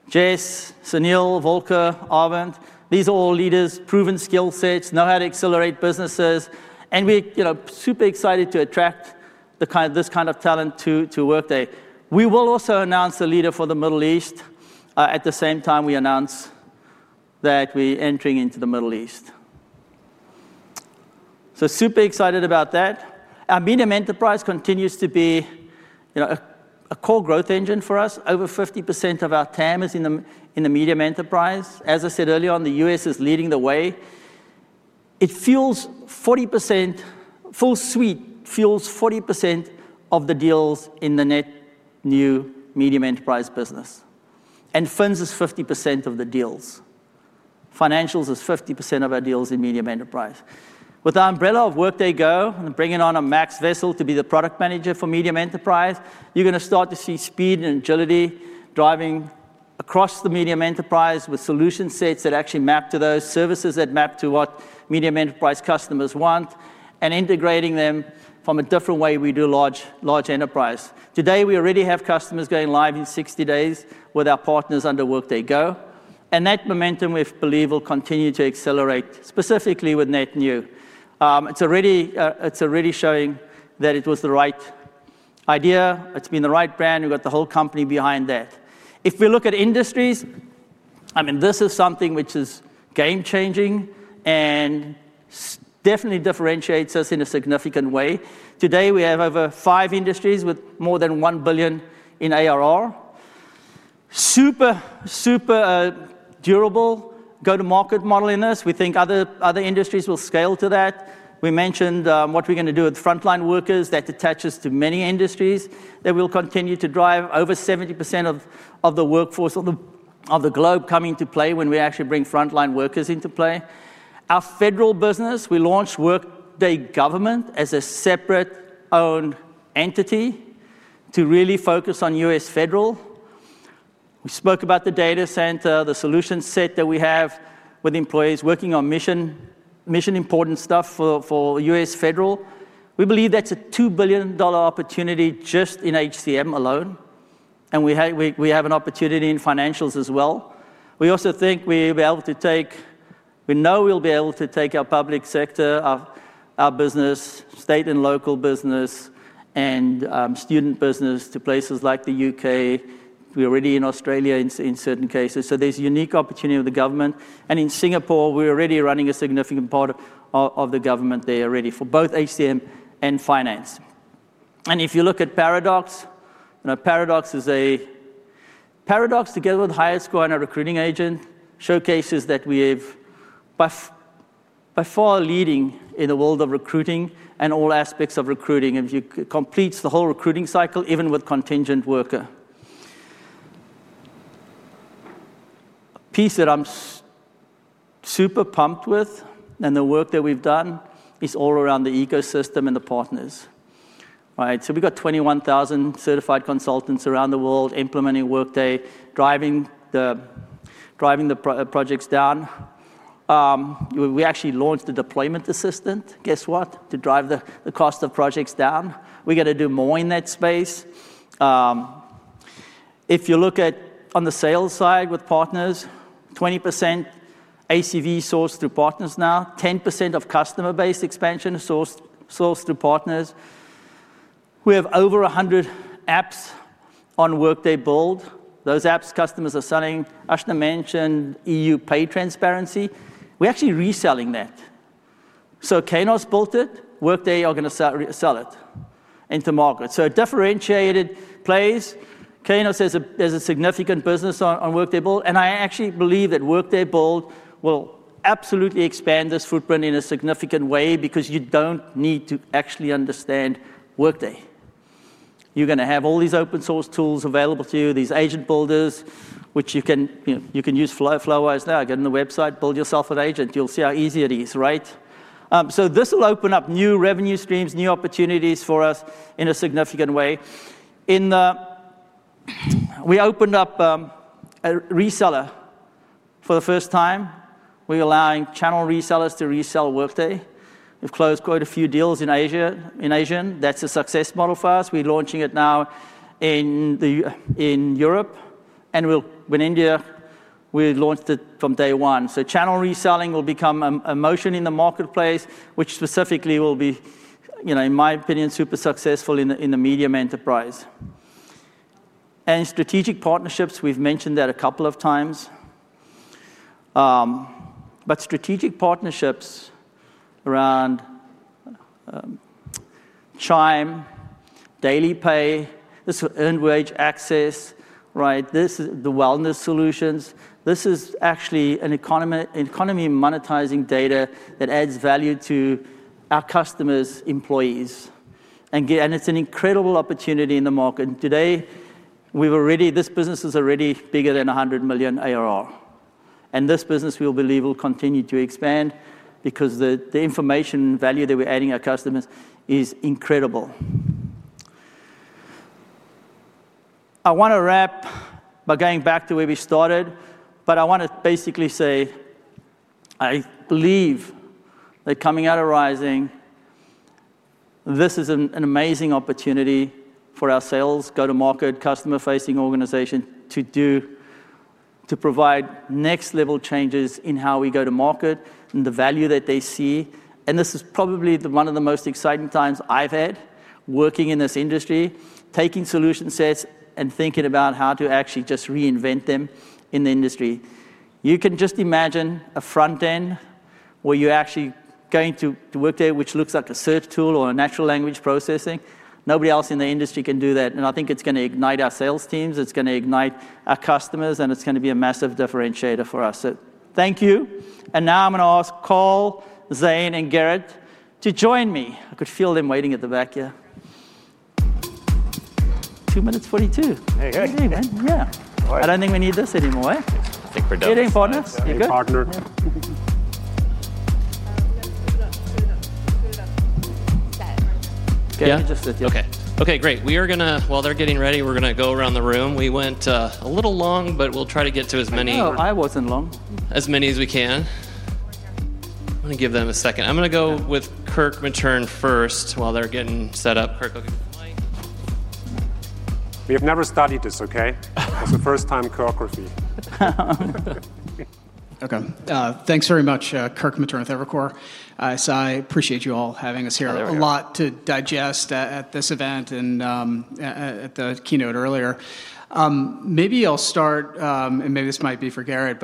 Jess, Sunil, Volker, Arvind, these are all leaders, proven skill sets, know how to accelerate businesses. We're super excited to attract this kind of talent to Workday. We will also announce a leader for the Middle East at the same time we announce that we're entering into the Middle East. Super excited about that. Our medium enterprise continues to be a core growth engine for us. Over 50% of our TAM is in the medium enterprise. As I said earlier on, the U.S. is leading the way. It fuels 40%. Full suite fuels 40% of the deals in the net new medium enterprise business. Financials is 50% of the deals. Financials is 50% of our deals in medium enterprise. With the umbrella of Workday Go and bringing on a Max Vessel to be the Product Manager for medium enterprise, you're going to start to see speed and agility driving across the medium enterprise with solution sets that actually map to those services that map to what medium enterprise customers want and integrating them from a different way we do large enterprise. Today, we already have customers going live in 60 days with our partners under Workday Go, and that momentum, we believe, will continue to accelerate, specifically with net new. It's already showing that it was the right idea. It's been the right brand. We've got the whole company behind that. If we look at industries, I mean, this is something which is game changing and definitely differentiates us in a significant way. Today, we have over five industries with more than $1 billion in ARR. Super, super durable go-to-market model in this. We think other industries will scale to that. We mentioned what we're going to do with frontline workers that attach us to many industries that will continue to drive over 70% of the workforce of the globe coming to play when we actually bring frontline workers into play. Our federal business, we launched Workday Government as a separate owned entity to really focus on U.S. federal. We spoke about the data center, the solution set that we have with employees working on mission-important stuff for U.S. federal. We believe that's a $2 billion opportunity just in HCM alone, and we have an opportunity in financials as well. We also think we'll be able to take, we know we'll be able to take our public sector, our business, state and local business, and student business to places like the U.K.. We're already in Australia in certain cases. There is a unique opportunity with the government. In Singapore, we're already running a significant part of the government there already for both HCM and finance. If you look at Paradox, Paradox together with HireScore and our recruiting agent showcases that we are by far leading in the world of recruiting and all aspects of recruiting. It completes the whole recruiting cycle, even with contingent worker. A piece that I'm super pumped with and the work that we've done is all around the ecosystem and the partners. We've got 21,000 certified consultants around the world implementing Workday, driving the projects down. We actually launched the deployment assistant, guess what, to drive the cost of projects down. We're going to do more in that space. If you look at on the sales side with partners, 20% ACV sourced through partners now, 10% of customer-based expansion is sourced through partners. We have over 100 apps on Workday Bold. Those apps customers are selling. Aashna mentioned EU pay transparency. We're actually reselling that. Kainos built it. Workday are going to sell it into market. Differentiated plays. Kainos has a significant business on Workday Bold. I actually believe that Workday Bold will absolutely expand this footprint in a significant way because you don't need to actually understand Workday. You're going to have all these open source tools available to you, these agent builders, which you can use FlowWise. Now, get on the website, build yourself an agent. You'll see how easy it is. This will open up new revenue streams, new opportunities for us in a significant way. We opened up a reseller for the first time. We're allowing channel resellers to resell Workday. We've closed quite a few deals in Asia. That's a success model for us. We're launching it now in Europe. We'll win India. We launched it from day one. Channel reselling will become a motion in the marketplace, which specifically will be, in my opinion, super successful in the medium enterprise. Strategic partnerships, we've mentioned that a couple of times. Strategic partnerships around CHIME, daily pay, this earned wage access, right? This is the wellness solutions. This is actually an economy monetizing data that adds value to our customers, employees. It is an incredible opportunity in the market. Today, this business is already bigger than $100 million ARR. This business, we believe, will continue to expand because the information value that we're adding to our customers is incredible. I want to wrap by going back to where we started. I want to basically say, I believe that coming out of rising, this is an amazing opportunity for our sales, go-to-market, customer-facing organizations to provide next-level changes in how we go to market and the value that they see. This is probably one of the most exciting times I've had working in this industry, taking solution sets and thinking about how to actually just reinvent them in the industry. You can just imagine a front end where you're actually going to Workday, which looks like a search tool or a natural language processing. Nobody else in the industry can do that. I think it's going to ignite our sales teams. It's going to ignite our customers, and it's going to be a massive differentiator for us. Thank you. Now I'm going to ask Carl, Zane, and Gerrit to join me. I could feel them waiting at the back here. 2 minutes and 42 seconds. Hey, hey, hey. Yeah, I don't think we need this anymore. I think we're done. You're doing fine. You're good. Set. OK, great. We are going to, while they're getting ready, we're going to go around the room. We went a little long, but we'll try to get to as many. I wasn't long. As many as we can. I'm going to give them a second. I'm going to go with Kirk Materne first while they're getting set up. Kirk, I'll give you the mic. We have never studied this, OK? That's the first time, choreography. OK. Thanks very much, Kirk Materne with Evercore. I appreciate you all having us here. A lot to digest at this event and at the keynote earlier. Maybe I'll start, and maybe this might be for Gerrit.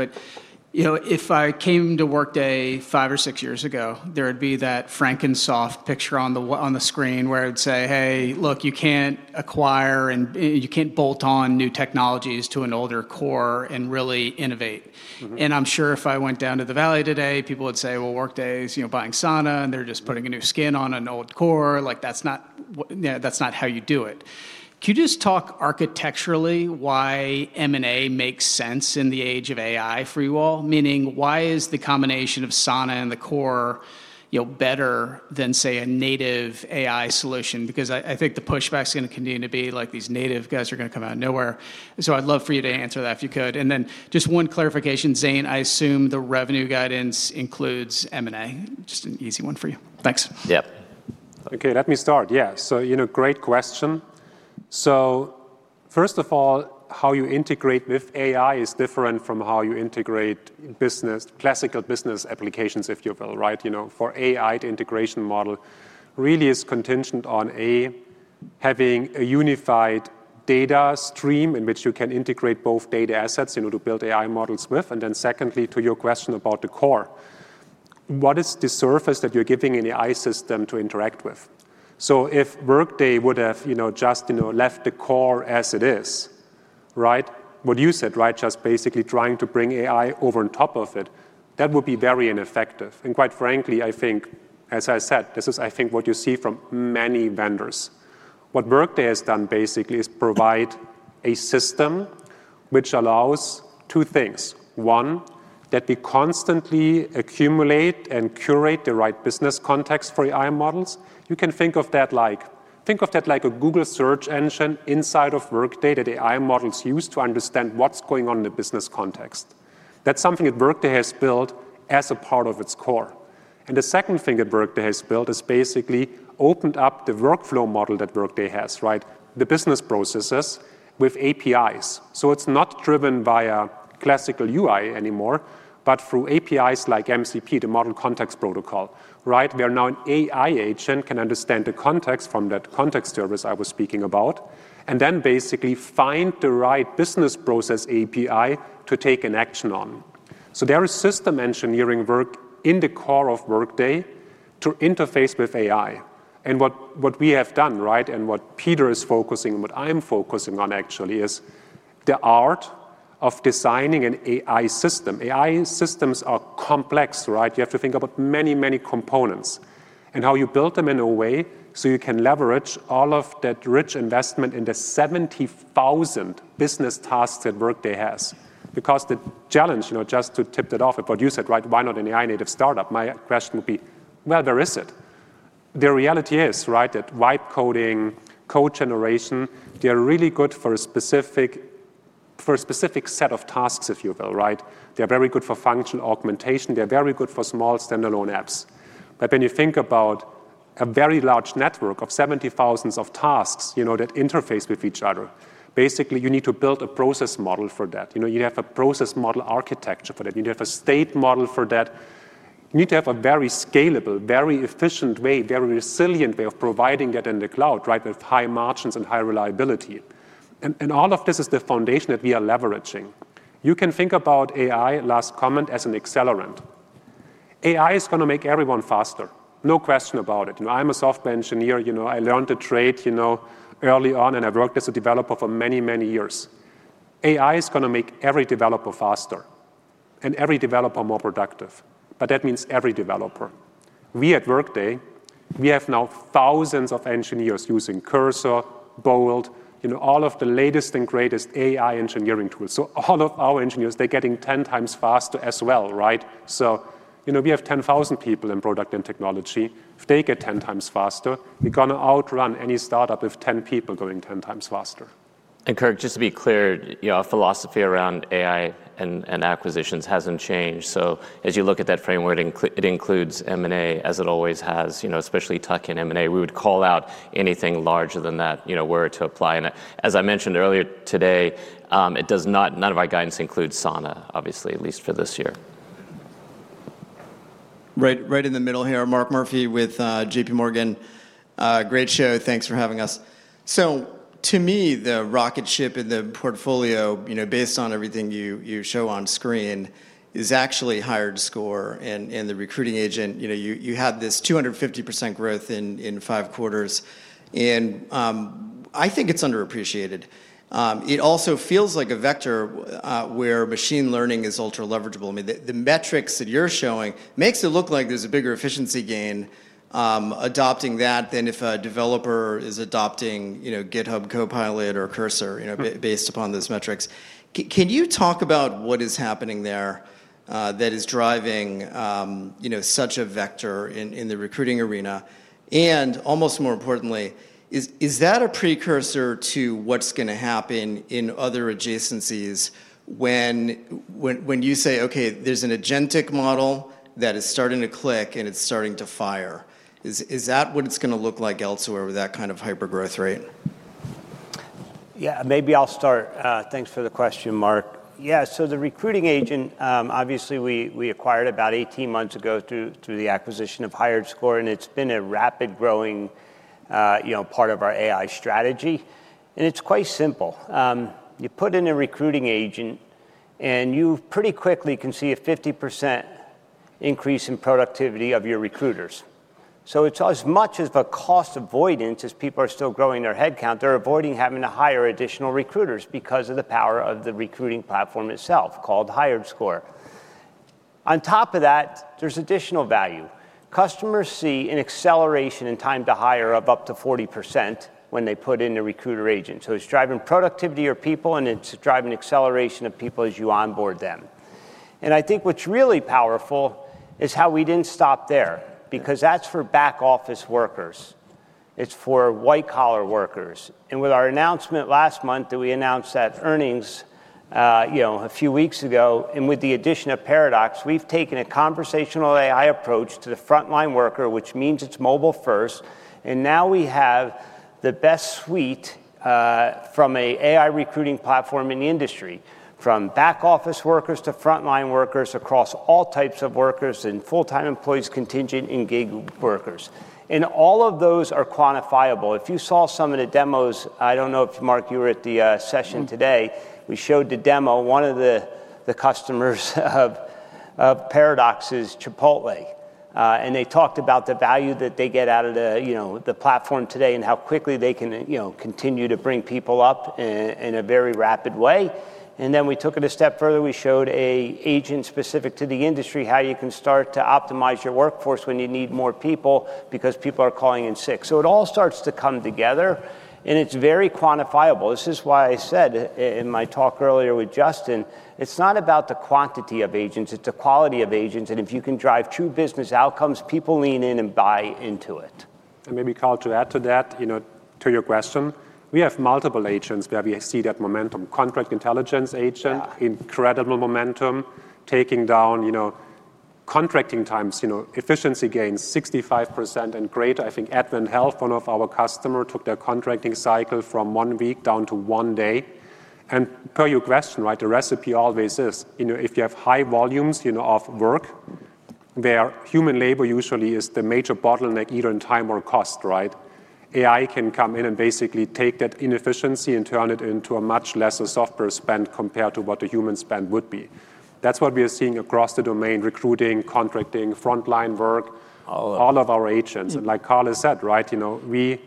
If I came to Workday five or six years ago, there would be that Frankensoft picture on the screen where it would say, hey, look, you can't acquire and you can't bolt on new technologies to an older core and really innovate. I'm sure if I went down to the valley today, people would say, Workday is buying Sana and they're just putting a new skin on an old core. Like that's not how you do it. Can you just talk architecturally why M&A makes sense in the age of AI for you all? Meaning, why is the combination of Sana and the core better than, say, a native AI solution? I think the pushback is going to continue to be like these native guys are going to come out of nowhere. I'd love for you to answer that if you could. One clarification, Zane, I assume the revenue guidance includes M&A. Just an easy one for you. Thanks. OK, let me start. Great question. First of all, how you integrate with AI is different from how you integrate classical business applications, if you will, right? For AI, the integration model really is contingent on having a unified data stream in which you can integrate both data assets to build AI models with. Secondly, to your question about the core, what is the surface that you're giving an AI system to interact with? If Workday would have just left the core as it is, right, what you said, just basically trying to bring AI over on top of it, that would be very ineffective. Quite frankly, I think, as I said, this is, I think, what you see from many vendors. What Workday has done basically is provide a system which allows two things. One, that we constantly accumulate and curate the right business context for AI models. You can think of that like a Google search engine inside of Workday that AI models use to understand what's going on in the business context. That's something that Workday has built as a part of its core. The second thing that Workday has built is basically opened up the workflow model that Workday has, the business processes with APIs. It's not driven by a classical UI anymore, but through APIs like MCP, the Model Context Protocol, where now an AI agent can understand the context from that context service I was speaking about and then basically find the right business process API to take an action on. There is system engineering work in the core of Workday to interface with AI. What we have done, and what Peter is focusing on, what I'm focusing on actually is the art of designing an AI system. AI systems are complex, right? You have to think about many, many components and how you build them in a way so you can leverage all of that rich investment in the 70,000 business tasks that Workday has. The challenge, just to tip that off, but you said, why not an AI-native startup? My question would be, where is it? The reality is, that white coding, code generation, they're really good for a specific set of tasks, if you will, right? They're very good for function augmentation. They're very good for small standalone apps. When you think about a very large network of 70,000 tasks that interface with each other, basically, you need to build a process model for that. You have a process model architecture for that. You need to have a state model for that. You need to have a very scalable, very efficient way, a very resilient way of providing that in the cloud, right, with high margins and high reliability. All of this is the foundation that we are leveraging. You can think about AI, last comment, as an accelerant. AI is going to make everyone faster, no question about it. I'm a software engineer. I learned the trade early on, and I've worked as a developer for many, many years. AI is going to make every developer faster and every developer more productive. That means every developer. We at Workday, we have now thousands of engineers using Cursor, Bold, all of the latest and greatest AI engineering tools. All of our engineers, they're getting 10 times faster as well, right? We have 10,000 people in product and technology. If they get 10x faster, we're going to outrun any startup with 10 people going 10x faster. Kirk, just to be clear, our philosophy around AI and acquisitions hasn't changed. As you look at that framework, it includes M&A, as it always has, especially tuck-in M&A. We would call out anything larger than that were to apply. As I mentioned earlier today, none of our guidance includes Sana, obviously, at least for this year. Right in the middle here, Mark Murphy with JPMorgan. Great show. Thanks for having us. To me, the rocket ship in the portfolio, based on everything you show on screen, is actually HireScore. The recruiting agent, you had this 250% growth in five quarters. I think it's underappreciated. It also feels like a vector where machine learning is ultra-leverageable. The metrics that you're showing make it look like there's a bigger efficiency gain adopting that than if a developer is adopting GitHub Copilot or Cursor based upon those metrics. Can you talk about what is happening there that is driving such a vector in the recruiting arena? Almost more importantly, is that a precursor to what's going to happen in other adjacencies when you say, OK, there's an agentic model that is starting to click and it's starting to fire? Is that what it's going to look like elsewhere with that kind of hyper-growth rate? Yeah, maybe I'll start. Thanks for the question, Mark. Yeah, so the recruiting agent, obviously, we acquired about 18 months ago through the acquisition of HireScore. It's been a rapid-growing part of our AI strategy. It's quite simple. You put in a recruiting agent, and you pretty quickly can see a 50% increase in productivity of your recruiters. It's as much of a cost avoidance as people are still growing their headcount. They're avoiding having to hire additional recruiters because of the power of the recruiting platform itself called HireScore. On top of that, there's additional value. Customers see an acceleration in time to hire of up to 40% when they put in a recruiter agent. It's driving productivity of people, and it's driving acceleration of people as you onboard them. I think what's really powerful is how we didn't stop there, because that's for back-office workers. It's for white-collar workers. With our announcement last month that we announced at earnings a few weeks ago, and with the addition of Paradox, we've taken a conversational AI approach to the frontline worker, which means it's mobile-first. Now we have the best suite from an AI recruiting platform in the industry, from back-office workers to frontline workers across all types of workers and full-time employees, contingent, and gig workers. All of those are quantifiable. If you saw some of the demos, I don't know if, Mark, you were at the session today. We showed the demo. One of the customers of Paradox is Chipotle. They talked about the value that they get out of the platform today and how quickly they can continue to bring people up in a very rapid way. We took it a step further. We showed an agent specific to the industry, how you can start to optimize your workforce when you need more people because people are calling in sick. It all starts to come together. It's very quantifiable. This is why I said in my talk earlier with Justin, it's not about the quantity of agents. It's the quality of agents. If you can drive true business outcomes, people lean in and buy into it. Maybe, Carl, to add to that, to your question, we have multiple agents where we see that momentum. Contract intelligence agent, incredible momentum, taking down contracting times, efficiency gains, 65% and greater. I think AdventHealth, one of our customers, took their contracting cycle from one week down to one day. Per your question, the recipe always is, if you have high volumes of work where human labor usually is the major bottleneck, either in time or cost, right? AI can come in and basically take that inefficiency and turn it into a much lesser software spend compared to what the human spend would be. That is what we are seeing across the domain: recruiting, contracting, frontline work, all of our agents. Like Carl has said, we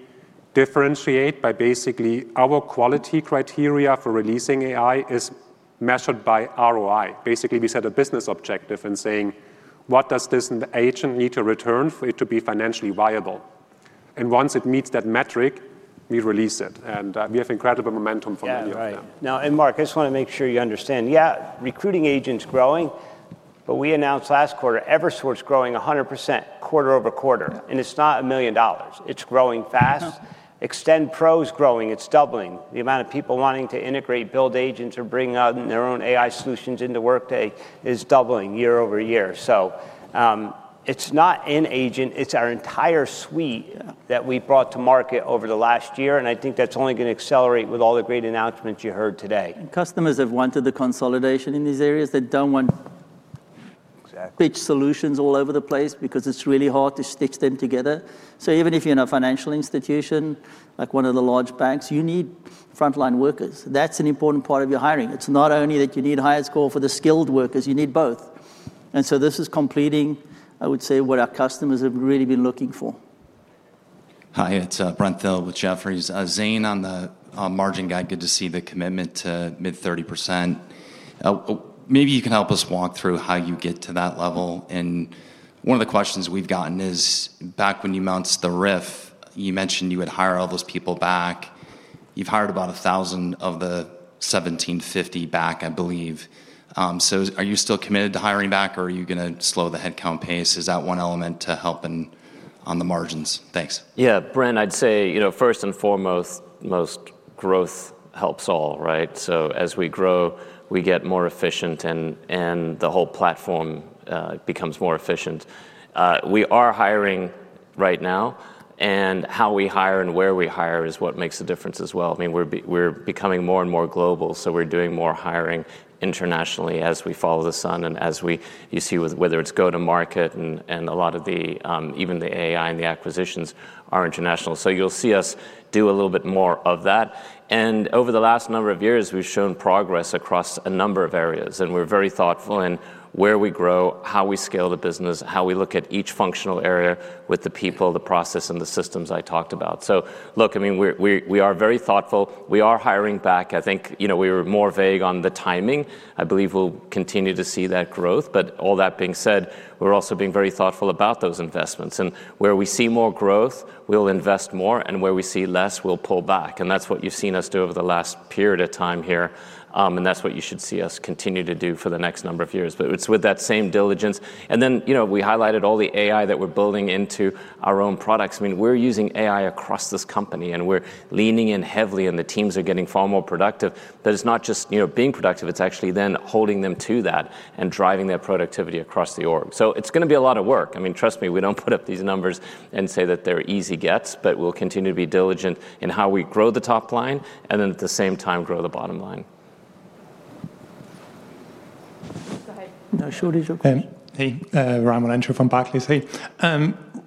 differentiate by basically our quality criteria for releasing AI is measured by ROI. Basically, we set a business objective in saying, what does this agent need to return for it to be financially viable? Once it meets that metric, we release it. We have incredible momentum from the year to come. Right. Now, Mark, I just want to make sure you understand. Yeah, recruiting agents growing. We announced last quarter Eversort growing 100% quarter over quarter, and it's not a million dollars. It's growing fast. Extend Pro is growing. It's doubling. The amount of people wanting to integrate, build agents, or bring in their own AI solutions into Workday is doubling year-over-year. It's not an agent. It's our entire suite that we brought to market over the last year. I think that's only going to accelerate with all the great announcements you heard today. Customers have wanted the consolidation in these areas. They don't want pitch solutions all over the place because it's really hard to stitch them together. Even if you're in a financial institution, like one of the large banks, you need frontline workers. That's an important part of your hiring. It's not only that you need HireScore for the skilled workers. You need both. This is completing, I would say, what our customers have really been looking for. Hi, it's Brent Thill with Jefferies. Zane, on the margin guide, good to see the commitment to mid-30%. Maybe you can help us walk through how you get to that level. One of the questions we've gotten is back when you announced the RIF, you mentioned you would hire all those people back. You've hired about 1,000 of the 1,750 back, I believe. Are you still committed to hiring back, or are you going to slow the headcount pace? Is that one element to helping on the margins? Thanks. Yeah, Brent, I'd say first and foremost, growth helps all, right? As we grow, we get more efficient, and the whole platform becomes more efficient. We are hiring right now. How we hire and where we hire is what makes the difference as well. I mean, we're becoming more and more global. We're doing more hiring internationally as we follow the sun. As you see, whether it's go-to-market and a lot of even the AI and the acquisitions are international. You'll see us do a little bit more of that. Over the last number of years, we've shown progress across a number of areas. We're very thoughtful in where we grow, how we scale the business, how we look at each functional area with the people, the process, and the systems I talked about. Look, I mean, we are very thoughtful. We are hiring back. I think we were more vague on the timing. I believe we'll continue to see that growth. All that being said, we're also being very thoughtful about those investments. Where we see more growth, we'll invest more. Where we see less, we'll pull back. That's what you've seen us do over the last period of time here. That's what you should see us continue to do for the next number of years. It's with that same diligence. We highlighted all the AI that we're building into our own products. We're using AI across this company. We're leaning in heavily. The teams are getting far more productive. It's not just being productive. It's actually then holding them to that and driving their productivity across the org. It's going to be a lot of work. Trust me, we don't put up these numbers and say that they're easy gets. We'll continue to be diligent in how we grow the top line and at the same time grow the bottom line. Go ahead. Sure, it's OK. Hey, hey.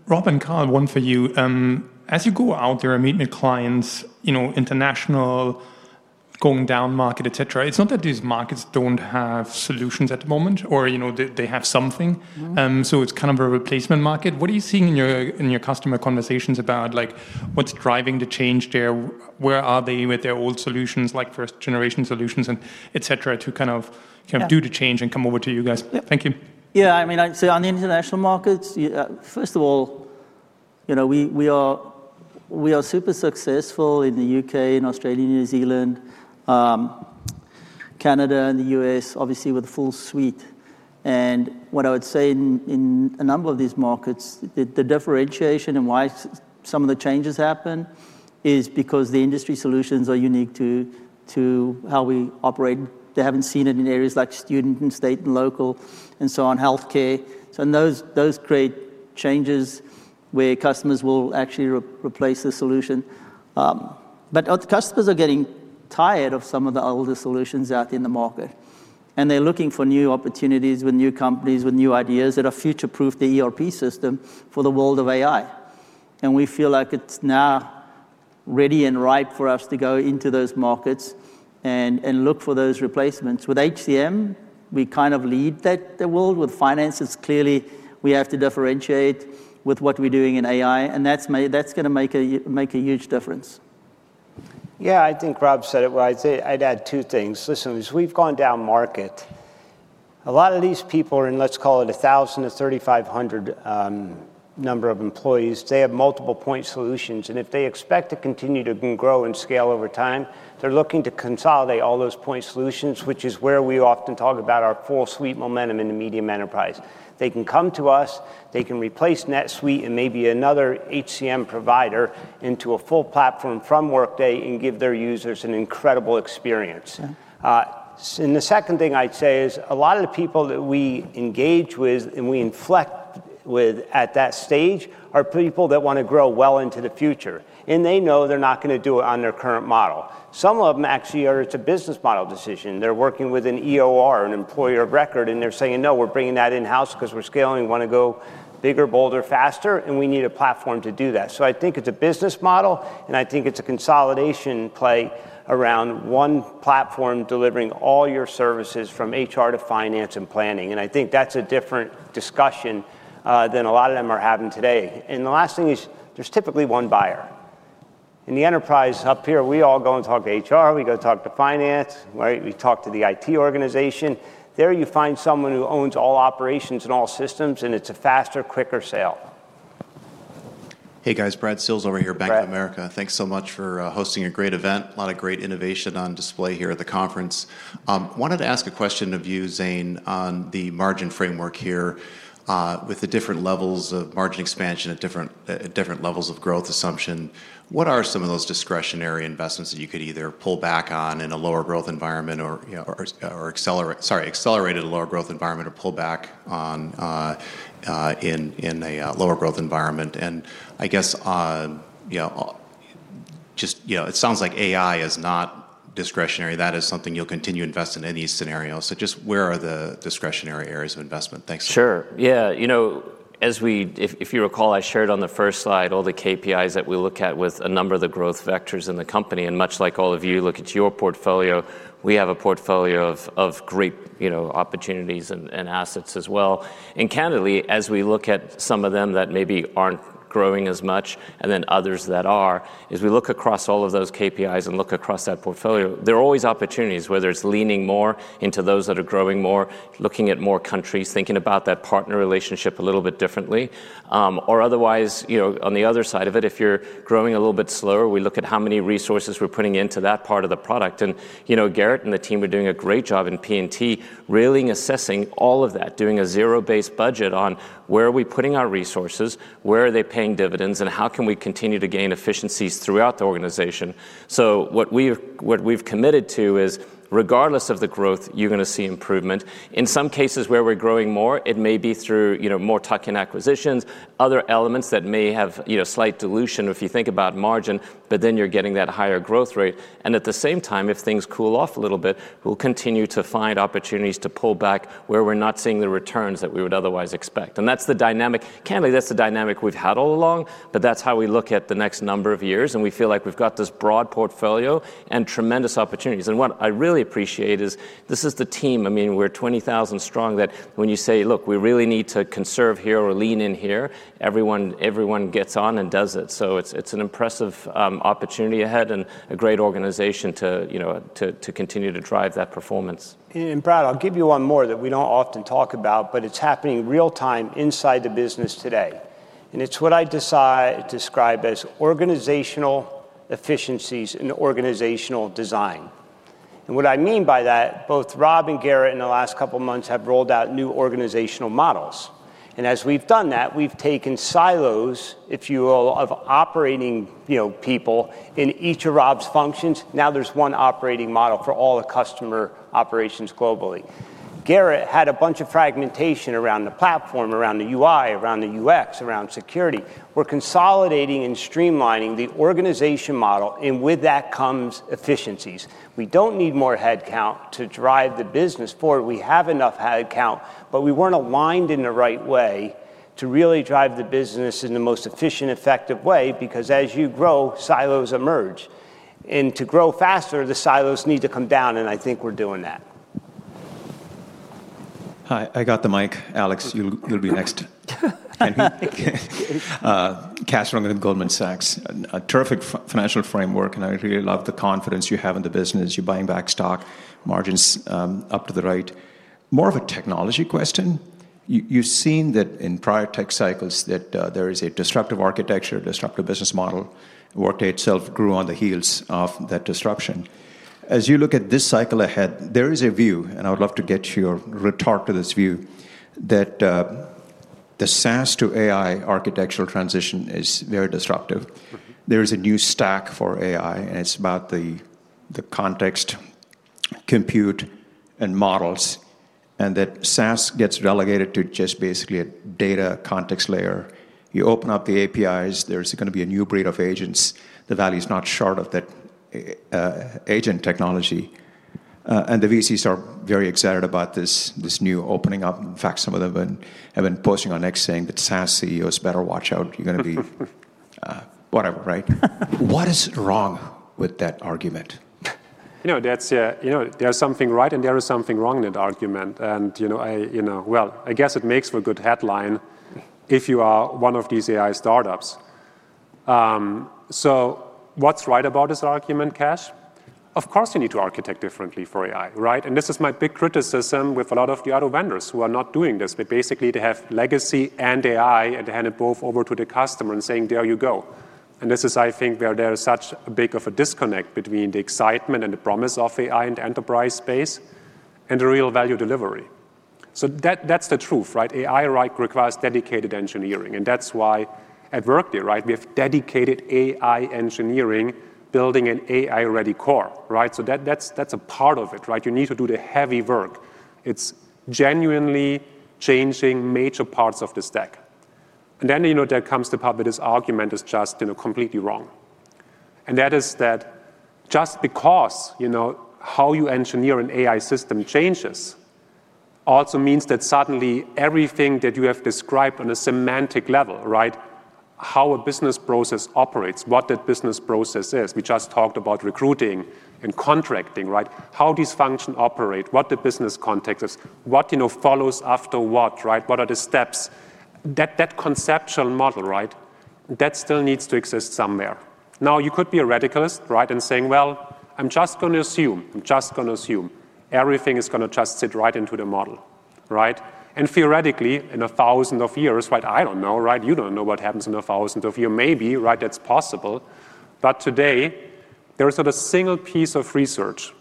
Rob, Carl, one for you. As you go out there and meet new clients, international, going down market, et cetera, it's not that these markets don't have solutions at the moment, or they have something. It's kind of a replacement market. What are you seeing in your customer conversations about what's driving the change there? Where are they with their old solutions, like first-generation solutions, et cetera, to kind of do the change and come over to you guys? Thank you. Yeah, I mean, on the international markets, first of all, we are super successful in the U.K., Australia, New Zealand, Canada, and the U.S., obviously, with a full suite. What I would say in a number of these markets, the differentiation and why some of the changes happen is because the industry solutions are unique to how we operate. They haven't seen it in areas like student and state and local and health care. Those create changes where customers will actually replace the solution. Customers are getting tired of some of the older solutions out in the market. They're looking for new opportunities with new companies, with new ideas that are future-proof the ERP system for the world of AI. We feel like it's now ready and ripe for us to go into those markets and look for those replacements. With HCM, we kind of lead the world. With finance, it's clearly we have to differentiate with what we're doing in AI, and that's going to make a huge difference. Yeah, I think Rob said it well. I'd add two things. Listen, as we've gone down market, a lot of these people are in, let's call it 1,000-3,500 number of employees. They have multiple point solutions. If they expect to continue to grow and scale over time, they're looking to consolidate all those point solutions, which is where we often talk about our full suite momentum in the medium enterprise. They can come to us. They can replace NetSuite and maybe another HCM provider into a full platform from Workday and give their users an incredible experience. The second thing I'd say is a lot of the people that we engage with and we inflect with at that stage are people that want to grow well into the future. They know they're not going to do it on their current model. Some of them actually, or it's a business model decision. They're working with an EOR, an employer of record. They're saying, no, we're bringing that in-house because we're scaling. We want to go bigger, bolder, faster. We need a platform to do that. I think it's a business model. I think it's a consolidation play around one platform delivering all your services from HR to finance and planning. I think that's a different discussion than a lot of them are having today. The last thing is there's typically one buyer. In the enterprise up here, we all go and talk to HR. We go talk to finance. We talk to the IT organization. There you find someone who owns all operations and all systems. It's a faster, quicker sale. Hey, guys. Brad Stills over here, Bank of America. Thanks so much for hosting a great event. A lot of great innovation on display here at the conference. I wanted to ask a question of you, Zane, on the margin framework here with the different levels of margin expansion at different levels of growth assumption. What are some of those discretionary investments that you could either pull back on in a lower growth environment or accelerate in a lower growth environment or pull back on in a lower growth environment? I guess it sounds like AI is not discretionary. That is something you'll continue to invest in any scenario. Just where are the discretionary areas of investment? Thanks. Sure. Yeah, you know, if you recall, I shared on the first slide all the KPIs that we look at with a number of the growth vectors in the company. Much like all of you look at your portfolio, we have a portfolio of great opportunities and assets as well. Candidly, as we look at some of them that maybe aren't growing as much and then others that are, as we look across all of those KPIs and look across that portfolio, there are always opportunities, whether it's leaning more into those that are growing more, looking at more countries, thinking about that partner relationship a little bit differently. Otherwise, on the other side of it, if you're growing a little bit slower, we look at how many resources we're putting into that part of the product. Gerrit and the team are doing a great job in P&T really assessing all of that, doing a zero-based budget on where are we putting our resources, where are they paying dividends, and how can we continue to gain efficiencies throughout the organization. What we've committed to is regardless of the growth, you're going to see improvement. In some cases where we're growing more, it may be through more tuck-in acquisitions, other elements that may have slight dilution if you think about margin, but then you're getting that higher growth rate. At the same time, if things cool off a little bit, we'll continue to find opportunities to pull back where we're not seeing the returns that we would otherwise expect. That's the dynamic. Candidly, that's the dynamic we've had all along. That's how we look at the next number of years. We feel like we've got this broad portfolio and tremendous opportunities. What I really appreciate is this is the team. I mean, we're 20,000 strong that when you say, look, we really need to conserve here or lean in here, everyone gets on and does it. It's an impressive opportunity ahead and a great organization to continue to drive that performance. Brad, I'll give you one more that we don't often talk about. It's happening real-time inside the business today. It's what I describe as organizational efficiencies and organizational design. What I mean by that, both Rob and Gerrit in the last couple of months have rolled out new organizational models. As we've done that, we've taken silos, if you will, of operating people in each of Rob's functions. Now there's one operating model for all the customer operations globally. Gerrit had a bunch of fragmentation around the platform, around the UI, around the UX, around security. We're consolidating and streamlining the organization model. With that comes efficiencies. We don't need more headcount to drive the business forward. We have enough headcount. We weren't aligned in the right way to really drive the business in the most efficient, effective way because as you grow, silos emerge. To grow faster, the silos need to come down. I think we're doing that. Hi, I got the mic. Alex, you'll be next. Kash Rangan from Goldman Sachs, a terrific financial framework. I really love the confidence you have in the business. You're buying back stock, margins up to the right. More of a technology question. You've seen that in prior tech cycles that there is a destructive architecture, a destructive business model. Workday itself grew on the heels of that disruption. As you look at this cycle ahead, there is a view, and I would love to get your retort to this view, that the SaaS to AI architectural transition is very disruptive. There is a new stack for AI. It's about the context compute and models. SaaS gets relegated to just basically a data context layer. You open up the APIs. There's going to be a new breed of agents. The value is not short of that agent technology. The VCs are very excited about this new opening up. In fact, some of them have been posting on X saying that SaaS CEOs better watch out. You're going to be whatever, right? What is wrong with that argument? You know, there's something right, and there is something wrong in that argument. I guess it makes for a good headline if you are one of these AI startups. What's right about this argument, Kash? Of course, you need to architect differently for AI, right? This is my big criticism with a lot of the other vendors who are not doing this. They basically have legacy and AI and hand it both over to the customer and saying, there you go. This is, I think, where there's such a big disconnect between the excitement and the promise of AI in the enterprise space and the real value delivery. That's the truth, right? AI requires dedicated engineering. That's why at Workday, we have dedicated AI engineering building an AI-ready core. That's a part of it, right? You need to do the heavy work. It's genuinely changing major parts of the stack. That comes to public. This argument is just completely wrong. That is that just because how you engineer an AI system changes also means that suddenly everything that you have described on a semantic level, right? How a business process operates, what that business process is. We just talked about recruiting and contracting, right? How these functions operate, what the business context is, what follows after what, right? What are the steps? That conceptual model, right? That still needs to exist somewhere. Now, you could be a radicalist and saying, I'm just going to assume. I'm just going to assume everything is going to just sit right into the model, right? Theoretically, in 1,000 years, I don't know, right? You don't know what happens in 1,000 years. Maybe, right? That's possible. Today, there is not a single piece of research,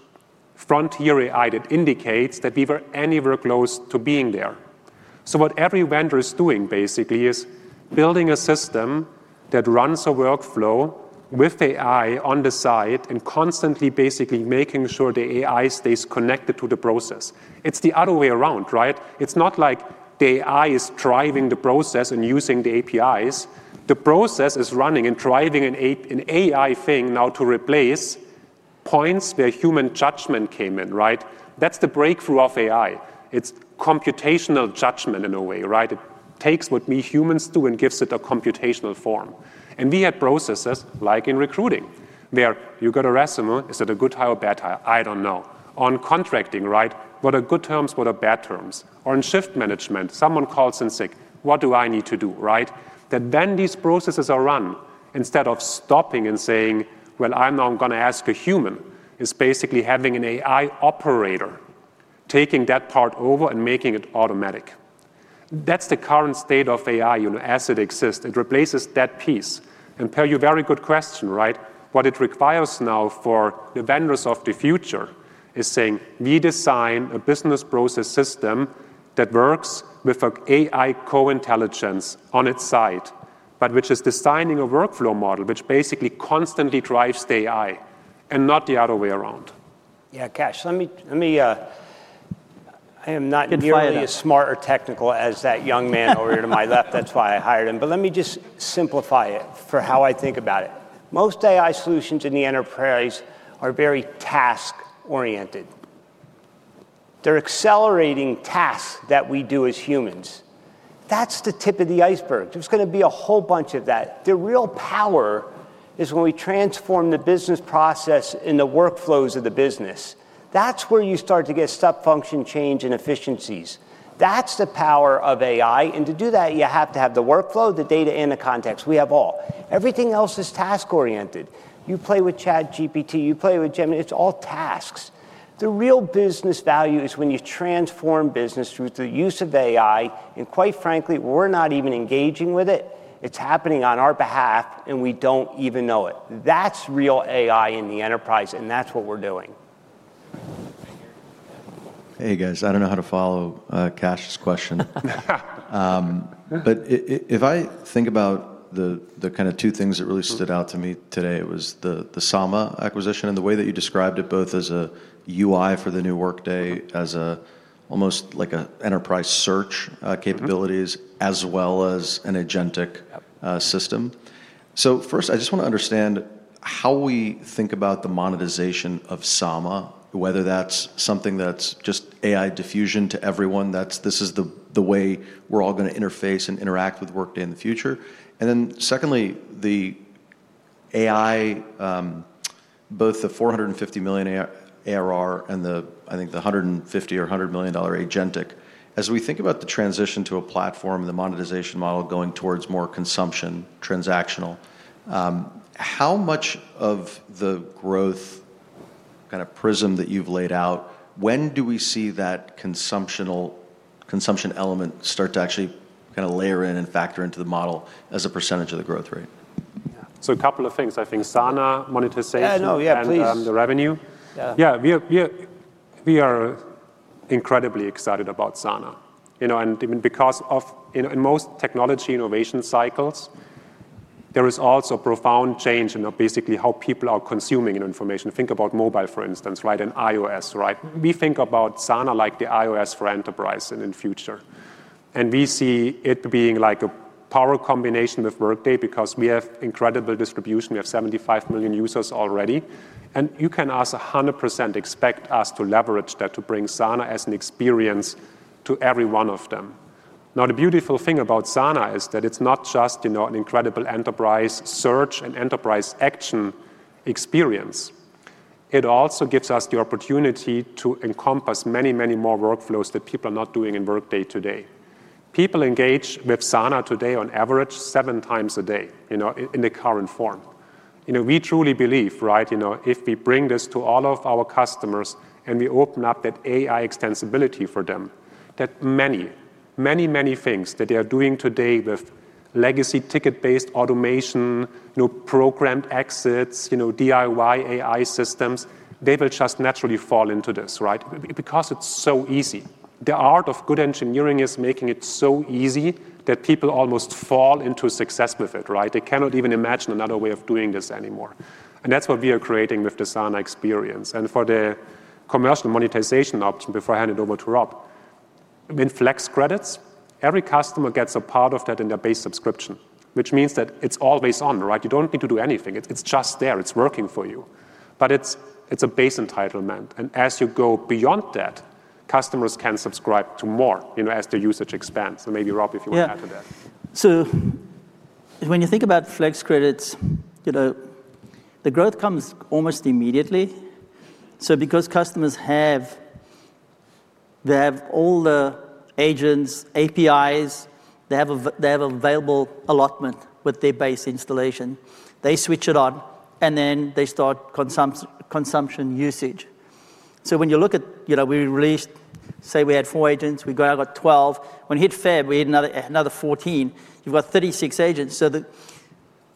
frontier AI, that indicates that we are anywhere close to being there. What every vendor is doing basically is building a system that runs a workflow with AI on the side and constantly basically making sure the AI stays connected to the process. It's the other way around, right? It's not like the AI is driving the process and using the APIs. The process is running and driving an AI thing now to replace points where human judgment came in, right? That's the breakthrough of AI. It's computational judgment in a way, right? It takes what we humans do and gives it a computational form. We had processes like in recruiting where you got a resume. Is it a good hire or a bad hire? I don't know. On contracting, right? What are good terms? What are bad terms? In shift management, someone calls in sick. What do I need to do, right? These processes are run instead of stopping and saying, I'm now going to ask a human. It's basically having an AI operator taking that part over and making it automatic. That's the current state of AI as it exists. It replaces that piece. Per your very good question, right? What it requires now for the vendors of the future is saying, we design a business process system that works with AI co-intelligence on its side, but which is designing a workflow model which basically constantly drives the AI and not the other way around. Yeah, Kash, let me. I am not entirely as smart or technical as that young man over here to my left. That's why I hired him. Let me just simplify it for how I think about it. Most AI solutions in the enterprise are very task-oriented. They're accelerating tasks that we do as humans. That's the tip of the iceberg. There is going to be a whole bunch of that. The real power is when we transform the business process and the workflows of the business. That's where you start to get subfunction change and efficiencies. That's the power of AI. To do that, you have to have the workflow, the data, and the context. We have all. Everything else is task-oriented. You play with ChatGPT. You play with Gemini. It's all tasks. The real business value is when you transform business through the use of AI. Quite frankly, we're not even engaging with it. It's happening on our behalf, and we don't even know it. That's real AI in the enterprise. That's what we're doing. Hey, guys. I don't know how to follow Kash's question. If I think about the kind of two things that really stood out to me today, it was the Sana acquisition and the way that you described it, both as a UI for the new Workday, as almost like an enterprise search capability, as well as an agentic system. First, I just want to understand how we think about the monetization of Sana, whether that's something that's just AI diffusion to everyone. This is the way we're all going to interface and interact with Workday in the future. Secondly, both the $450 million ARR and the, I think, the $150 million or $100 million agentic. As we think about the transition to a platform, the monetization model going towards more consumption, transactional, how much of the growth kind of prism that you've laid out, when do we see that consumption element start to actually kind of layer in and factor into the model as a percentage of the growth rate? Yeah, so a couple of things. I think Sana monetization. Yeah, please. The revenue. Yeah, we are incredibly excited about Sana. In most technology innovation cycles, there is also a profound change in basically how people are consuming information. Think about mobile, for instance, and iOS. We think about Sana like the iOS for enterprise in the future. We see it being like a power combination with Workday because we have incredible distribution. We have 75 million users already. You can 100% expect us to leverage that to bring Sana as an experience to every one of them. The beautiful thing about Sana is that it's not just an incredible enterprise search and enterprise action experience. It also gives us the opportunity to encompass many, many more workflows that people are not doing in Workday today. People engage with Sana today on average seven times a day in the current form. We truly believe if we bring this to all of our customers and we open up that AI extensibility for them, many, many, many things that they are doing today with legacy ticket-based automation, programmed exits, DIY AI systems, they will just naturally fall into this because it's so easy. The art of good engineering is making it so easy that people almost fall into success with it. They cannot even imagine another way of doing this anymore. That's what we are creating with the Sana experience. For the commercial monetization option, before I hand it over to Rob, flex credits, every customer gets a part of that in their base subscription, which means that it's always on. You don't need to do anything. It's just there. It's working for you. It's a base entitlement. As you go beyond that, customers can subscribe to more as their usage expands. Maybe, Rob, if you want to add to that. Yeah. When you think about flex credits, the growth comes almost immediately because customers have all the agents, APIs, and they have available allotment with their base installation. They switch it on, and then they start consumption usage. When you look at it, we released, say we had four agents. We go out, got 12. When we hit February, we hit another 14. You've got 36 agents,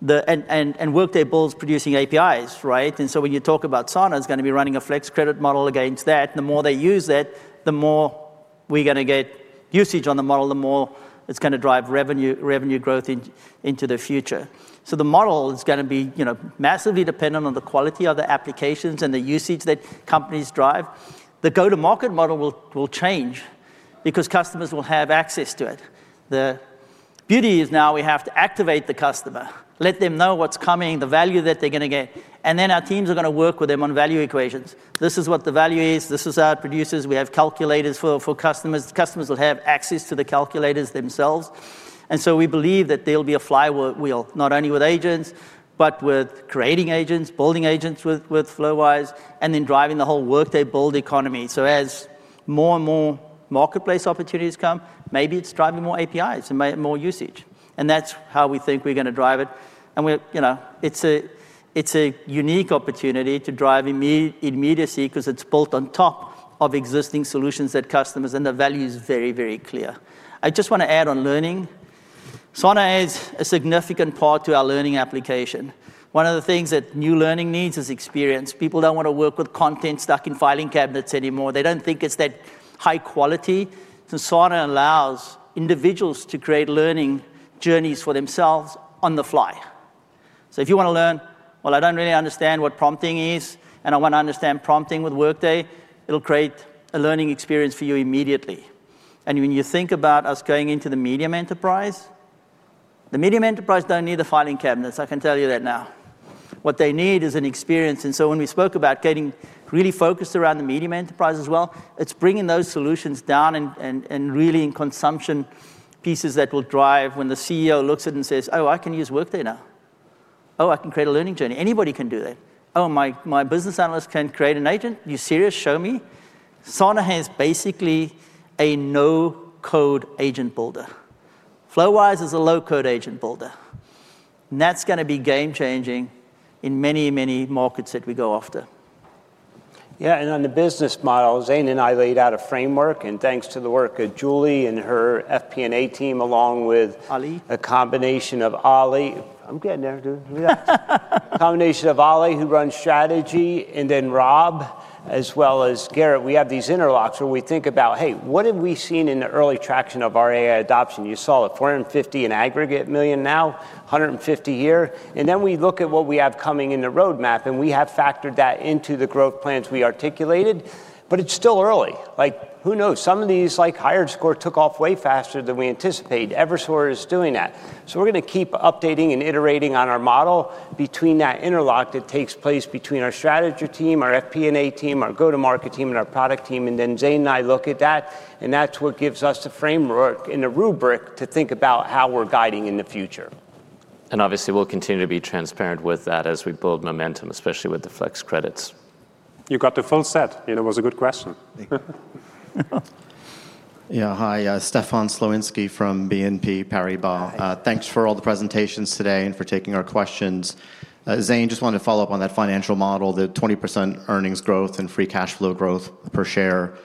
and Workday builds producing APIs, right? When you talk about Sana, it is going to be running a flex credit model against that. The more they use that, the more we're going to get usage on the model, the more it's going to drive revenue growth into the future. The model is going to be massively dependent on the quality of the applications and the usage that companies drive. The go-to-market model will change because customers will have access to it. The beauty is now we have to activate the customer, let them know what's coming, the value that they're going to get. Our teams are going to work with them on value equations. This is what the value is. This is our producers. We have calculators for customers. Customers will have access to the calculators themselves. We believe that there'll be a flywheel, not only with agents, but with creating agents, building agents with FlowWise, and then driving the whole Workday build economy. As more and more marketplace opportunities come, maybe it's driving more APIs and more usage. That's how we think we're going to drive it. It's a unique opportunity to drive immediacy because it's built on top of existing solutions that customers have, and the value is very, very clear. I just want to add on learning. Sana is a significant part to our learning application. One of the things that new learning needs is experience. People don't want to work with content stuck in filing cabinets anymore. They don't think it's that high quality. Sana allows individuals to create learning journeys for themselves on the fly. If you want to learn, well, I don't really understand what prompting is, and I want to understand prompting with Workday, it'll create a learning experience for you immediately. When you think about us going into the medium enterprise, the medium enterprise don't need the filing cabinets. I can tell you that now. What they need is an experience. When we spoke about getting really focused around the medium enterprise as well, it's bringing those solutions down and really in consumption pieces that will drive when the CEO looks at it and says, oh, I can use Workday now. Oh, I can create a learning journey. Anybody can do that. Oh, my business analyst can create an agent. You serious? Show me. Sana has basically a no-code agent builder. FlowWise is a low-code agent builder. That's going to be game-changing in many, many markets that we go after. Yeah, and on the business model, Zane and I laid out a framework. Thanks to the work of Julie and her FP&A team, along with Ali, a combination of Ali. I'm getting there. A combination of Ali, who runs strategy, and then Rob, as well as Gerrit. We have these interlocks where we think about, hey, what have we seen in the early traction of our AI adoption? You saw it, $450 million in aggregate now, $150 million here. We look at what we have coming in the roadmap. We have factored that into the growth plans we articulated. It's still early. Who knows? Some of these like HireScore took off way faster than we anticipated. Eversort is doing that. We are going to keep updating and iterating on our model between that interlock that takes place between our strategy team, our FP&A team, our go-to-market team, and our product team. Zane and I look at that. That's what gives us the framework and the rubric to think about how we're guiding in the future. Obviously, we'll continue to be transparent with that as we build momentum, especially with the flex credits. You got the full set. It was a good question. Yeah, hi, Stefan Slowinski from BNP Paribas. Thanks for all the presentations today and for taking our questions. Zane, just wanted to follow up on that financial model, the 20% earnings growth and free cash flow per share growth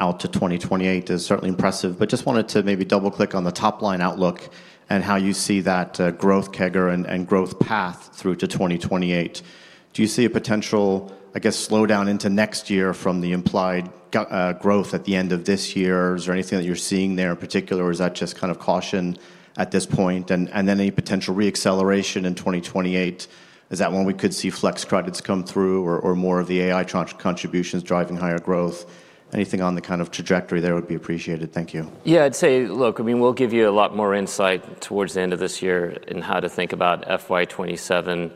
out to 2028. That's certainly impressive. Just wanted to maybe double-click on the top line outlook and how you see that growth CAGR and growth path through to 2028. Do you see a potential, I guess, slowdown into next year from the implied growth at the end of this year? Is there anything that you're seeing there in particular? Is that just kind of caution at this point? Any potential re-acceleration in 2028? Is that when we could see flex credits come through or more of the AI contributions driving higher growth? Anything on the kind of trajectory there would be appreciated. Thank you. Yeah, I'd say, look, I mean, we'll give you a lot more insight towards the end of this year in how to think about FY 27.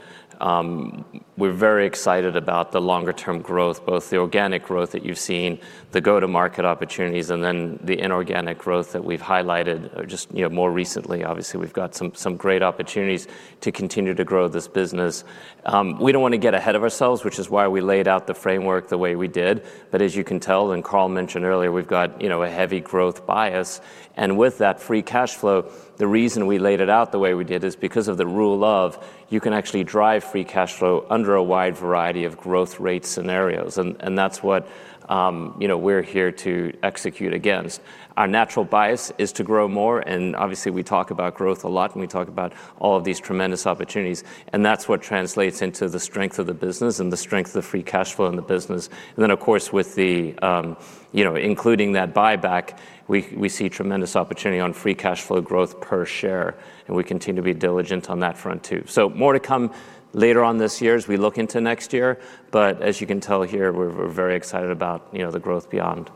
We're very excited about the longer-term growth, both the organic growth that you've seen, the go-to-market opportunities, and then the inorganic growth that we've highlighted just more recently. Obviously, we've got some great opportunities to continue to grow this business. We don't want to get ahead of ourselves, which is why we laid out the framework the way we did. As you can tell, and Carl mentioned earlier, we've got a heavy growth bias. With that free cash flow, the reason we laid it out the way we did is because of the rule of you can actually drive free cash flow under a wide variety of growth rate scenarios. That's what we're here to execute against. Our natural bias is to grow more. Obviously, we talk about growth a lot. We talk about all of these tremendous opportunities. That's what translates into the strength of the business and the strength of the free cash flow in the business. Of course, with the, you know, including that buyback, we see tremendous opportunity on free cash flow growth per share. We continue to be diligent on that front too. More to come later on this year as we look into next year. As you can tell here, we're very excited about the growth beyond.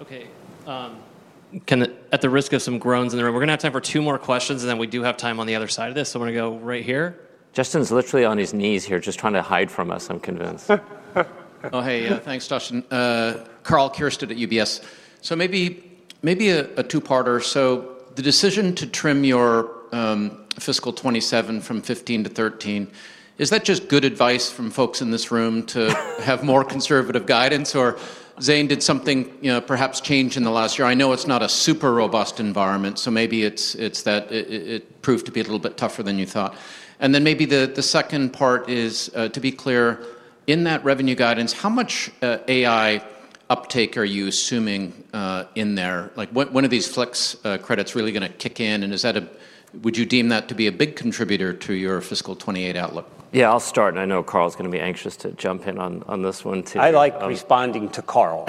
OK. At the risk of some groans in the room, we're going to have time for two more questions, and then we do have time on the other side of this. I'm going to go right here. Justin's literally on his knees here, just trying to hide from us, I'm convinced. Oh, hey, yeah, thanks, Justin. Karl Kirsten at UBS. Maybe a two-parter. The decision to trim your fiscal 2027 from $15 billion-$13 billion, is that just good advice from folks in this room to have more conservative guidance, or Zane, did something, you know, perhaps change in the last year? I know it's not a super robust environment, so maybe it's that it proved to be a little bit tougher than you thought. The second part is, to be clear, in that revenue guidance, how much AI uptake are you assuming in there? When are these flex credits really going to kick in? Is that a, would you deem that to be a big contributor to your fiscal 2028 outlook? Yeah, I'll start. I know Carl's going to be anxious to jump in on this one too. I like responding to Carl.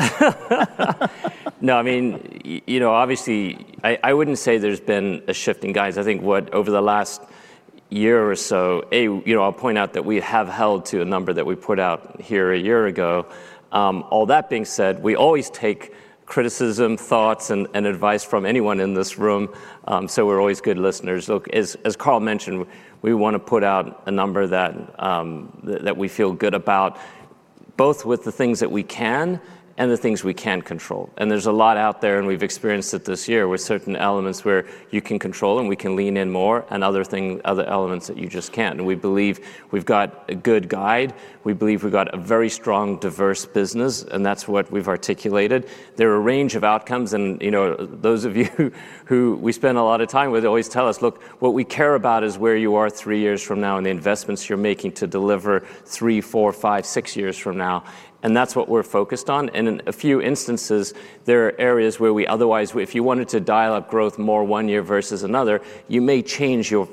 No, I mean, you know, obviously, I wouldn't say there's been a shift in guidance. I think over the last year or so, I'll point out that we have held to a number that we put out here a year ago. All that being said, we always take criticism, thoughts, and advice from anyone in this room. We're always good listeners. Look, as Carl mentioned, we want to put out a number that we feel good about, both with the things that we can and the things we can't control. There's a lot out there, and we've experienced it this year with certain elements where you can control, and we can lean in more, and other elements that you just can't. We believe we've got a good guide. We believe we've got a very strong, diverse business, and that's what we've articulated. There are a range of outcomes, and those of you who we spend a lot of time with always tell us, look, what we care about is where you are three years from now and the investments you're making to deliver three, four, five, six years from now. That's what we're focused on. In a few instances, there are areas where otherwise, if you wanted to dial up growth more one year versus another, you may change your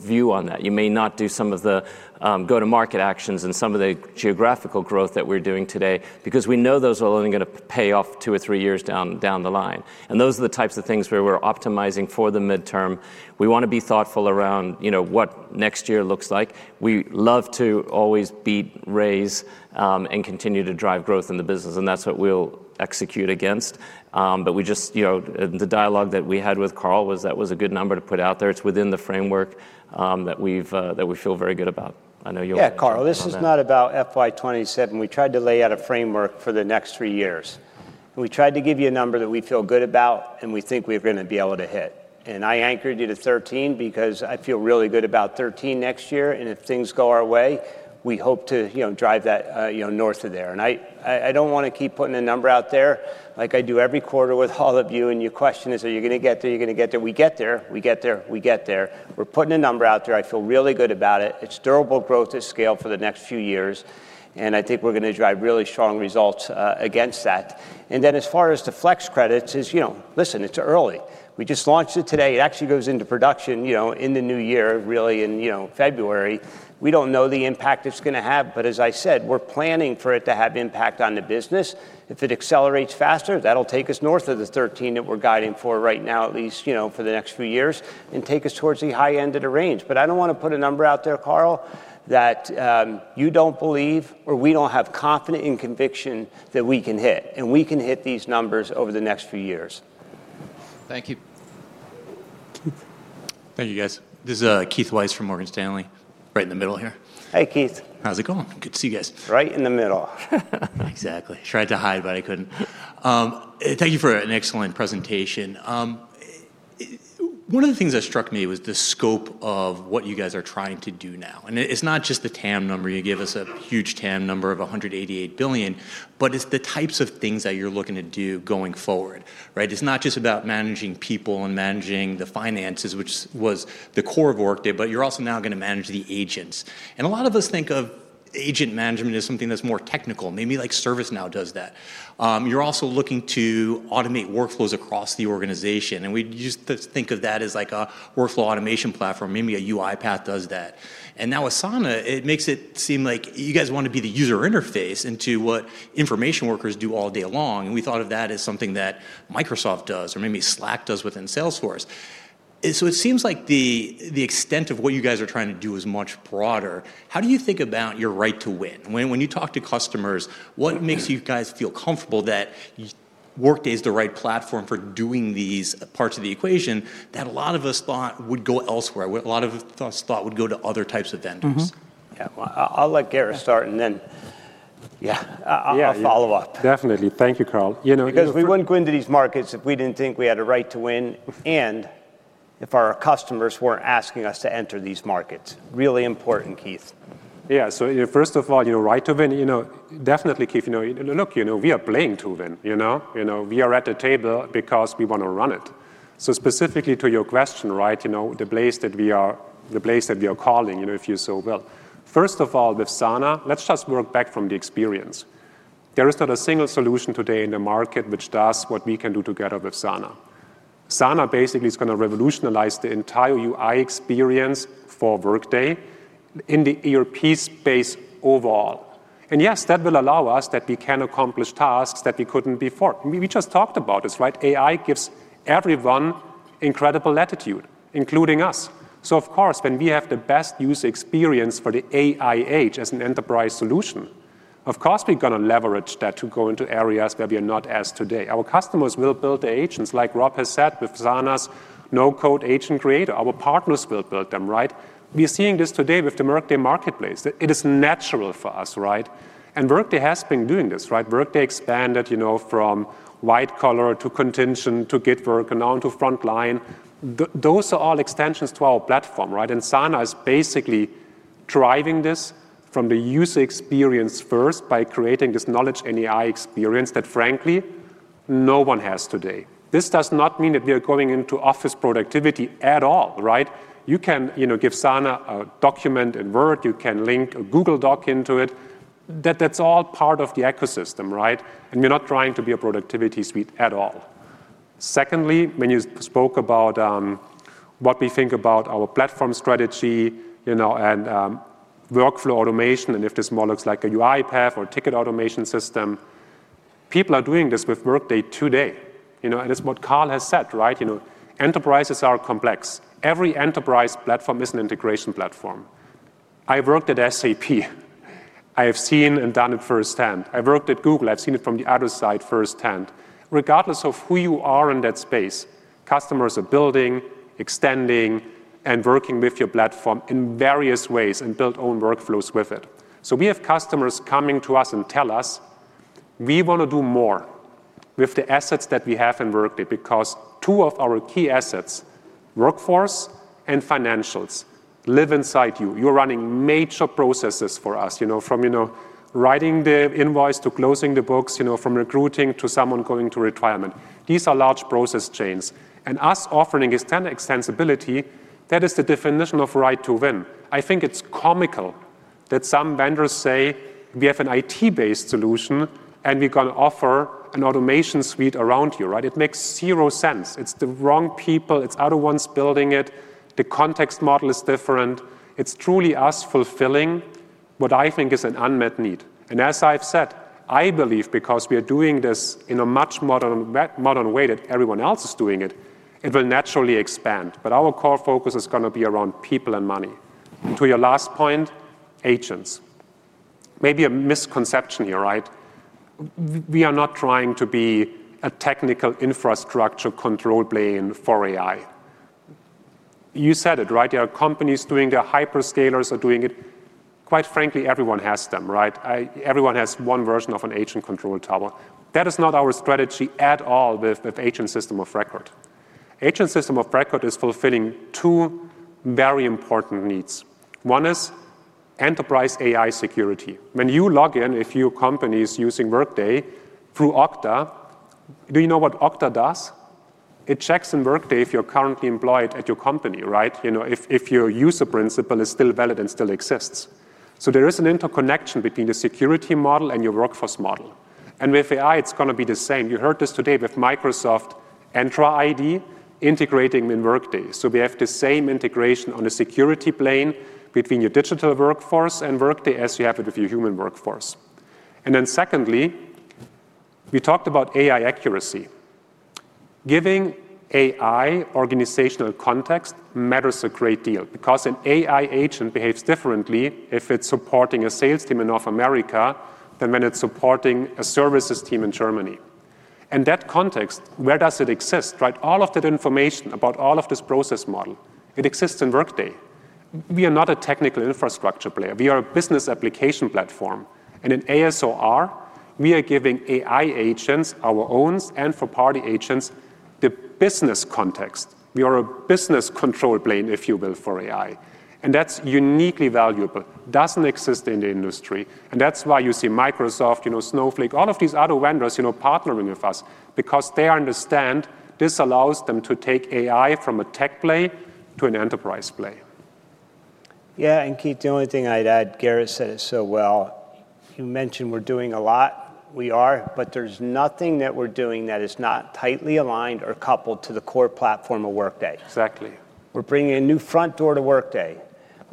view on that. You may not do some of the go-to-market actions and some of the geographical growth that we're doing today because we know those are only going to pay off two or three years down the line. Those are the types of things where we're optimizing for the midterm. We want to be thoughtful around what next year looks like. We love to always beat, raise, and continue to drive growth in the business, and that's what we'll execute against. The dialogue that we had with Carl was that was a good number to put out there. It's within the framework that we feel very good about. I know you'll. Yeah, Karl, this is not about FY 2027. We tried to lay out a framework for the next three years. We tried to give you a number that we feel good about and we think we're going to be able to hit. I anchored you to 13 because I feel really good about 13 next year. If things go our way, we hope to, you know, drive that north of there. I don't want to keep putting a number out there like I do every quarter with all of you. Your question is, are you going to get there? You're going to get there. We get there. We get there. We get there. We're putting a number out there. I feel really good about it. It's durable growth at scale for the next few years. I think we're going to drive really strong results against that. As far as the flex credits, as you know, listen, it's early. We just launched it today. It actually goes into production in the new year, really, in February. We don't know the impact it's going to have. As I said, we're planning for it to have impact on the business. If it accelerates faster, that'll take us north of the 13 that we're guiding for right now, at least for the next few years, and take us towards the high end of the range. I don't want to put a number out there, Karl, that you don't believe or we don't have confidence in conviction that we can hit. We can hit these numbers over the next few years. Thank you. Thank you, guys. This is Keith Weiss from Morgan Stanley, right in the middle here. Hey, Keith. How's it going? Good to see you guys. Right in the middle. Exactly. Tried to hide, but I couldn't. Thank you for an excellent presentation. One of the things that struck me was the scope of what you guys are trying to do now. It's not just the TAM number. You gave us a huge TAM number of $188 billion, but it's the types of things that you're looking to do going forward. It's not just about managing people and managing the finances, which was the core of Workday, but you're also now going to manage the agents. A lot of us think of agent management as something that's more technical. Maybe like ServiceNow does that. You're also looking to automate workflows across the organization. We used to think of that as like a workflow automation platform. Maybe a UiPath does that. Now Asana, it makes it seem like you guys want to be the user interface into what information workers do all day long. We thought of that as something that Microsoft does, or maybe Slack does within Salesforce. It seems like the extent of what you guys are trying to do is much broader. How do you think about your right to win? When you talk to customers, what makes you guys feel comfortable that Workday is the right platform for doing these parts of the equation that a lot of us thought would go elsewhere? A lot of us thought would go to other types of vendors. Yeah, I'll let Gerrit start and then. Yeah. I'll follow up. Definitely. Thank you, Carl. You know, because we wouldn't go into these markets if we didn't think we had a right to win, and if our customers weren't asking us to enter these markets. Really important, Keith. Yeah, so first of all, right to win, definitely, Keith, look, we are playing to win. We are at the table because we want to run it. Specifically to your question, the place that we are, the place that we are calling, if you so will. First of all, with Sana, let's just work back from the experience. There is not a single solution today in the market which does what we can do together with Sana. Sana basically is going to revolutionize the entire UI experience for Workday in the ERP space overall. Yes, that will allow us to accomplish tasks that we couldn't before. We just talked about this, right? AI gives everyone incredible latitude, including us. Of course, when we have the best user experience for the AI age as an enterprise solution, we're going to leverage that to go into areas where we are not as today. Our customers will build the agents, like Rob has said, with Sana's no-code agent creator. Our partners will build them, right? We're seeing this today with the Workday Marketplace. It is natural for us. Workday has been doing this. Workday expanded from white-collar to contingent to gig work and on to frontline. Those are all extensions to our platform. Sana is basically driving this from the user experience first by creating this knowledge and AI experience that, frankly, no one has today. This does not mean that we are going into office productivity at all. You can give Sana a document in Word. You can link a Google Doc into it. That's all part of the ecosystem. We're not trying to be a productivity suite at all. Secondly, when you spoke about what we think about our platform strategy and workflow automation, and if this model looks like a UiPath or a ticket automation system, people are doing this with Workday today. It's what Carl has said. Enterprises are complex. Every enterprise platform is an integration platform. I've worked at SAP. I've seen and done it firsthand. I've worked at Google. I've seen it from the other side firsthand. Regardless of who you are in that space, customers are building, extending, and working with your platform in various ways and build own workflows with it. We have customers coming to us and telling us, we want to do more with the assets that we have in Workday because two of our key assets, workforce and financials, live inside you. You're running major processes for us, from writing the invoice to closing the books, from recruiting to someone going to retirement. These are large process chains. Us offering this kind of extensibility, that is the definition of right to win. I think it's comical that some vendors say we have an IT-based solution and we're going to offer an automation suite around you, right? It makes zero sense. It's the wrong people. It's other ones building it. The context model is different. It's truly us fulfilling what I think is an unmet need. I believe because we are doing this in a much more modern way than everyone else is doing it, it will naturally expand. Our core focus is going to be around people and money. To your last point, agents. Maybe a misconception here, right? We are not trying to be a technical infrastructure control plane for AI. You said it, right? There are companies doing their hyperscalers are doing it. Quite frankly, everyone has them, right? Everyone has one version of an agent control tower. That is not our strategy at all with the agent system of record. Agent system of record is fulfilling two very important needs. One is enterprise AI security. When you log in, if your company is using Workday through Okta, do you know what Okta does? It checks in Workday if you're currently employed at your company, right? If your user principal is still valid and still exists. There is an interconnection between the security model and your workforce model. With AI, it's going to be the same. You heard this today with Microsoft Entra ID integrating in Workday. We have the same integration on the security plane between your digital workforce and Workday as you have it with your human workforce. Secondly, we talked about AI accuracy. Giving AI organizational context matters a great deal because an AI agent behaves differently if it's supporting a sales team in North America than when it's supporting a services team in Germany. That context, where does it exist, right? All of that information about all of this process model, it exists in Workday. We are not a technical infrastructure player. We are a business application platform. In ASR, we are giving AI agents, our own and third-party agents, the business context. We are a business control plane, if you will, for AI. That is uniquely valuable. It does not exist in the industry. That is why you see Microsoft, Snowflake, and all of these other vendors partnering with us because they understand this allows them to take AI from a tech play to an enterprise play. Yeah, and Keith, the only thing I'd add, Gerrit said it so well. He mentioned we're doing a lot. We are, but there's nothing that we're doing that is not tightly aligned or coupled to the core platform of Workday. Exactly. We're bringing a new front door to Workday.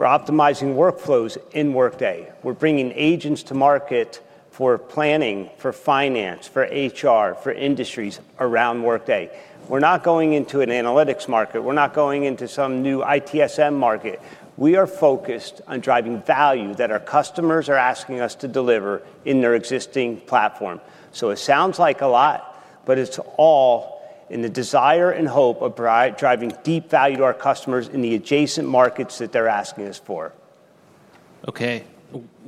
We're optimizing workflows in Workday. We're bringing agents to market for planning, for finance, for HR, for industries around Workday. We're not going into an analytics market. We're not going into some new ITSM market. We are focused on driving value that our customers are asking us to deliver in their existing platform. It sounds like a lot, but it's all in the desire and hope of driving deep value to our customers in the adjacent markets that they're asking us for. Okay,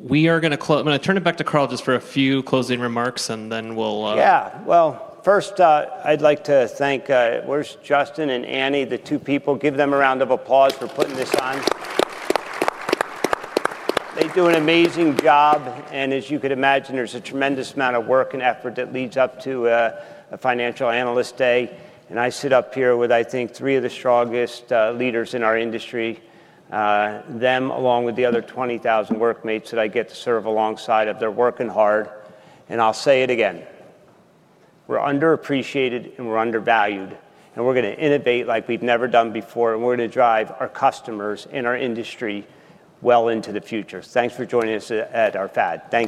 we are going to close. I'm going to turn it back to Carl just for a few closing remarks, and then we'll. First, I'd like to thank, where's Justin and Annie, the two people, give them a round of applause for putting this on. They do an amazing job, and as you could imagine, there's a tremendous amount of work and effort that leads up to a financial analyst day. I sit up here with, I think, three of the strongest leaders in our industry, them along with the other 20,000 workmates that I get to serve alongside of. They're working hard. I'll say it again. We're underappreciated and we're undervalued. We're going to innovate like we've never done before, and we're going to drive our customers and our industry well into the future. Thanks for joining us at our FAD. Thanks.